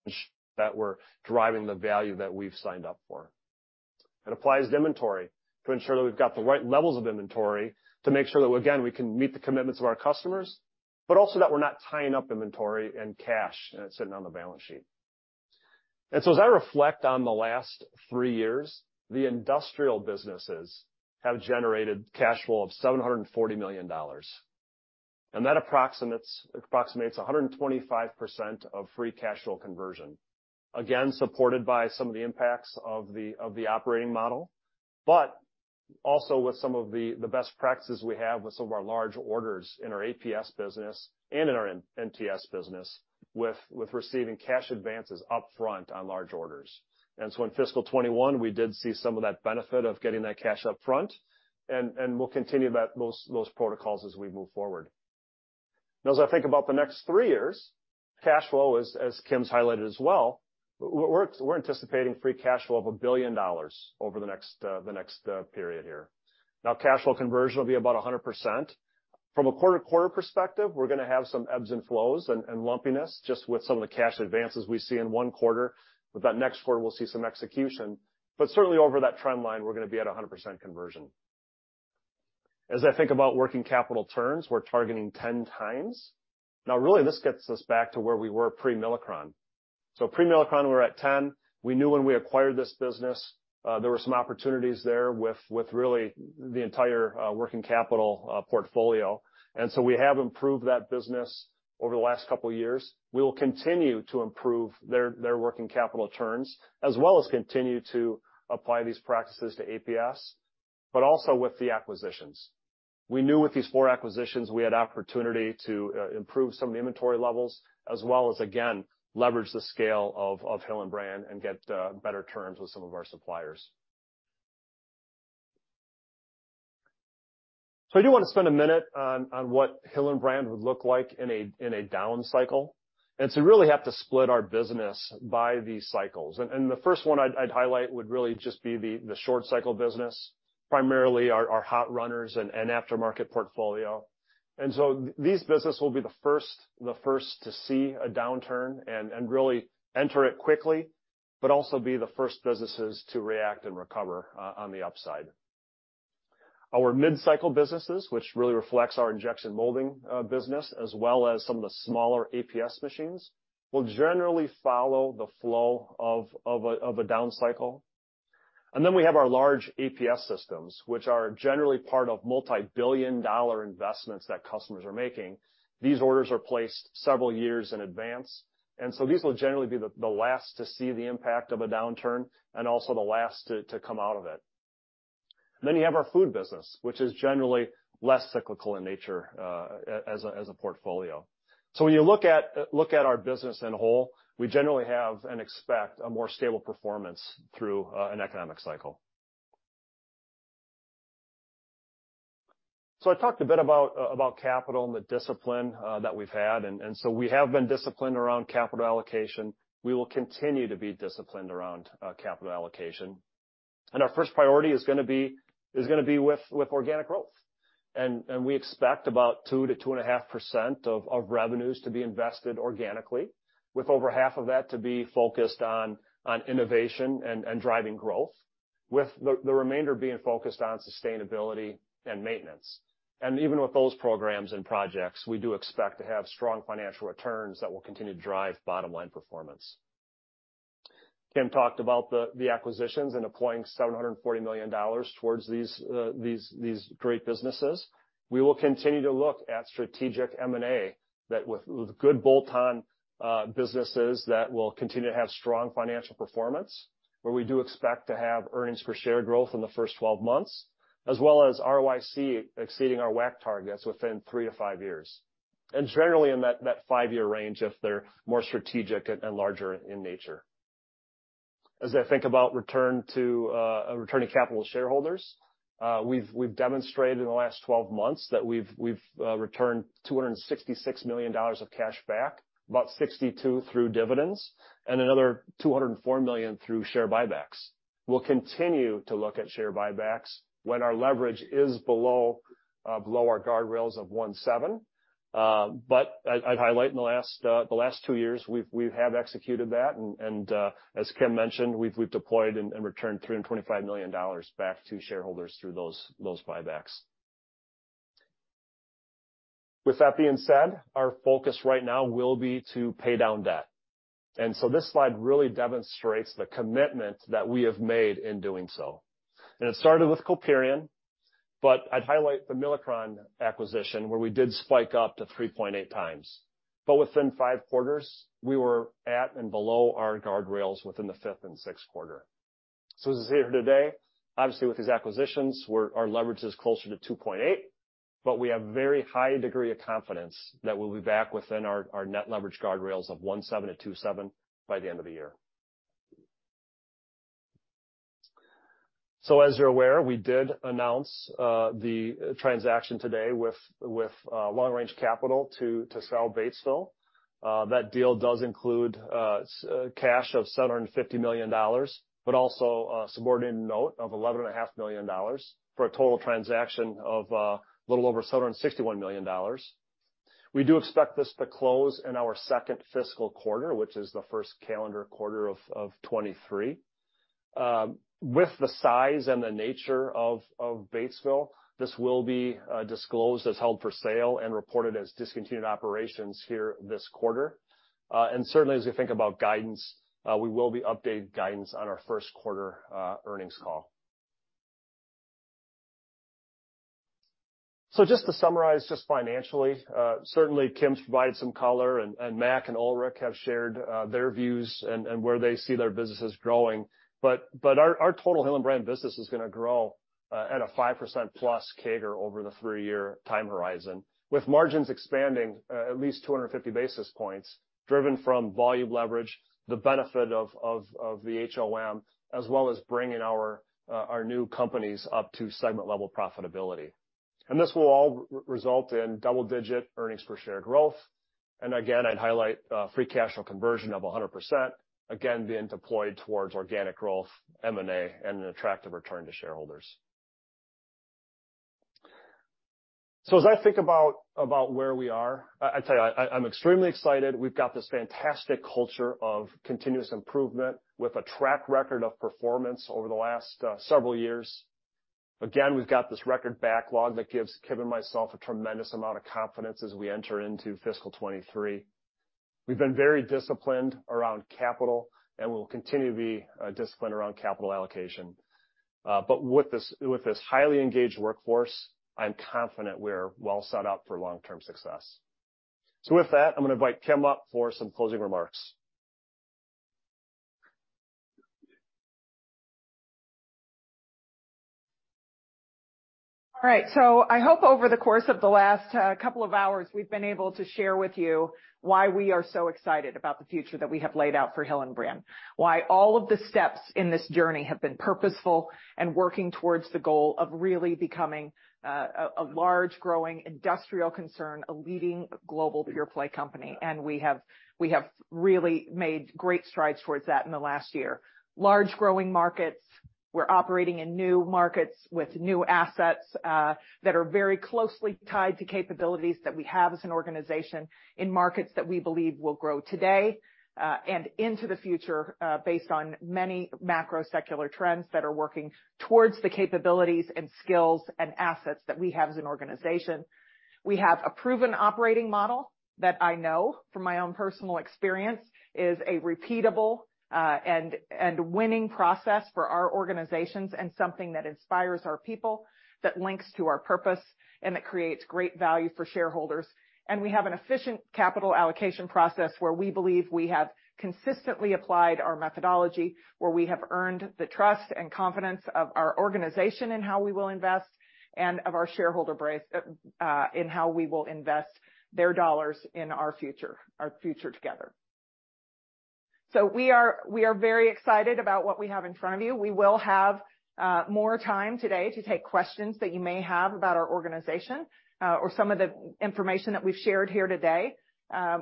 ensure that we're driving the value that we've signed up for. It applies to inventory to ensure that we've got the right levels of inventory to make sure that, again, we can meet the commitments of our customers, but also that we're not tying up inventory and cash, and it's sitting on the balance sheet. As I reflect on the last three years, the industrial businesses have generated cash flow of $740 million. That approximates 125% of free cash flow conversion. Again, supported by some of the impacts of the operating model, but also with some of the best practices we have with some of our large orders in our APS business and in our MTS business with receiving cash advances upfront on large orders. In fiscal 2021, we did see some of that benefit of getting that cash upfront, we'll continue those protocols as we move forward. As I think about the next three years, cash flow, as Kim's highlighted as well, we're anticipating free cash flow of $1 billion over the next, the next period here. Cash flow conversion will be about 100%. From a quarter-to-quarter perspective, we're gonna have some ebbs and flows and lumpiness just with some of the cash advances we see in one quarter. That next quarter we'll see some execution. Certainly over that trend line, we're gonna be at 100% conversion. As I think about working capital turns, we're targeting 10x. Really, this gets us back to where we were pre-Milacron. Pre-Milacron, we were at 10. We knew when we acquired this business, there were some opportunities there with really the entire working capital portfolio. We have improved that business over the last couple years. We will continue to improve their working capital turns, as well as continue to apply these practices to APS. Also with the acquisitions. We knew with these four acquisitions we had opportunity to improve some of the inventory levels as well as, again, leverage the scale of Hillenbrand and get better terms with some of our suppliers. I do want to spend a minute on what Hillenbrand would look like in a down cycle. You really have to split our business by these cycles. The first one I'd highlight would really just be the short cycle business, primarily our hot runners and aftermarket portfolio. These business will be the first to see a downturn and really enter it quickly, but also be the first businesses to react and recover on the upside. Our mid-cycle businesses, which really reflects our injection molding business as well as some of the smaller APS machines, will generally follow the flow of a down cycle. Then we have our large APS systems, which are generally part of multi-billion dollar investments that customers are making. These orders are placed several years in advance. So these will generally be the last to see the impact of a downturn and also the last to come out of it. Then you have our food business, which is generally less cyclical in nature, as a portfolio. When you look at our business in whole, we generally have and expect a more stable performance through an economic cycle. I talked a bit about capital and the discipline that we've had. We have been disciplined around capital allocation. We will continue to be disciplined around capital allocation. Our first priority is gonna be with organic growth. We expect about 2% to 2.5% of revenues to be invested organically, with over half of that to be focused on innovation and driving growth, with the remainder being focused on sustainability and maintenance. Even with those programs and projects, we do expect to have strong financial returns that will continue to drive bottom-line performance. Kim talked about the acquisitions and deploying $740 million towards these great businesses. We will continue to look at strategic M&A that with good bolt-on businesses that will continue to have strong financial performance, where we do expect to have earnings per share growth in the first 12 months, as well as ROIC exceeding our WACC targets within three to five years, and generally in that five-year range if they're more strategic and larger in nature. As I think about return to returning capital to shareholders, we've demonstrated in the last 12 months that we've returned $266 million of cash back, about $62 million through dividends, and another $204 million through share buybacks. We'll continue to look at share buybacks when our leverage is below our guardrails of 1.7. I'd highlight in the last two years, we have executed that. As Kim mentioned, we've deployed and returned $325 million back to shareholders through those buybacks. With that being said, our focus right now will be to pay down debt. This slide really demonstrates the commitment that we have made in doing so. It started with Coperion, but I'd highlight the Milacron acquisition, where we did spike up to 3.8x. Within five quarters, we were at and below our guardrails within the fifth and sixth quarter. As is here today, obviously with these acquisitions, our leverage is closer to 2.8, but we have very high degree of confidence that we'll be back within our net leverage guardrails of 1.7-2.7 by the end of the year. As you're aware, we did announce the transaction today with LongRange Capital to sell Batesville. That deal does include cash of $750 million, but also a subordinate note of $11.5 million for a total transaction of little over $761 million. We do expect this to close in our second fiscal quarter, which is the first calendar quarter of 2023. With the size and the nature of Batesville, this will be disclosed as held for sale and reported as discontinued operations here this quarter. Certainly as we think about guidance, we will be updating guidance on our first quarter earnings call. Just to summarize just financially, certainly Kim's provided some color and Mac and Ulrich have shared their views and where they see their businesses growing. Our total Hillenbrand business is gonna grow at a 5%+ CAGR over the three-year time horizon, with margins expanding at least 250 basis points driven from volume leverage, the benefit of the HOM, as well as bringing our new companies up to segment-level profitability. And this will all result in double-digit earnings per share growth. Again, I'd highlight free cash flow conversion of 100%, again being deployed towards organic growth, M&A, and an attractive return to shareholders. As I think about where we are, I tell you, I'm extremely excited. We've got this fantastic culture of continuous improvement with a track record of performance over the last several years. Again, we've got this record backlog that gives Kim and myself a tremendous amount of confidence as we enter into fiscal 2023. We've been very disciplined around capital and we'll continue to be disciplined around capital allocation. But with this highly engaged workforce, I'm confident we're well set up for long-term success. With that, I'm gonna invite Kim up for some closing remarks. All right. I hope over the course of the last couple of hours, we've been able to share with you why we are so excited about the future that we have laid out for Hillenbrand. Why all of the steps in this journey have been purposeful and working towards the goal of really becoming a large growing industrial concern, a leading global pure play company. We have really made great strides towards that in the last year. Large growing markets. We're operating in new markets with new assets that are very closely tied to capabilities that we have as an organization in markets that we believe will grow today and into the future based on many macro secular trends that are working towards the capabilities and skills and assets that we have as an organization. We have a proven operating model that I know from my own personal experience is a repeatable, and winning process for our organizations and something that inspires our people, that links to our purpose and that creates great value for shareholders. We have an efficient capital allocation process where we believe we have consistently applied our methodology, where we have earned the trust and confidence of our organization in how we will invest and of our shareholder base, in how we will invest their dollars in our future, our future together. We are very excited about what we have in front of you. We will have more time today to take questions that you may have about our organization, or some of the information that we've shared here today.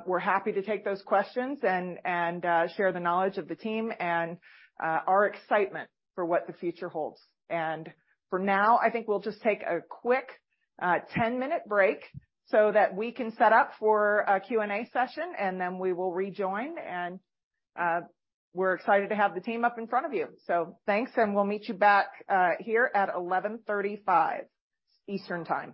We're happy to take those questions and share the knowledge of the team and our excitement for what the future holds. For now, I think we'll just take a quick 10-minute break so that we can set up for a Q&A session, and then we will rejoin. We're excited to have the team up in front of you. Thanks, and we'll meet you back here at 11:35 A.M. Eastern Time.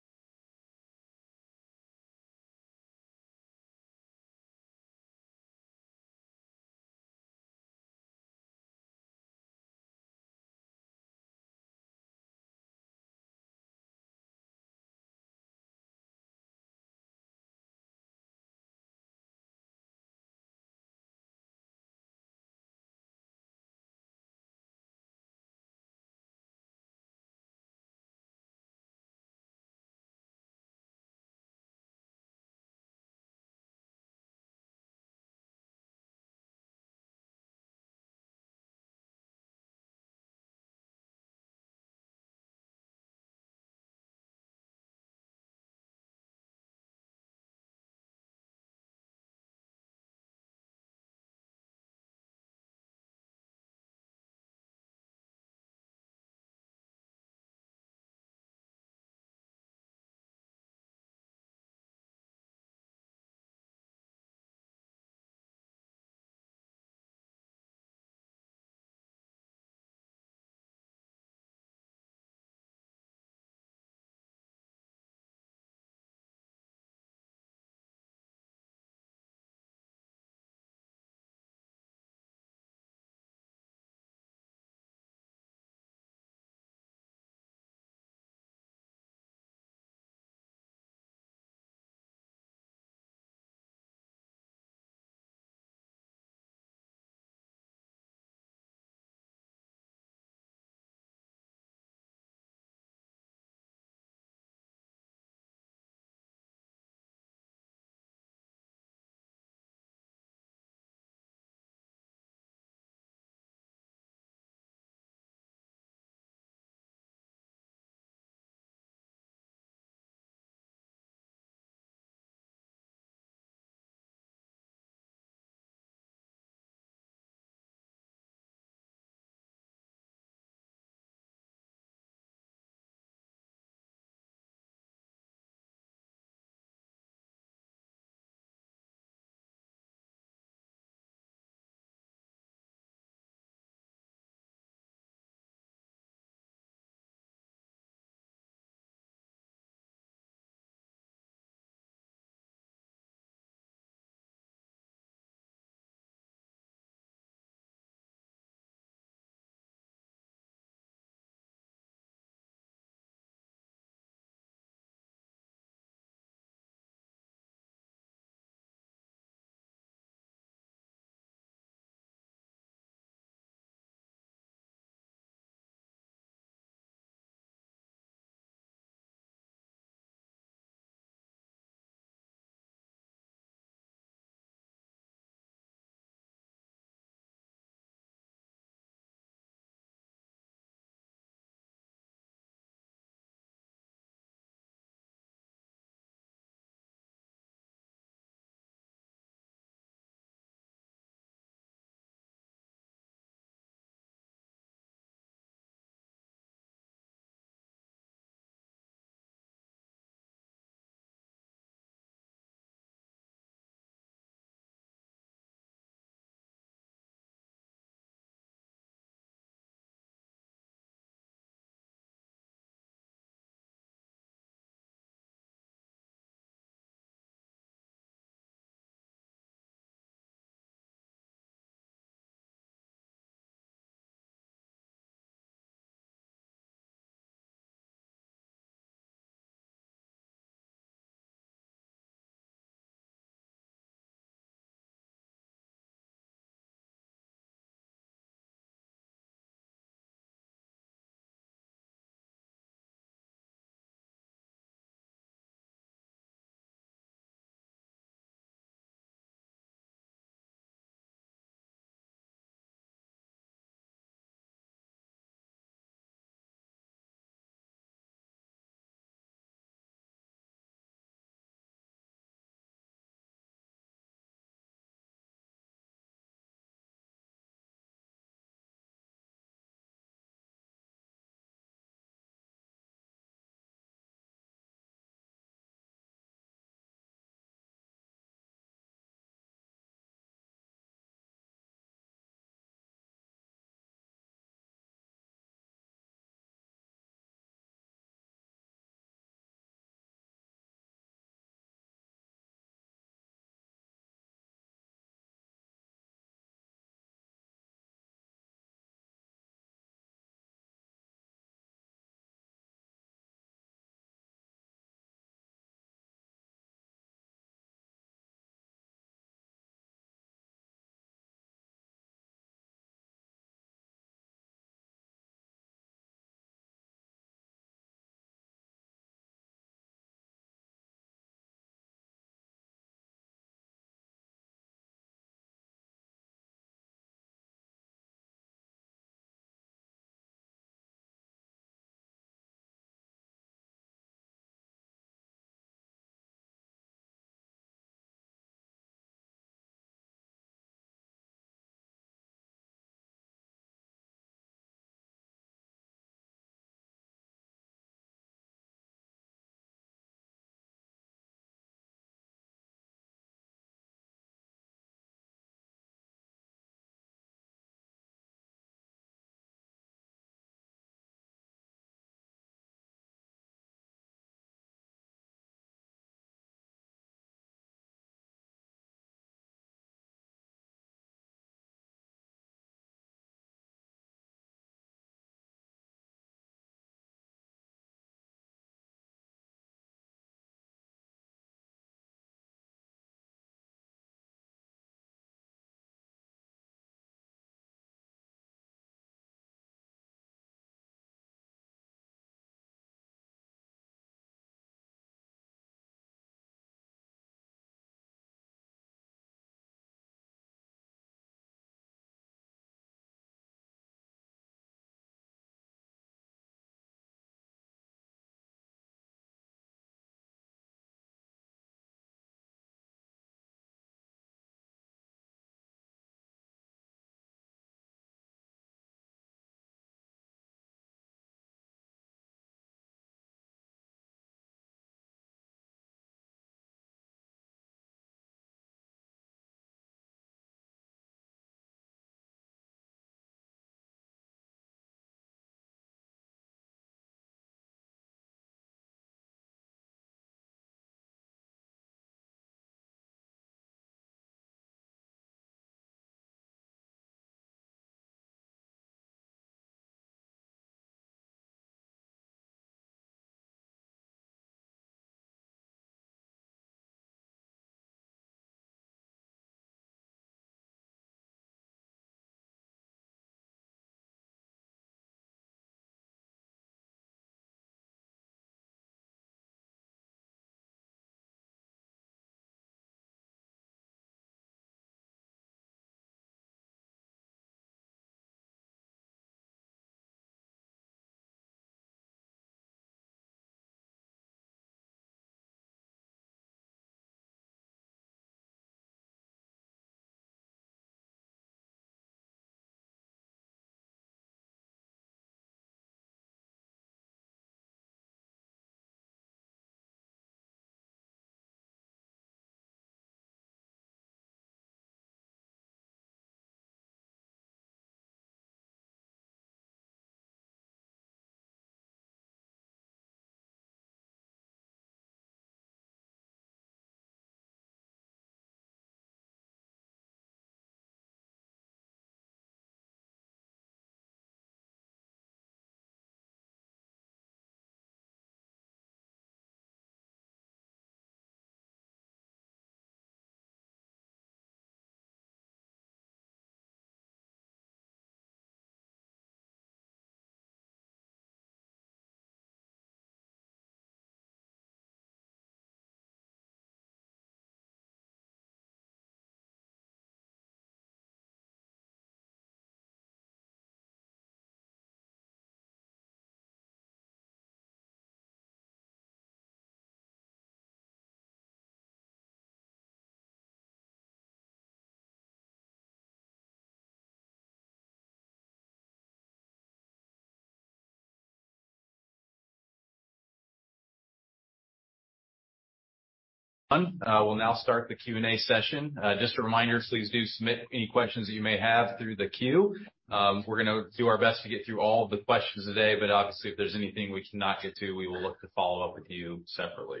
We'll now start the Q&A session. Just a reminder, please do submit any questions that you may have through the queue. We're gonna do our best to get through all of the questions today, but obviously, if there's anything we cannot get to, we will look to follow up with you separately.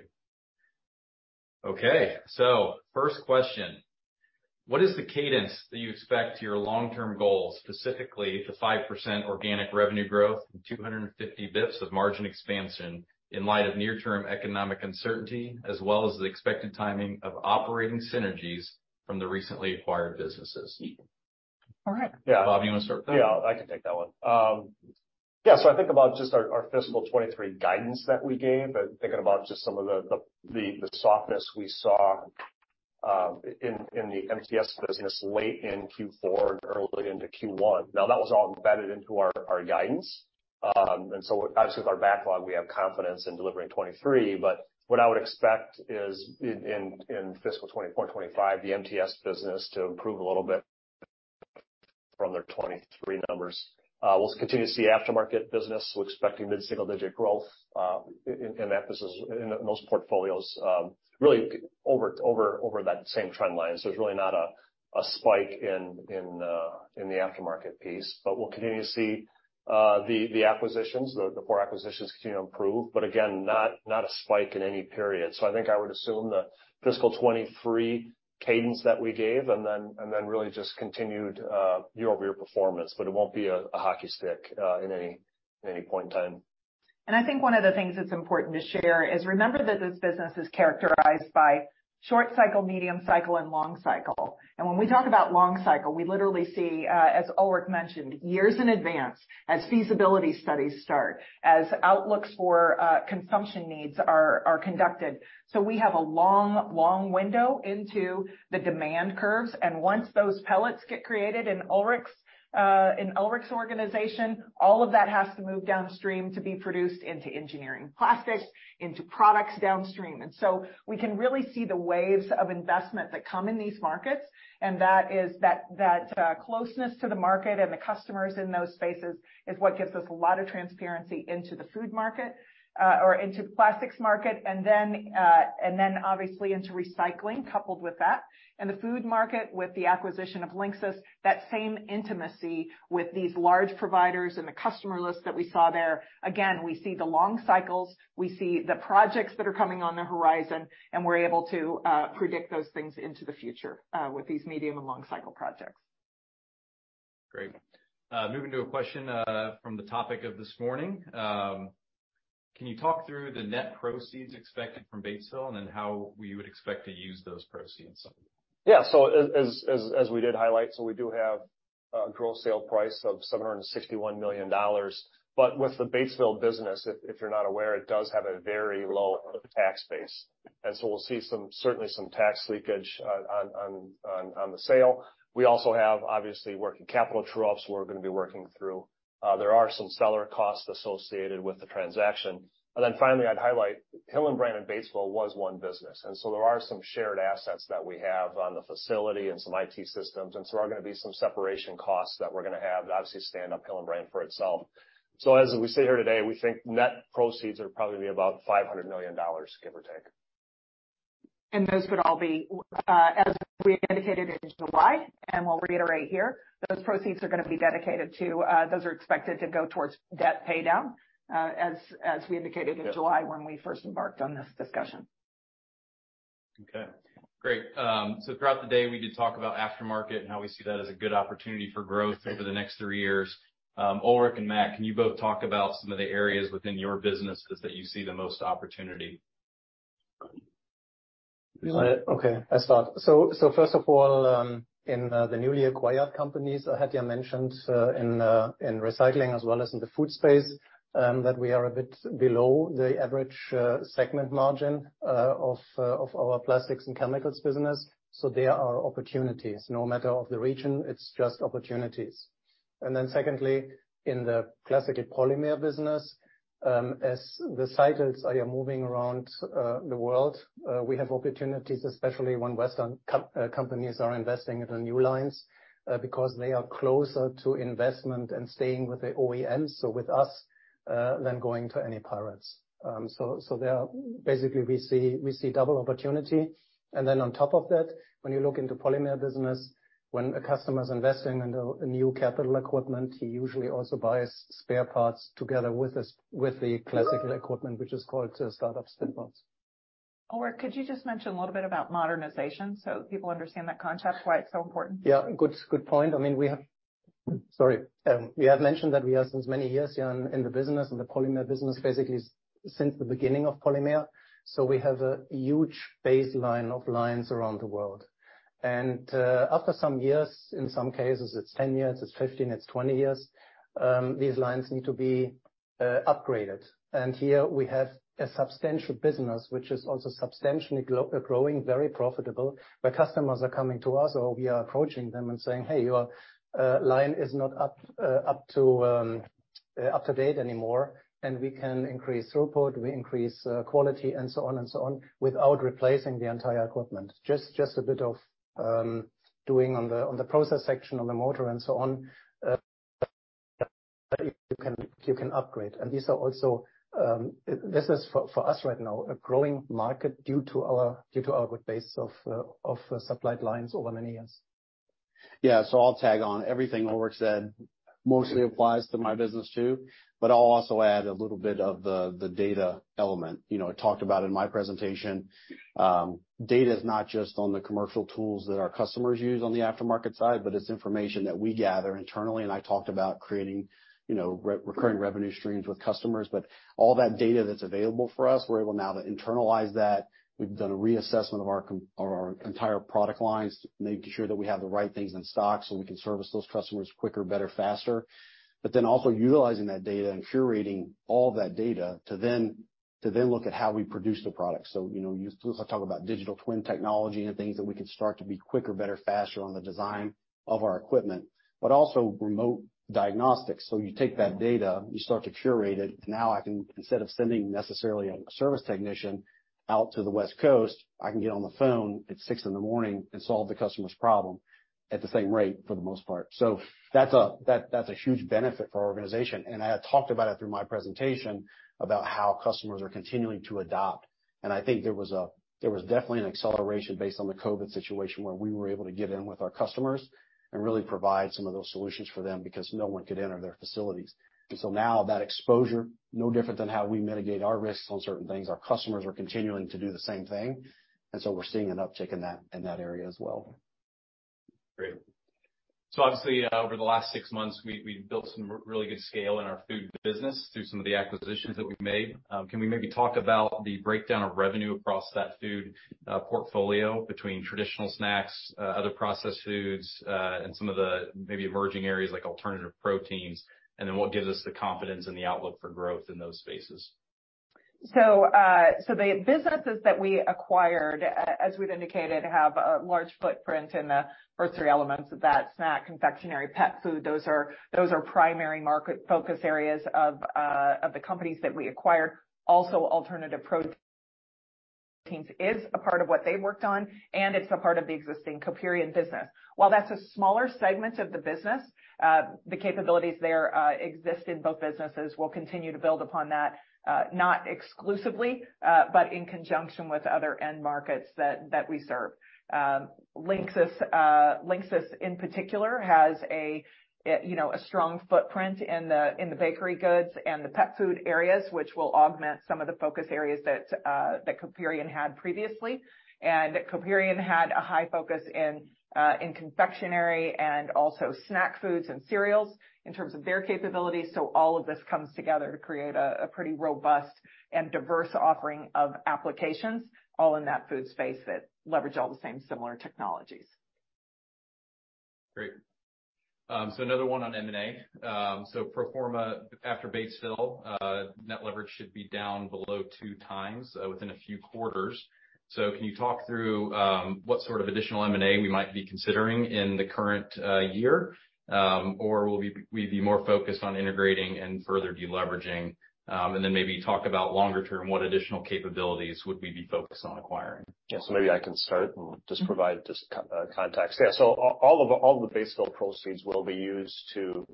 Okay. First question, what is the cadence that you expect to your long-term goals, specifically the 5% organic revenue growth and 250 basis points of margin expansion in light of near-term economic uncertainty, as well as the expected timing of operating synergies from the recently acquired businesses? All right. Yeah. Bob, you wanna start that? I can take that one. I think about just our fiscal 2023 guidance that we gave, and thinking about just some of the softness we saw in the MTS business late in Q4 and early into Q1. That was all embedded into our guidance. Obviously with our backlog, we have confidence in delivering 2023, but what I would expect is in fiscal 2024/2025, the MTS business to improve a little bit from their 2023 numbers. We'll continue to see aftermarket business. We're expecting mid-single-digit growth in that business, in those portfolios, really over that same trend line. There's really not a spike in the aftermarket piece. We'll continue to see the acquisitions, the four acquisitions continue to improve, but again, not a spike in any period. I think I would assume the fiscal 2023 cadence that we gave and then really just continued year-over-year performance, but it won't be a hockey stick in any point in time. I think one of the things that's important to share is remember that this business is characterized by short cycle, medium cycle, and long cycle. When we talk about long cycle, we literally see, as Ulrich mentioned, years in advance as feasibility studies start, as outlooks for consumption needs are conducted. So we have a long, long window into the demand curves. Once those pellets get created in Ulrich's organization, all of that has to move downstream to be produced into engineering plastics, into products downstream. So we can really see the waves of investment that come in these markets, and that is... that closeness to the market and the customers in those spaces is what gives us a lot of transparency into the food market, or into plastics market and then, and then obviously into recycling coupled with that. In the food market with the acquisition of LINXIS, that same intimacy with these large providers and the customer list that we saw there, again, we see the long cycles, we see the projects that are coming on the horizon, and we're able to predict those things into the future with these medium and long cycle projects. Great. Moving to a question, from the topic of this morning. Can you talk through the net proceeds expected from Batesville and then how we would expect to use those proceeds? As we did highlight, we do have a gross sale price of $761 million. With the Batesville business, if you're not aware, it does have a very low tax base, we'll see some, certainly some tax leakage on the sale. We also have, obviously, working capital true-ups we're gonna be working through. There are some seller costs associated with the transaction. Finally, I'd highlight Hillenbrand and Batesville was one business, there are some shared assets that we have on the facility and some IT systems, there are gonna be some separation costs that we're gonna have to obviously stand up Hillenbrand for itself. As we sit here today, we think net proceeds are probably about $500 million, give or take. Those would all be, as we indicated in July, and we'll reiterate here, those are expected to go towards debt paydown, as we indicated in July when we first embarked on this discussion. Okay, great. Throughout the day, we did talk about aftermarket and how we see that as a good opportunity for growth over the next three years. Ulrich and Mac, can you both talk about some of the areas within your businesses that you see the most opportunity? Okay, I start. First of all, in the newly acquired companies I had earlier mentioned, in recycling as well as in the food space, that we are a bit below the average segment margin of our plastics and chemicals business. There are opportunities, no matter of the region, it's just opportunities. Secondly, in the classical polymer business, as the cycles are moving around the world, we have opportunities, especially when Western co-companies are investing in the new lines, because they are closer to investment and staying with the OEMs or with us, than going to any pirates. Basically, we see double opportunity. On top of that, when you look into polymer business, when a customer is investing in the new capital equipment, he usually also buys spare parts together with us, with the classical equipment, which is called [startup stimulants]. Ulrich, could you just mention a little bit about modernization so people understand that context, why it's so important? Yeah, good point. We have mentioned that we are since many years young in the business, in the polymer business, basically since the beginning of polymer. We have a huge baseline of lines around the world. After some years, in some cases, it's 10 years, it's 15, it's 20 years, these lines need to be upgraded. Here we have a substantial business, which is also substantially growing, very profitable, where customers are coming to us or we are approaching them and saying, "Hey, your line is not up to date anymore, and we can increase throughput, we increase quality, and so on and so on, without replacing the entire equipment. Just a bit of doing on the process section on the motor and so on. You can upgrade. This is for us right now, a growing market due to our good base of supplied lines over many years. Yeah. I'll tag on everything Ulrich said, mostly applies to my business too, I'll also add a little bit of the data element. You know, I talked about in my presentation. Data is not just on the commercial tools that our customers use on the aftermarket side, it's information that we gather internally. I talked about creating, you know, recurring revenue streams with customers. All that data that's available for us, we're able now to internalize that. We've done a reassessment of our entire product lines, making sure that we have the right things in stock so we can service those customers quicker, better, faster. Also utilizing that data and curating all that data to then look at how we produce the product. You know, Plus, I talk about digital twin technology and things that we can start to be quicker, better, faster on the design of our equipment, but also remote diagnostics. You take that data, you start to curate it. Now I can, instead of sending necessarily a service technician out to the West Coast, I can get on the phone at 6:00 A.M. and solve the customer's problem at the same rate for the most part. That's a huge benefit for our organization. I had talked about it through my presentation about how customers are continuing to adopt. I think there was a, there was definitely an acceleration based on the COVID situation where we were able to get in with our customers and really provide some of those solutions for them because no one could enter their facilities. Now that exposure, no different than how we mitigate our risks on certain things, our customers are continuing to do the same thing. We're seeing an uptick in that, in that area as well. Great. Obviously, over the last six months, we've built some really good scale in our food business through some of the acquisitions that we've made. Can we maybe talk about the breakdown of revenue across that food portfolio between traditional snacks, other processed foods, and some of the maybe emerging areas like alternative proteins? What gives us the confidence in the outlook for growth in those spaces? The businesses that we acquired, as we've indicated, have a large footprint in the first three elements of that snack, confectionery, pet food. Those are primary market focus areas of the companies that we acquired. Also, alternative proteins is a part of what they worked on, and it's a part of the existing Coperion business. While that's a smaller segment of the business, the capabilities there exist in both businesses. We'll continue to build upon that, not exclusively, but in conjunction with other end markets that we serve. LINXIS in particular, has a, you know, a strong footprint in the, in the bakery goods and the pet food areas, which will augment some of the focus areas that Coperion had previously. Coperion had a high focus in confectionery and also snack foods and cereals in terms of their capabilities. All of this comes together to create a pretty robust and diverse offering of applications all in that food space that leverage all the same similar technologies. Great. Another one on M&A. Pro forma after Batesville, net leverage should be down below 2x within a few quarters. Can you talk through what sort of additional M&A we might be considering in the current year? Will we be more focused on integrating and further deleveraging? Then maybe talk about longer term, what additional capabilities would we be focused on acquiring? Maybe I can start and just provide co-context. All of the Batesville proceeds will be used to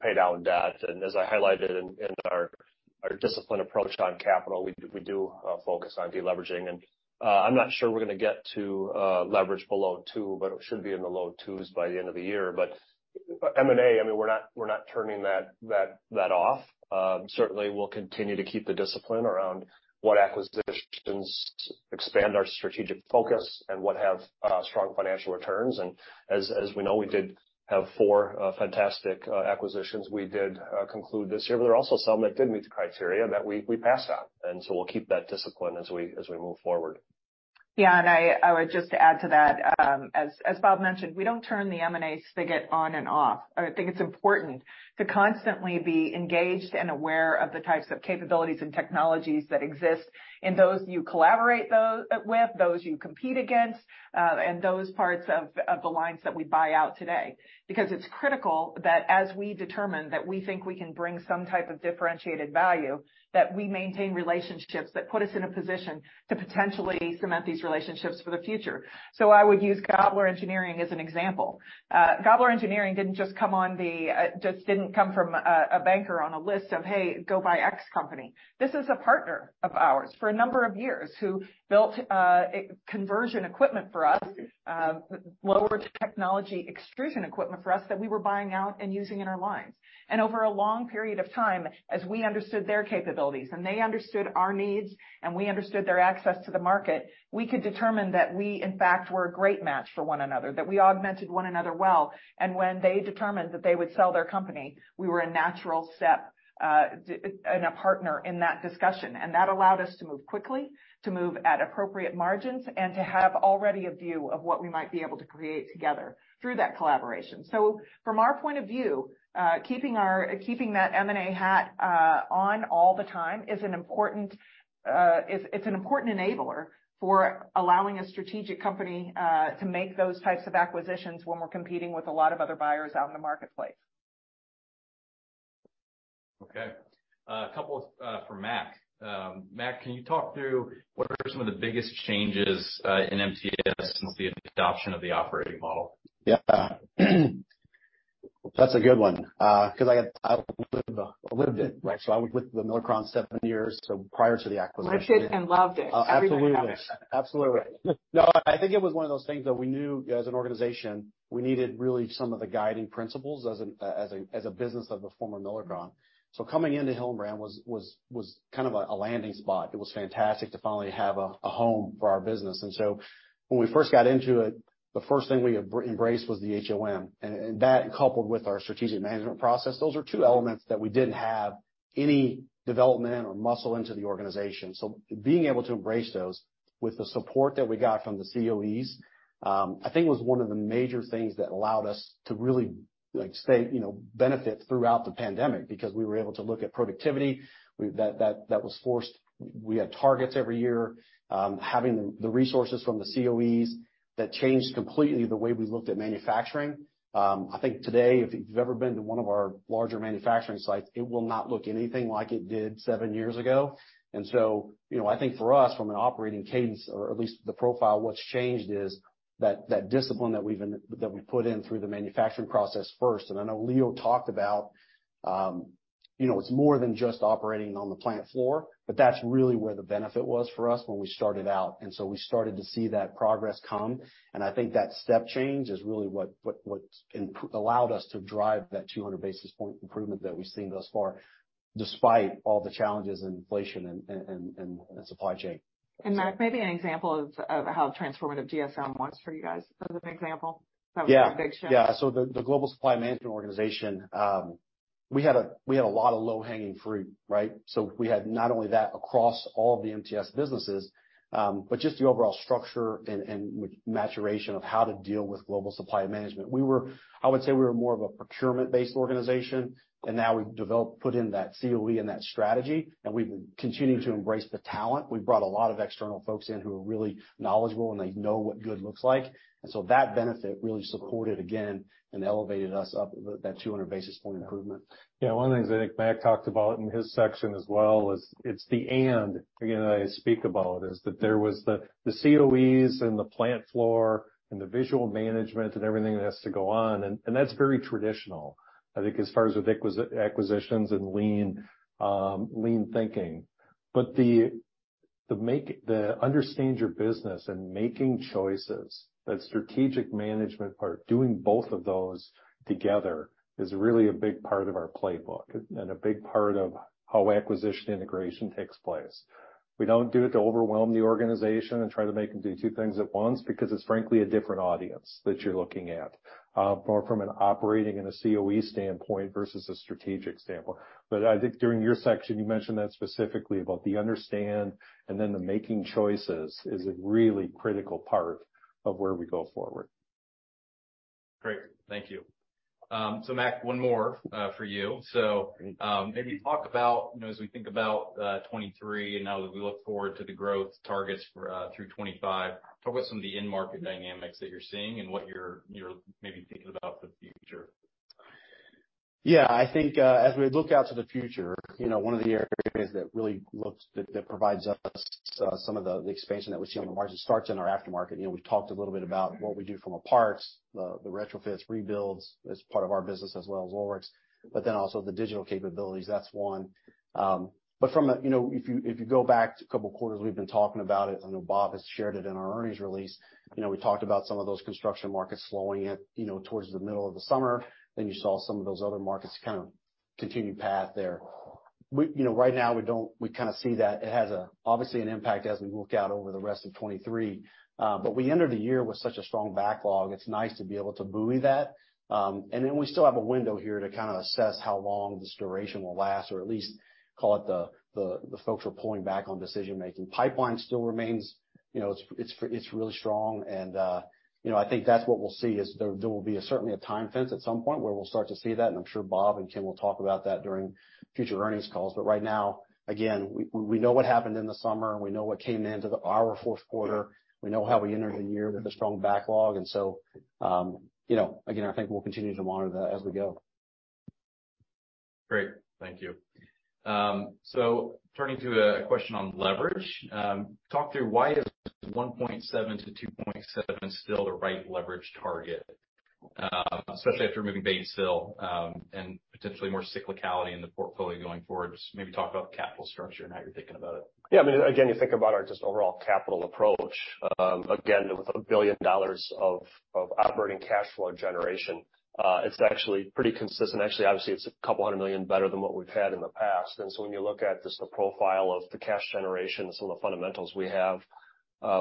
pay down debt. As I highlighted in our disciplined approach on capital, we do focus on deleveraging. I'm not sure we're gonna get to leverage below two, but it should be in the low two's by the end of the year. M&A, I mean, we're not turning that off. Certainly, we'll continue to keep the discipline around what acquisitions expand our strategic focus and what have strong financial returns. As we know, we did have four fantastic acquisitions we did conclude this year. There are also some that didn't meet the criteria that we passed on. We'll keep that discipline as we move forward. I would just add to that, as Bob mentioned, we don't turn the M&A spigot on and off. I think it's important to constantly be engaged and aware of the types of capabilities and technologies that exist in those you collaborate with, those you compete against, and those parts of the lines that we buy out today. Because it's critical that as we determine that we think we can bring some type of differentiated value, that we maintain relationships that put us in a position to potentially cement these relationships for the future. I would use Gabler Engineering as an example. Gabler Engineering didn't just come on the just didn't come from a banker on a list of, "Hey, go buy X company." This is a partner of ours for a number of years, who built conversion equipment for us, lower technology extrusion equipment for us that we were buying out and using in our lines. Over a long period of time, as we understood their capabilities and they understood our needs, and we understood their access to the market, we could determine that we, in fact, were a great match for one another, that we augmented one another well. When they determined that they would sell their company, we were a natural step and a partner in that discussion. That allowed us to move quickly, to move at appropriate margins, and to have already a view of what we might be able to create together through that collaboration. From our point of view, keeping that M&A hat on all the time it's an important enabler for allowing a strategic company to make those types of acquisitions when we're competing with a lot of other buyers out in the marketplace. Okay. A couple for Mac. Mac, can you talk through what are some of the biggest changes in MTS since the adoption of the operating model? Yeah. That's a good one, 'cause I lived it, right? I was with the Milacron seven years prior to the acquisition. Loved it. Absolutely. Absolutely. No, I think it was one of those things that we knew as an organization, we needed really some of the guiding principles as a business of the former Milacron. Coming into Hillenbrand was kind of a landing spot. It was fantastic to finally have a home for our business. When we first got into it, the first thing we embraced was the HOM. That coupled with our strategic management process, those are two elements that we didn't have any development or muscle into the organization. Being able to embrace those with the support that we got from the COEs, I think was one of the major things that allowed us to really, like, stay, you know, benefit throughout the pandemic, because we were able to look at productivity. That was forced. We had targets every year. Having the resources from the COEs, that changed completely the way we looked at manufacturing. I think today, if you've ever been to one of our larger manufacturing sites, it will not look anything like it did seven years ago. You know, I think for us, from an operating cadence or at least the profile, what's changed is that discipline that we put in through the manufacturing process first. I know Leo talked about, you know, it's more than just operating on the plant floor, but that's really where the benefit was for us when we started out. We started to see that progress come, and I think that step change is really what's allowed us to drive that 200 basis point improvement that we've seen thus far, despite all the challenges in inflation and supply chain. Mac, maybe an example of how transformative GSM was for you guys as an example. That was a big shift. Yeah. Yeah. The global supply management organization, we had a lot of low-hanging fruit, right? We had not only that across all the MTS businesses, but just the overall structure and maturation of how to deal with global supply management. I would say we were more of a procurement-based organization, now we've developed, put in that COE and that strategy, and we've been continuing to embrace the talent. We've brought a lot of external folks in who are really knowledgeable and they know what good looks like. That benefit really supported again and elevated us up that 200 basis point improvement. One of the things that I think Mac talked about in his section as well is that there was the COEs and the plant floor and the visual management and everything that has to go on. That's very traditional, I think as far as with acquisitions and lean thinking. The understand your business and making choices, that strategic management part, doing both of those together is really a big part of our playbook and a big part of how acquisition integration takes place. We don't do it to overwhelm the organization and try to make them do two things at once because it's frankly a different audience that you're looking at, from an operating and a COE standpoint versus a strategic standpoint. I think during your section, you mentioned that specifically about the understand and then the making choices is a really critical part of where we go forward. Great. Thank you. Mac, one more for you. Maybe talk about, you know, as we think about 2023 and now that we look forward to the growth targets for through 2025, talk about some of the end market dynamics that you're seeing and what you're maybe thinking about for the future. I think, as we look out to the future, you know, one of the areas that really provides us some of the expansion that we see on the margin starts in our aftermarket. You know, we've talked a little bit about what we do from a parts, the retrofits, rebuilds as part of our business as well as oil rigs, but then also the digital capabilities. That's one. From a, you know, if you go back a couple of quarters, we've been talking about it. I know Bob has shared it in our earnings release. You know, we talked about some of those construction markets slowing it, you know, towards the middle of the summer. You saw some of those other markets kind of continue path there. We, you know, right now we kinda see that it has a obviously an impact as we look out over the rest of 2023. We entered the year with such a strong backlog, it's nice to be able to buoy that. We still have a window here to kinda assess how long this duration will last, or at least call it the folks who are pulling back on decision-making. Pipeline still remains, you know, it's really strong and, you know, I think that's what we'll see is there will be certainly a time fence at some point where we'll start to see that, and I'm sure Bob and Kim will talk about that during future earnings calls. Right now, again, we know what happened in the summer, and we know what came into our fourth quarter. We know how we entered the year with a strong backlog. You know, again, I think we'll continue to monitor that as we go. Great. Thank you. Turning to a question on leverage. Talk through why is 1.7-2.7 still the right leverage target, especially after moving Batesville, and potentially more cyclicality in the portfolio going forward. Just maybe talk about the capital structure and how you're thinking about it? Yeah. I mean, again, you think about our just overall capital approach, again, with $1 billion of operating cash flow generation, it's actually pretty consistent. Actually, obviously, it's $200 million better than what we've had in the past. When you look at just the profile of the cash generation and some of the fundamentals we have,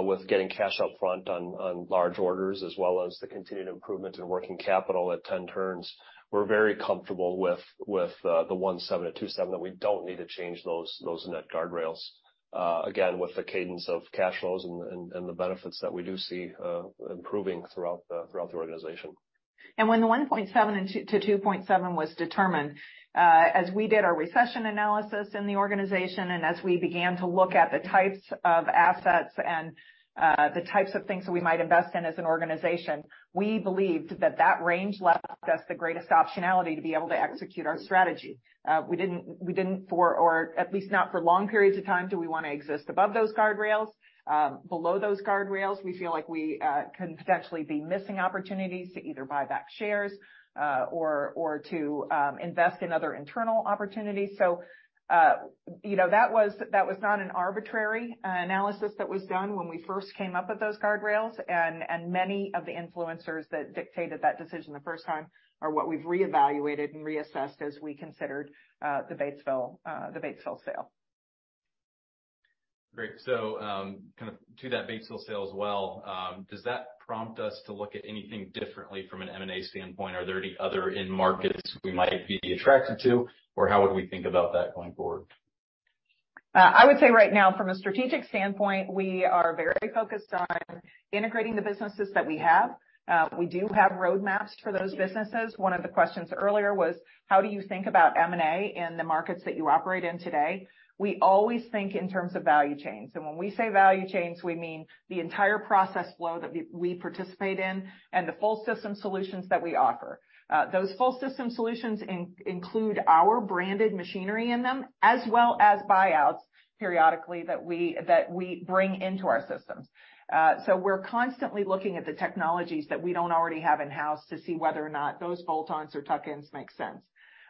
with getting cash upfront on large orders as well as the continued improvement in working capital at 10 turns, we're very comfortable with the 1.7-2.7, that we don't need to change those net guardrails, again, with the cadence of cash flows and the benefits that we do see improving throughout the organization. When the $1.7-$2.7 was determined, as we did our recession analysis in the organization and as we began to look at the types of assets and the types of things that we might invest in as an organization, we believed that that range left us the greatest optionality to be able to execute our strategy. We didn't, or at least not for long periods of time, do we wanna exist above those guardrails. Below those guardrails we feel like we can potentially be missing opportunities to either buy back shares or to invest in other internal opportunities. You know, that was not an arbitrary analysis that was done when we first came up with those guardrails. Many of the influencers that dictated that decision the first time are what we've reevaluated and reassessed as we considered the Batesville sale. Great. kind of to that Batesville sale as well, does that prompt us to look at anything differently from an M&A standpoint? Are there any other end markets we might be attracted to, or how would we think about that going forward? I would say right now, from a strategic standpoint, we are very focused on integrating the businesses that we have. We do have roadmaps for those businesses. One of the questions earlier was, how do you think about M&A in the markets that you operate in today? We always think in terms of value chains, and when we say value chains, we mean the entire process flow that we participate in and the full system solutions that we offer. Those full system solutions include our branded machinery in them, as well as buyouts periodically that we bring into our systems. We're constantly looking at the technologies that we don't already have in-house to see whether or not those bolt-ons or tuck-ins make sense.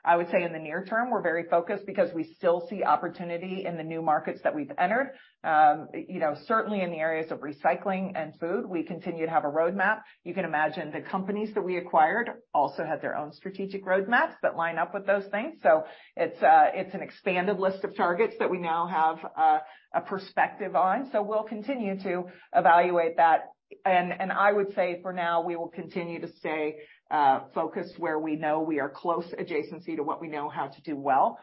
I would say in the near term, we're very focused because we still see opportunity in the new markets that we've entered. You know, certainly in the areas of recycling and food, we continue to have a roadmap. You can imagine the companies that we acquired also had their own strategic roadmaps that line up with those things. It's an expanded list of targets that we now have a perspective on. We'll continue to evaluate that. I would say for now, we will continue to stay focused where we know we are close adjacency to what we know how to do well.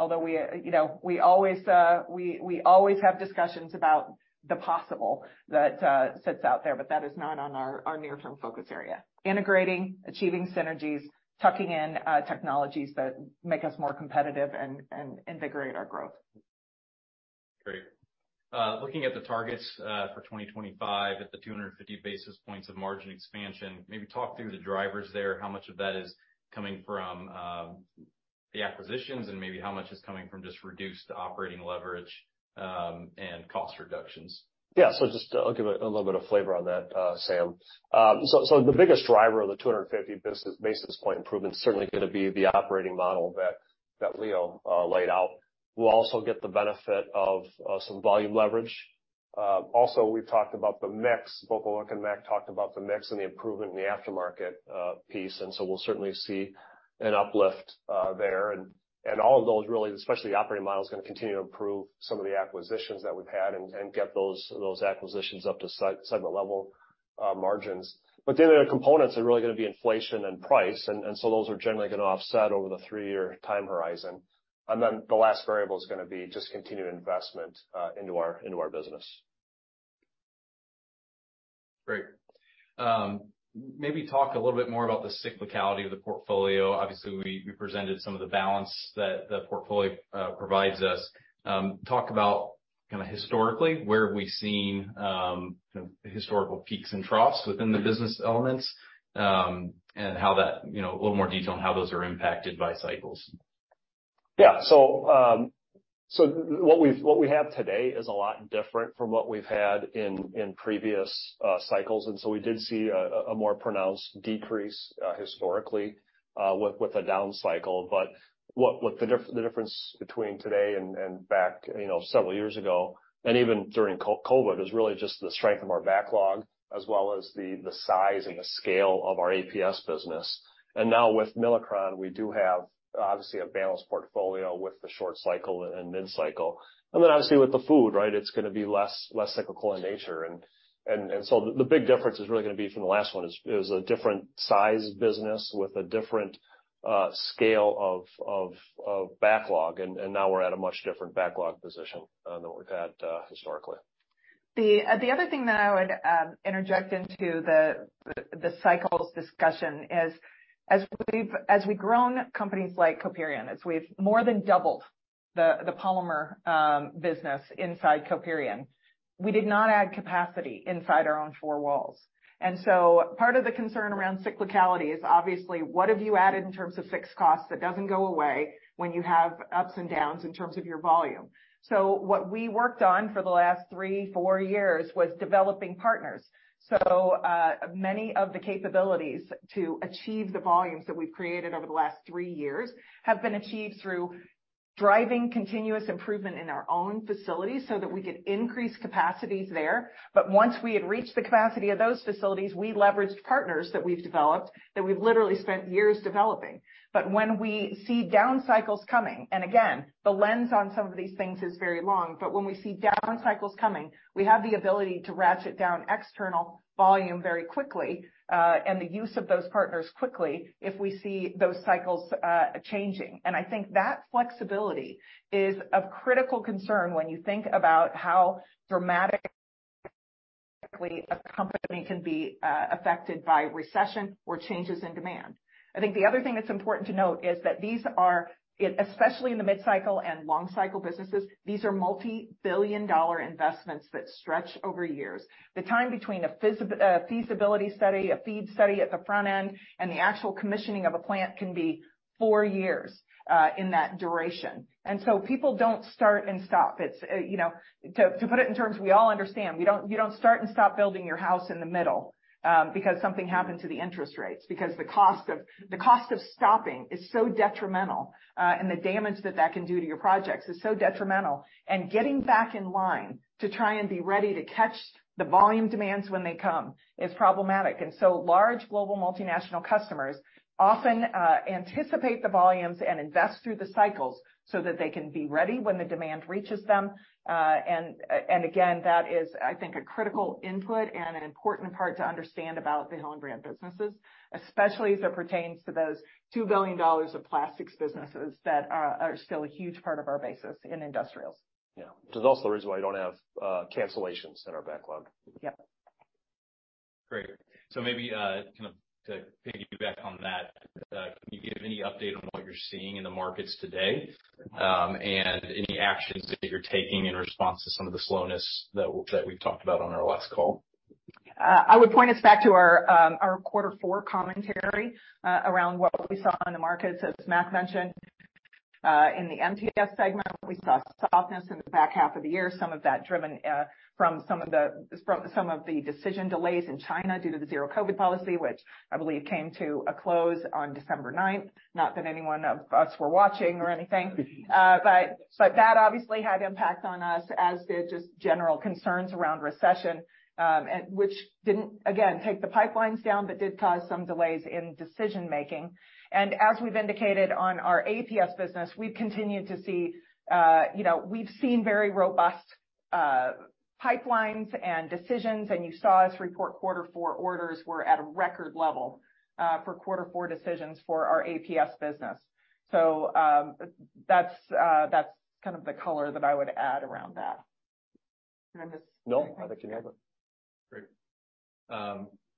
Although we, you know, we always have discussions about the possible that sits out there, but that is not on our near-term focus area. Integrating, achieving synergies, tucking in technologies that make us more competitive and invigorate our growth. Great. Looking at the targets for 2025 at the 250 basis points of margin expansion, maybe talk through the drivers there, how much of that is coming from the acquisitions and maybe how much is coming from just reduced operating leverage and cost reductions. Yeah. Just I'll give a little bit of flavor on that, Sam. The biggest driver of the 250 basis point improvement is certainly gonna be the operating model that Leo laid out. We'll also get the benefit of some volume leverage. We've talked about the mix. Both Ulrich and Mac talked about the mix and the improvement in the aftermarket piece, and so we'll certainly see an uplift there. All of those really, especially the operating model, is gonna continue to improve some of the acquisitions that we've had and get those acquisitions up to segment level margins. The other components are really gonna be inflation and price, and so those are generally gonna offset over the three-year time horizon. The last variable is gonna be just continued investment, into our business. Great. Maybe talk a little bit more about the cyclicality of the portfolio. Obviously, we presented some of the balance that the portfolio provides us. Talk about kind of historically, where have we seen historical peaks and troughs within the business elements, and how that, you know, a little more detail on how those are impacted by cycles. What we have today is a lot different from what we've had in previous cycles. We did see a more pronounced decrease historically with the down cycle. The difference between today and back, you know, several years ago, and even during COVID, is really just the strength of our backlog as well as the size and the scale of our APS business. With Milacron, we do have, obviously a balanced portfolio with the short cycle and mid-cycle. Obviously with the food, right, it's gonna be less cyclical in nature. The big difference is really gonna be from the last one is a different size business with a different scale of backlog. Now we're at a much different backlog position than we've had historically. The other thing that I would interject into the cycles discussion is, as we've grown companies like Coperion, as we've more than doubled the polymer business inside Coperion, we did not add capacity inside our own four walls. Part of the concern around cyclicality is obviously what have you added in terms of fixed costs that doesn't go away when you have ups and downs in terms of your volume. What we worked on for the last three, four years was developing partners. Many of the capabilities to achieve the volumes that we've created over the last three years have been achieved through driving continuous improvement in our own facilities so that we could increase capacities there. Once we had reached the capacity of those facilities, we leveraged partners that we've developed, that we've literally spent years developing. When we see down cycles coming, and again, the lens on some of these things is very long, but when we see down cycles coming, we have the ability to ratchet down external volume very quickly, and the use of those partners quickly if we see those cycles changing. I think that flexibility is of critical concern when you think about how dramatically a company can be affected by recession or changes in demand. The other thing that's important to note is that these are especially in the mid-cycle and long cycle businesses, these are multi-billion dollar investments that stretch over years. The time between a feasibility study, a FEED study at the front end, and the actual commissioning of a plant can be four years in that duration. People don't start and stop. It's, you know, to put it in terms we all understand, you don't start and stop building your house in the middle because something happened to the interest rates, because the cost of stopping is so detrimental, and the damage that that can do to your projects is so detrimental. Getting back in line to try and be ready to catch the volume demands when they come is problematic. Large global multinational customers often anticipate the volumes and invest through the cycles so that they can be ready when the demand reaches them. Again, that is, I think, a critical input and an important part to understand about the Hillenbrand businesses, especially as it pertains to those $2 billion of plastics businesses that are still a huge part of our basis in industrials. Yeah. There's also a reason why you don't have cancellations in our backlog. Yeah. Great. Maybe, kind of to piggyback on that, can you give any update on what you're seeing in the markets today, and any actions that you're taking in response to some of the slowness that we've talked about on our last call? I would point us back to our quarter four commentary around what we saw in the markets, as Mac mentioned. In the MTS segment, we saw softness in the back half of the year, some of that driven from some of the decision delays in China due to the Zero-COVID policy, which I believe came to a close on December 9th. Not that any one of us were watching or anything. That obviously had impact on us, as did just general concerns around recession, and which didn't, again, take the pipelines down, but did cause some delays in decision-making. As we've indicated on our APS business, we've continued to see, you know, we've seen very robust pipelines and decisions, and you saw us report quarter four orders were at a record level for quarter four decisions for our APS business. That's, that's kind of the color that I would add around that. No, I think you're good. Great.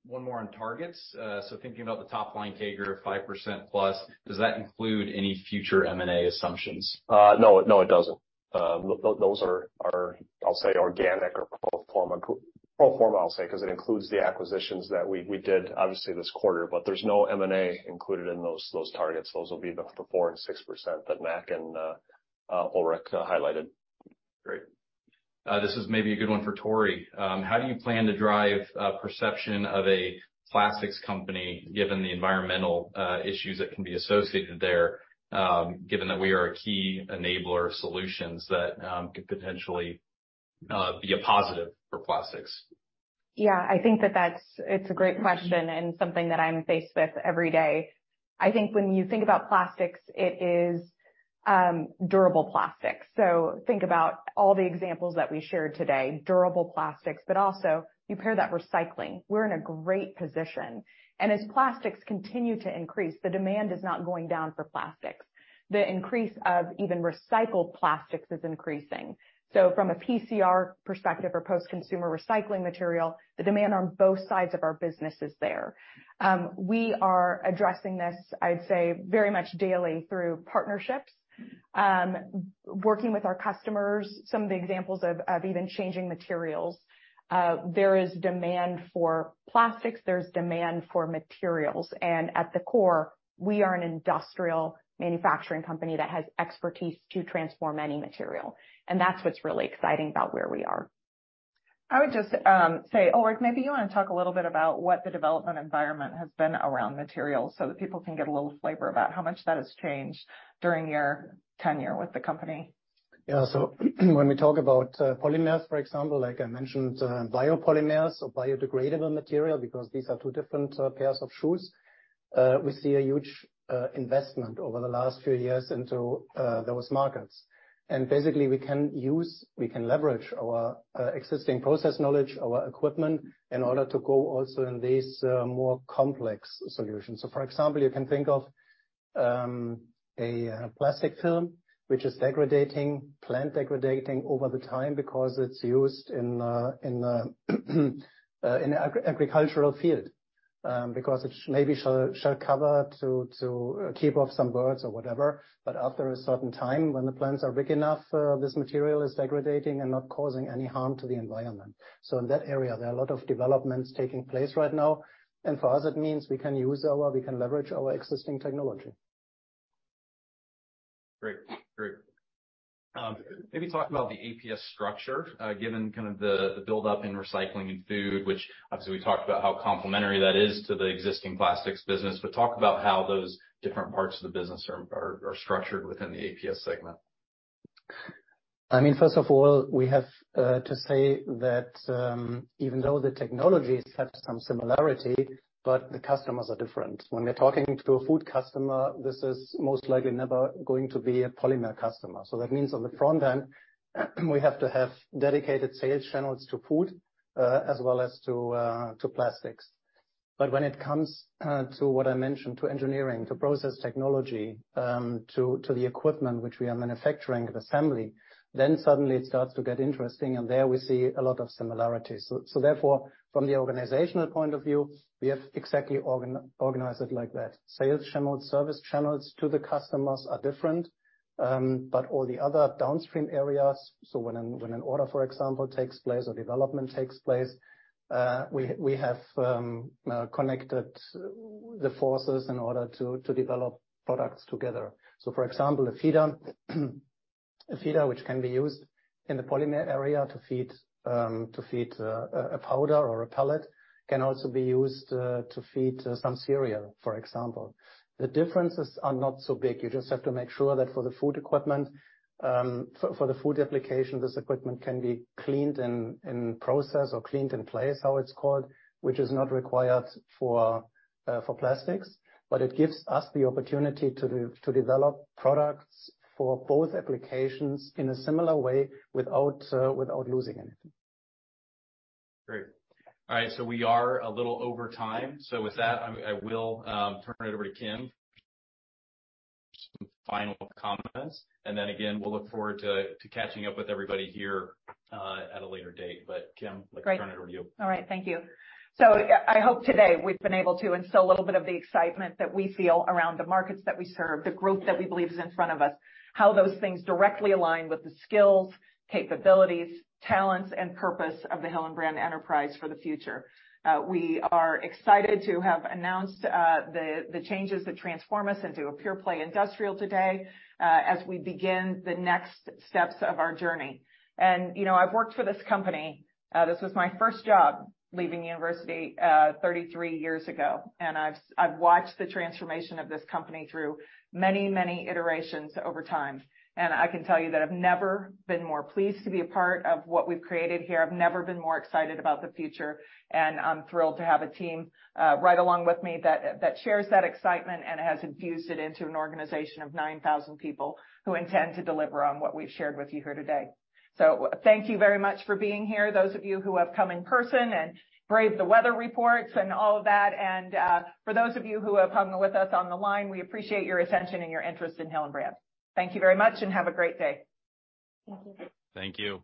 One more on targets. Thinking about the top line CAGR of 5%+, does that include any future M&A assumptions? No. No, it doesn't. Those are, I'll say, organic or pro forma. Pro forma, I'll say, 'cause it includes the acquisitions that we did obviously this quarter, but there's no M&A included in those targets. Those will be the 4% and 6% that Mac and Ulrich highlighted. Great. This is maybe a good one for Tory. How do you plan to drive perception of a plastics company given the environmental issues that can be associated there, given that we are a key enabler of solutions that could potentially be a positive for plastics? Yeah. I think it's a great question and something that I'm faced with every day. I think when you think about plastics, it is durable plastics. Think about all the examples that we shared today, durable plastics, but also you pair that recycling. We're in a great position. As plastics continue to increase, the demand is not going down for plastics. The increase of even recycled plastics is increasing. From a PCR perspective or post-consumer recycling material, the demand on both sides of our business is there. We are addressing this, I'd say, very much daily through partnerships, working with our customers, some of the examples of even changing materials. There is demand for plastics, there's demand for materials. At the core, we are an industrial manufacturing company that has expertise to transform any material. That's what's really exciting about where we are. I would just say, Ulrich, maybe you wanna talk a little bit about what the development environment has been around materials so that people can get a little flavor about how much that has changed during your tenure with the company. Yeah. When we talk about polymers, for example, like I mentioned, biopolymers or biodegradable material, because these are two different pairs of shoes, we see a huge investment over the last few years into those markets. Basically we can use, we can leverage our existing process knowledge, our equipment in order to go also in these more complex solutions. For example, you can think of a plastic film which is degrading, plant degrading over the time because it's used in agricultural field, because it maybe shall cover to keep off some birds or whatever. After a certain time when the plants are big enough, this material is degrading and not causing any harm to the environment. In that area, there are a lot of developments taking place right now. For us it means we can leverage our existing technology. Great. Great. maybe talk about the APS structure, given kind of the buildup in recycling and food, which obviously we talked about how complementary that is to the existing plastics business. Talk about how those different parts of the business are structured within the APS segment. I mean, first of all, we have to say that even though the technologies have some similarity, but the customers are different. When we're talking to a food customer, this is most likely never going to be a polymer customer. That means on the front end, we have to have dedicated sales channels to food, as well as to plastics. When it comes to what I mentioned, to engineering, to process technology, to the equipment which we are manufacturing at assembly, then suddenly it starts to get interesting, and there we see a lot of similarities. Therefore, from the organizational point of view, we have exactly organize it like that. Sales channels, service channels to the customers are different, but all the other downstream areas, so when an order, for example, takes place or development takes place, we have connected the forces in order to develop products together. For example, a feeder, a feeder which can be used in the polymer area to feed a powder or a pellet can also be used to feed some cereal, for example. The differences are not so big. You just have to make sure that for the food equipment, for the food application, this equipment can be cleaned and process or cleaned in place, how it's called, which is not required for plastics, but it gives us the opportunity to develop products for both applications in a similar way without losing anything. Great. All right, we are a little over time. With that, I will turn it over to Kim for some final comments, and then again, we'll look forward to catching up with everybody here at a later date. Kim. Great. I'll turn it over to you. All right. Thank you. I hope today we've been able to instill a little bit of the excitement that we feel around the markets that we serve, the growth that we believe is in front of us, how those things directly align with the skills, capabilities, talents, and purpose of the Hillenbrand enterprise for the future. We are excited to have announced the changes that transform us into a pure-play industrial today, as we begin the next steps of our journey. You know, I've worked for this company, this was my first job leaving university, 33 years ago, and I've watched the transformation of this company through many, many iterations over time. I can tell you that I've never been more pleased to be a part of what we've created here. I've never been more excited about the future, and I'm thrilled to have a team right along with me that shares that excitement and has infused it into an organization of 9,000 people who intend to deliver on what we've shared with you here today. Thank you very much for being here. Those of you who have come in person and braved the weather reports and all of that. For those of you who have come with us on the line, we appreciate your attention and your interest in Hillenbrand. Thank you very much and have a great day. Thank you. Thank you.